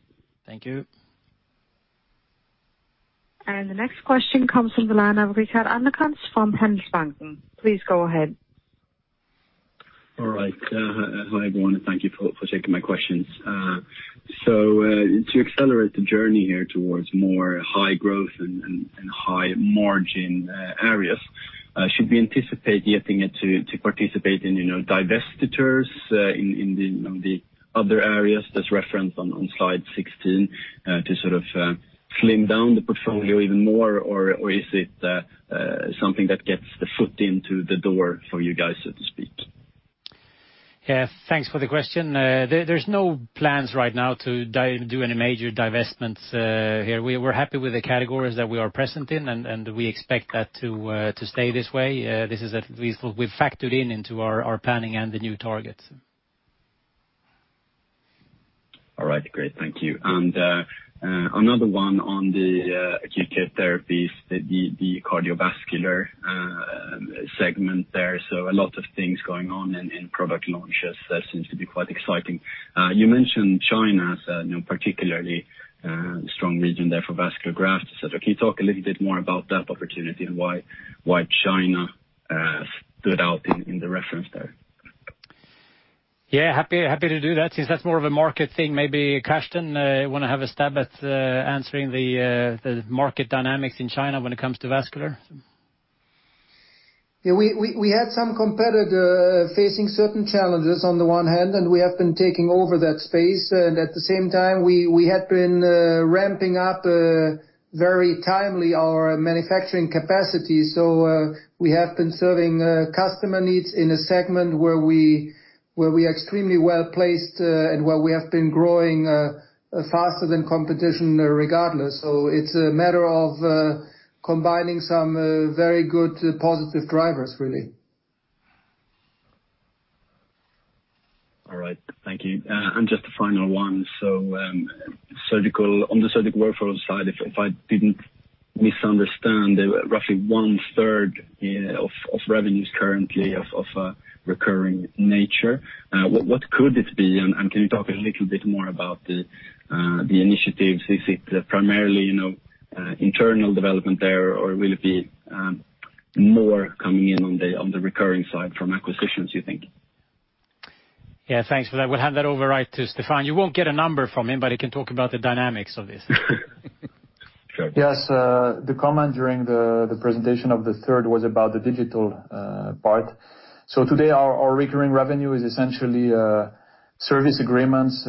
Thank you. The next question comes from the line of Rickard Anderkrans from Handelsbanken. Please go ahead. All right. Hi, everyone, and thank you for taking my questions. To accelerate the journey here towards more high growth and high margin areas, should we anticipate Getinge to participate in, you know, divestitures in the other areas that's referenced on slide 16, to sort of slim down the portfolio even more? Or is it something that gets the foot into the door for you guys, so to speak? Yeah. Thanks for the question. There's no plans right now to do any major divestments here. We're happy with the categories that we are present in, and we expect that to stay this way. This is at least what we've factored in into our planning and the new targets. All right, great. Thank you. Another one on the Acute Care Therapies, the cardiovascular segment there. A lot of things going on in product launches. That seems to be quite exciting. You mentioned China as a particularly strong region there for vascular grafts. Can you talk a little bit more about that opportunity and why China stood out in the reference there? Yeah. Happy to do that. Since that's more of a market thing, maybe Carsten, wanna have a stab at answering the market dynamics in China when it comes to vascular? Yeah. We had some competitor facing certain challenges on the one hand, and we have been taking over that space. At the same time, we had been ramping up very timely our manufacturing capacity. We have been serving customer needs in a segment where we are extremely well-placed, and where we have been growing faster than competition regardless. It's a matter of combining some very good positive drivers, really. All right. Thank you. Just a final one. Surgical Workflows side, if I didn't misunderstand, there were roughly one-third of recurring nature. What could it be? Can you talk a little bit more about the initiatives? Is it primarily you know internal development there, or will it be more coming in on the recurring side from acquisitions, do you think? Yeah. Thanks for that. We'll hand that over right to Stéphane. You won't get a number from him, but he can talk about the dynamics of this. Sure. Yes. The comment during the presentation of the third was about the digital part. Today our recurring revenue is essentially service agreements,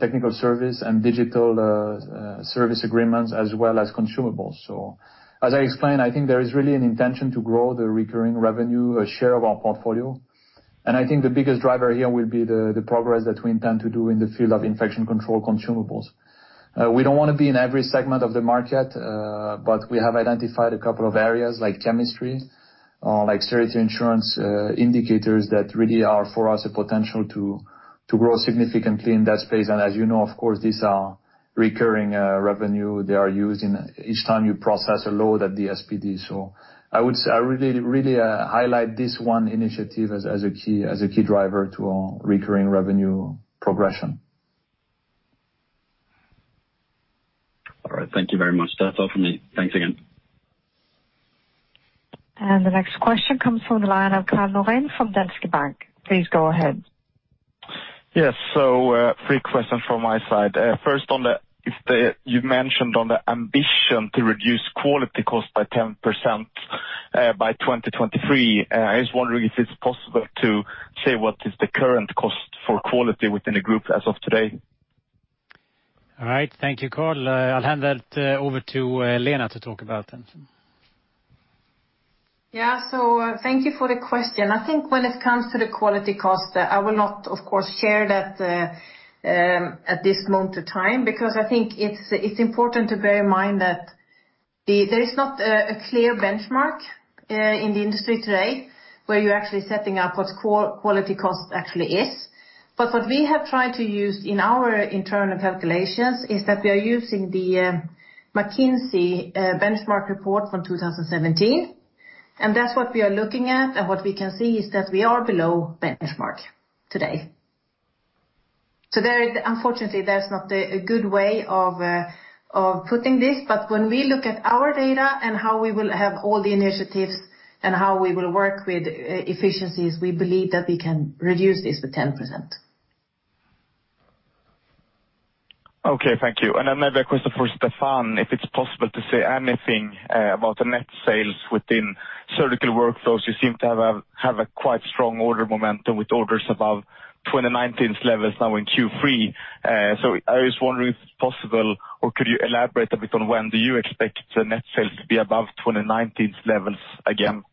technical service, and digital service agreements, as well as consumables. As I explained, I think there is really an intention to grow the recurring revenue share of our portfolio. I think the biggest driver here will be the progress that we intend to do in the field of infection control consumables. We don't wanna be in every segment of the market, but we have identified a couple of areas like chemistry, like sterility insurance, indicators that really are, for us, a potential to grow significantly in that space. As you know, of course, these are recurring revenue. They are used each time you process a load at the SPD. I would say I really, really highlight this one initiative as a key driver to our recurring revenue progression. All right. Thank you very much. That's all for me. Thanks again. The next question comes from the line of Karl Lorrain from Danske Bank. Please go ahead. Yes. Three questions from my side. First, you mentioned the ambition to reduce quality cost by 10% by 2023. I was wondering if it's possible to say what is the current cost for quality within the group as of today. All right. Thank you, Karl. I'll hand that over to Lena to talk about that. Thank you for the question. I think when it comes to the quality cost, I will not, of course, share that at this moment of time, because I think it's important to bear in mind that there is not a clear benchmark in the industry today where you're actually setting up what quality cost actually is. What we have tried to use in our internal calculations is that we are using the McKinsey benchmark report from 2017, and that's what we are looking at. What we can see is that we are below benchmark today. There is Unfortunately, there's not a good way of putting this, but when we look at our data and how we will have all the initiatives and how we will work with efficiencies, we believe that we can reduce this to 10%. Okay, thank you. Another question for Stéphane, if it's possible to say anything about the net sales within Surgical Workflows. You seem to have a quite strong order momentum with orders above 2019's levels now in Q3. So I was wondering if it's possible or could you elaborate a bit on when do you expect the net sales to be above 2019's levels again?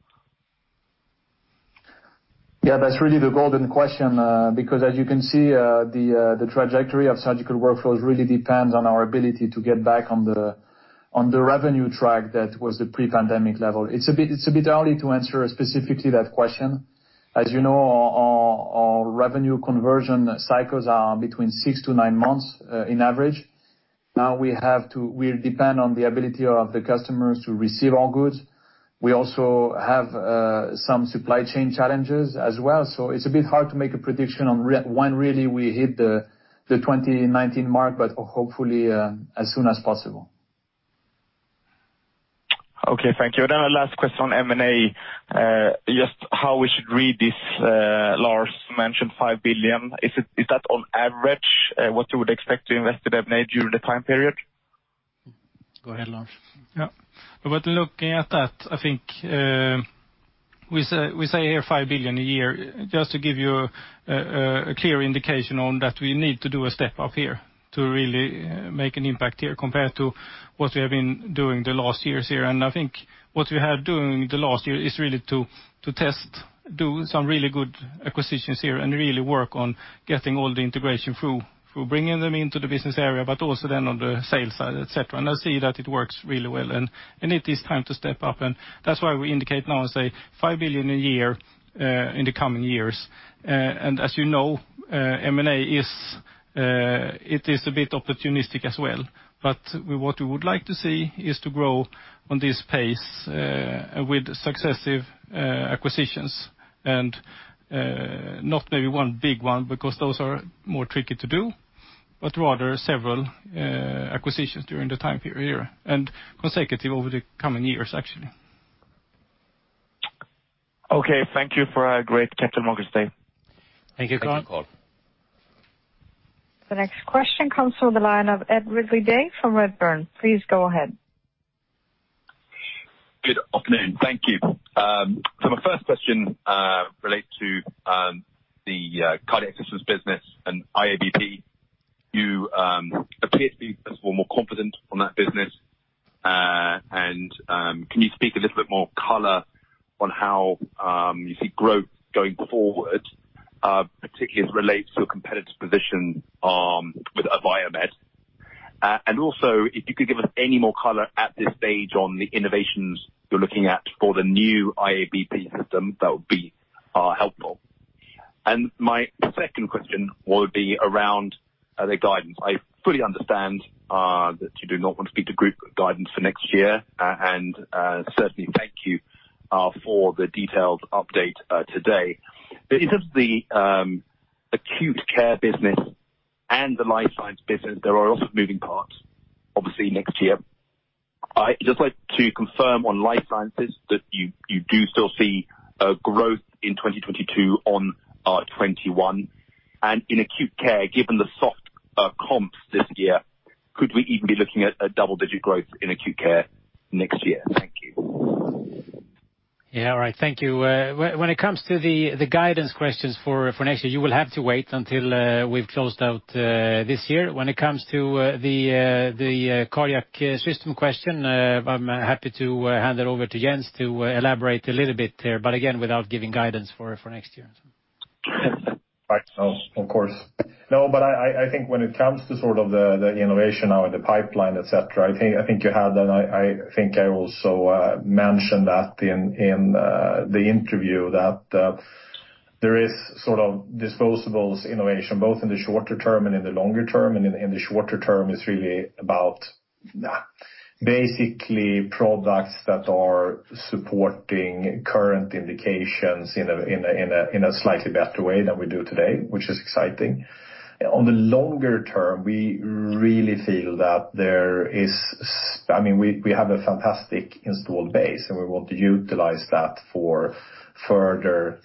Yeah. That's really the golden question, because as you can see, the trajectory of Surgical Workflows really depends on our ability to get back on the revenue track that was the pre-pandemic level. It's a bit early to answer specifically that question. As you know, our revenue conversion cycles are between six to nine months in average. Now we depend on the ability of the customers to receive our goods. We also have some supply chain challenges as well. It's a bit hard to make a prediction on when really we hit the 2019 mark, but hopefully as soon as possible. Okay, thank you. A last question on M&A. Just how we should read this, Lars mentioned 5 billion. Is that on average what you would expect to invest in M&A during the time period? Go ahead, Lars. Yeah. Looking at that, I think, we say here 5 billion a year just to give you a clear indication on that we need to do a step up here to really make an impact here compared to what we have been doing the last years here. I think what we have doing the last year is really to test, do some really good acquisitions here and really work on getting all the integration through, bringing them into the business area, but also then on the sales side, et cetera, and now see that it works really well and it is time to step up. That's why we indicate now and say 5 billion a year in the coming years. As you know, M&A is It is a bit opportunistic as well, but what we would like to see is to grow on this pace with successive acquisitions and not maybe one big one because those are more tricky to do, but rather several acquisitions during the time period here, and consecutive over the coming years, actually. Okay, thank you for a great Capital Markets Day. Thank you, Carsten. Thank you, Carsten. The next question comes from the line of Ed Ridley-Day from Redburn. Please go ahead. Good afternoon. Thank you. My first question relates to the cardiac assistance business and IABP. You appear to be, first of all, more confident on that business. Can you speak a little bit more color on how you see growth going forward, particularly as it relates to a competitive position with Abiomed? Also if you could give us any more color at this stage on the innovations you're looking at for the new IABP system, that would be helpful. My second question would be around the guidance. I fully understand that you do not want to speak to group guidance for next year, and certainly thank you for the detailed update today. In terms of the acute care business and the life science business, there are a lot of moving parts, obviously, next year. I'd just like to confirm on life sciences that you do still see growth in 2022 on 2021. In acute care, given the soft comps this year, could we even be looking at a double-digit growth in acute care next year? Thank you. Yeah. All right. Thank you. When it comes to the guidance questions for next year, you will have to wait until we've closed out this year. When it comes to the cardiac system question, I'm happy to hand it over to Jens to elaborate a little bit there, but again, without giving guidance for next year. Right. No, of course. No, but I think when it comes to sort of the innovation now in the pipeline, et cetera, I think you had that. I think I also mentioned that in the interview that there is sort of disposables innovation both in the shorter term and in the longer term. In the shorter term, it's really about basically products that are supporting current indications in a slightly better way than we do today, which is exciting. On the longer term, we really feel that I mean we have a fantastic installed base, and we want to utilize that for further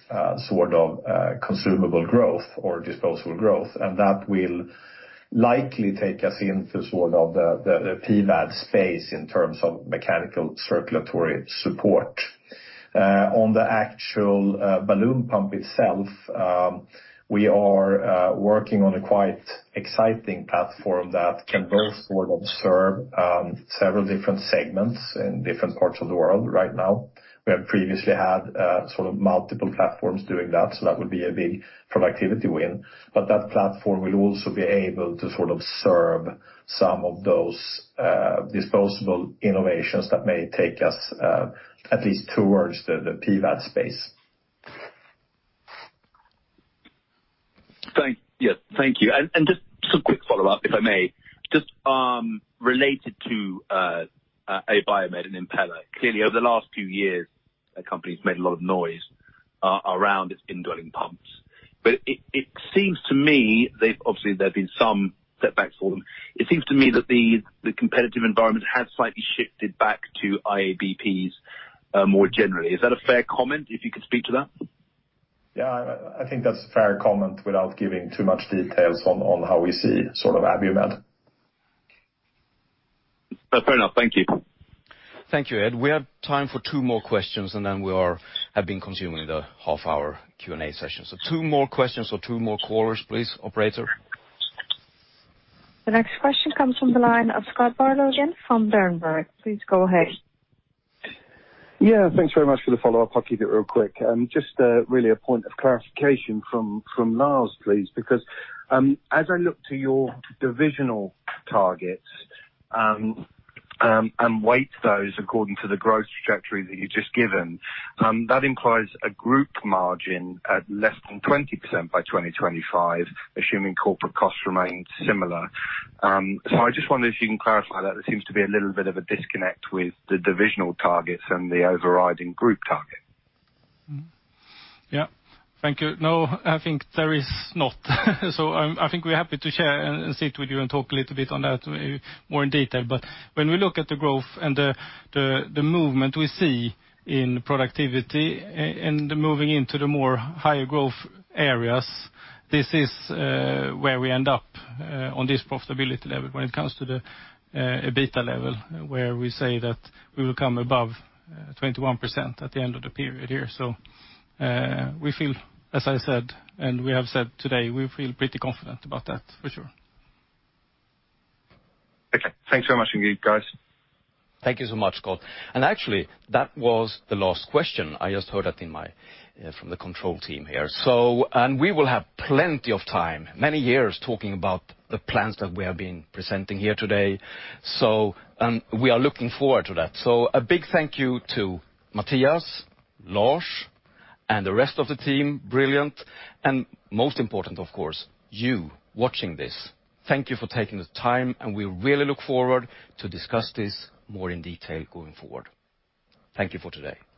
sort of consumable growth or disposable growth. That will likely take us into sort of the PVAD space in terms of mechanical circulatory support. On the actual balloon pump itself, we are working on a quite exciting platform that can both sort of serve several different segments in different parts of the world right now. We have previously had sort of multiple platforms doing that, so that would be a big productivity win. But that platform will also be able to sort of serve some of those disposable innovations that may take us at least towards the PVAD space. Yeah, thank you. Just some quick follow-up, if I may. Just related to Abiomed and Impella. Clearly, over the last few years, the company's made a lot of noise around its indwelling pumps. It seems to me that obviously there have been some setbacks for them. It seems to me that the competitive environment has slightly shifted back to IABPs more generally. Is that a fair comment, if you could speak to that? Yeah, I think that's a fair comment without giving too much details on how we see sort of Abiomed. Fair enough. Thank you. Thank you, Ed. We have time for two more questions, and then we have been consuming the half-hour Q&A session. Two more questions or two more callers, please, operator. The next question comes from the line of Scott Bardo from Berenberg. Please go ahead. Yeah, thanks very much for the follow-up. I'll keep it real quick. Just really a point of clarification from Lars, please. Because as I look to your divisional targets and weight those according to the growth trajectory that you've just given, that implies a group margin at less than 20% by 2025, assuming corporate costs remain similar. I just wondered if you can clarify that. There seems to be a little bit of a disconnect with the divisional targets and the overriding group target. Yeah. Thank you. No, I think there is not. I think we're happy to share and sit with you and talk a little bit on that maybe more in detail. When we look at the growth and the movement we see in productivity and moving into the more higher growth areas, this is where we end up on this profitability level when it comes to the EBITDA level, where we say that we will come above 21% at the end of the period here. We feel, as I said, and we have said today, we feel pretty confident about that for sure. Okay. Thanks so much indeed, guys. Thank you so much, Scott. Actually, that was the last question. I just heard that in my from the control team here. We will have plenty of time, many years, talking about the plans that we have been presenting here today. We are looking forward to that. A big thank you to Mattias, Lars, and the rest of the team. Brilliant. Most important, of course, you watching this. Thank you for taking the time, and we really look forward to discuss this more in detail going forward. Thank you for today.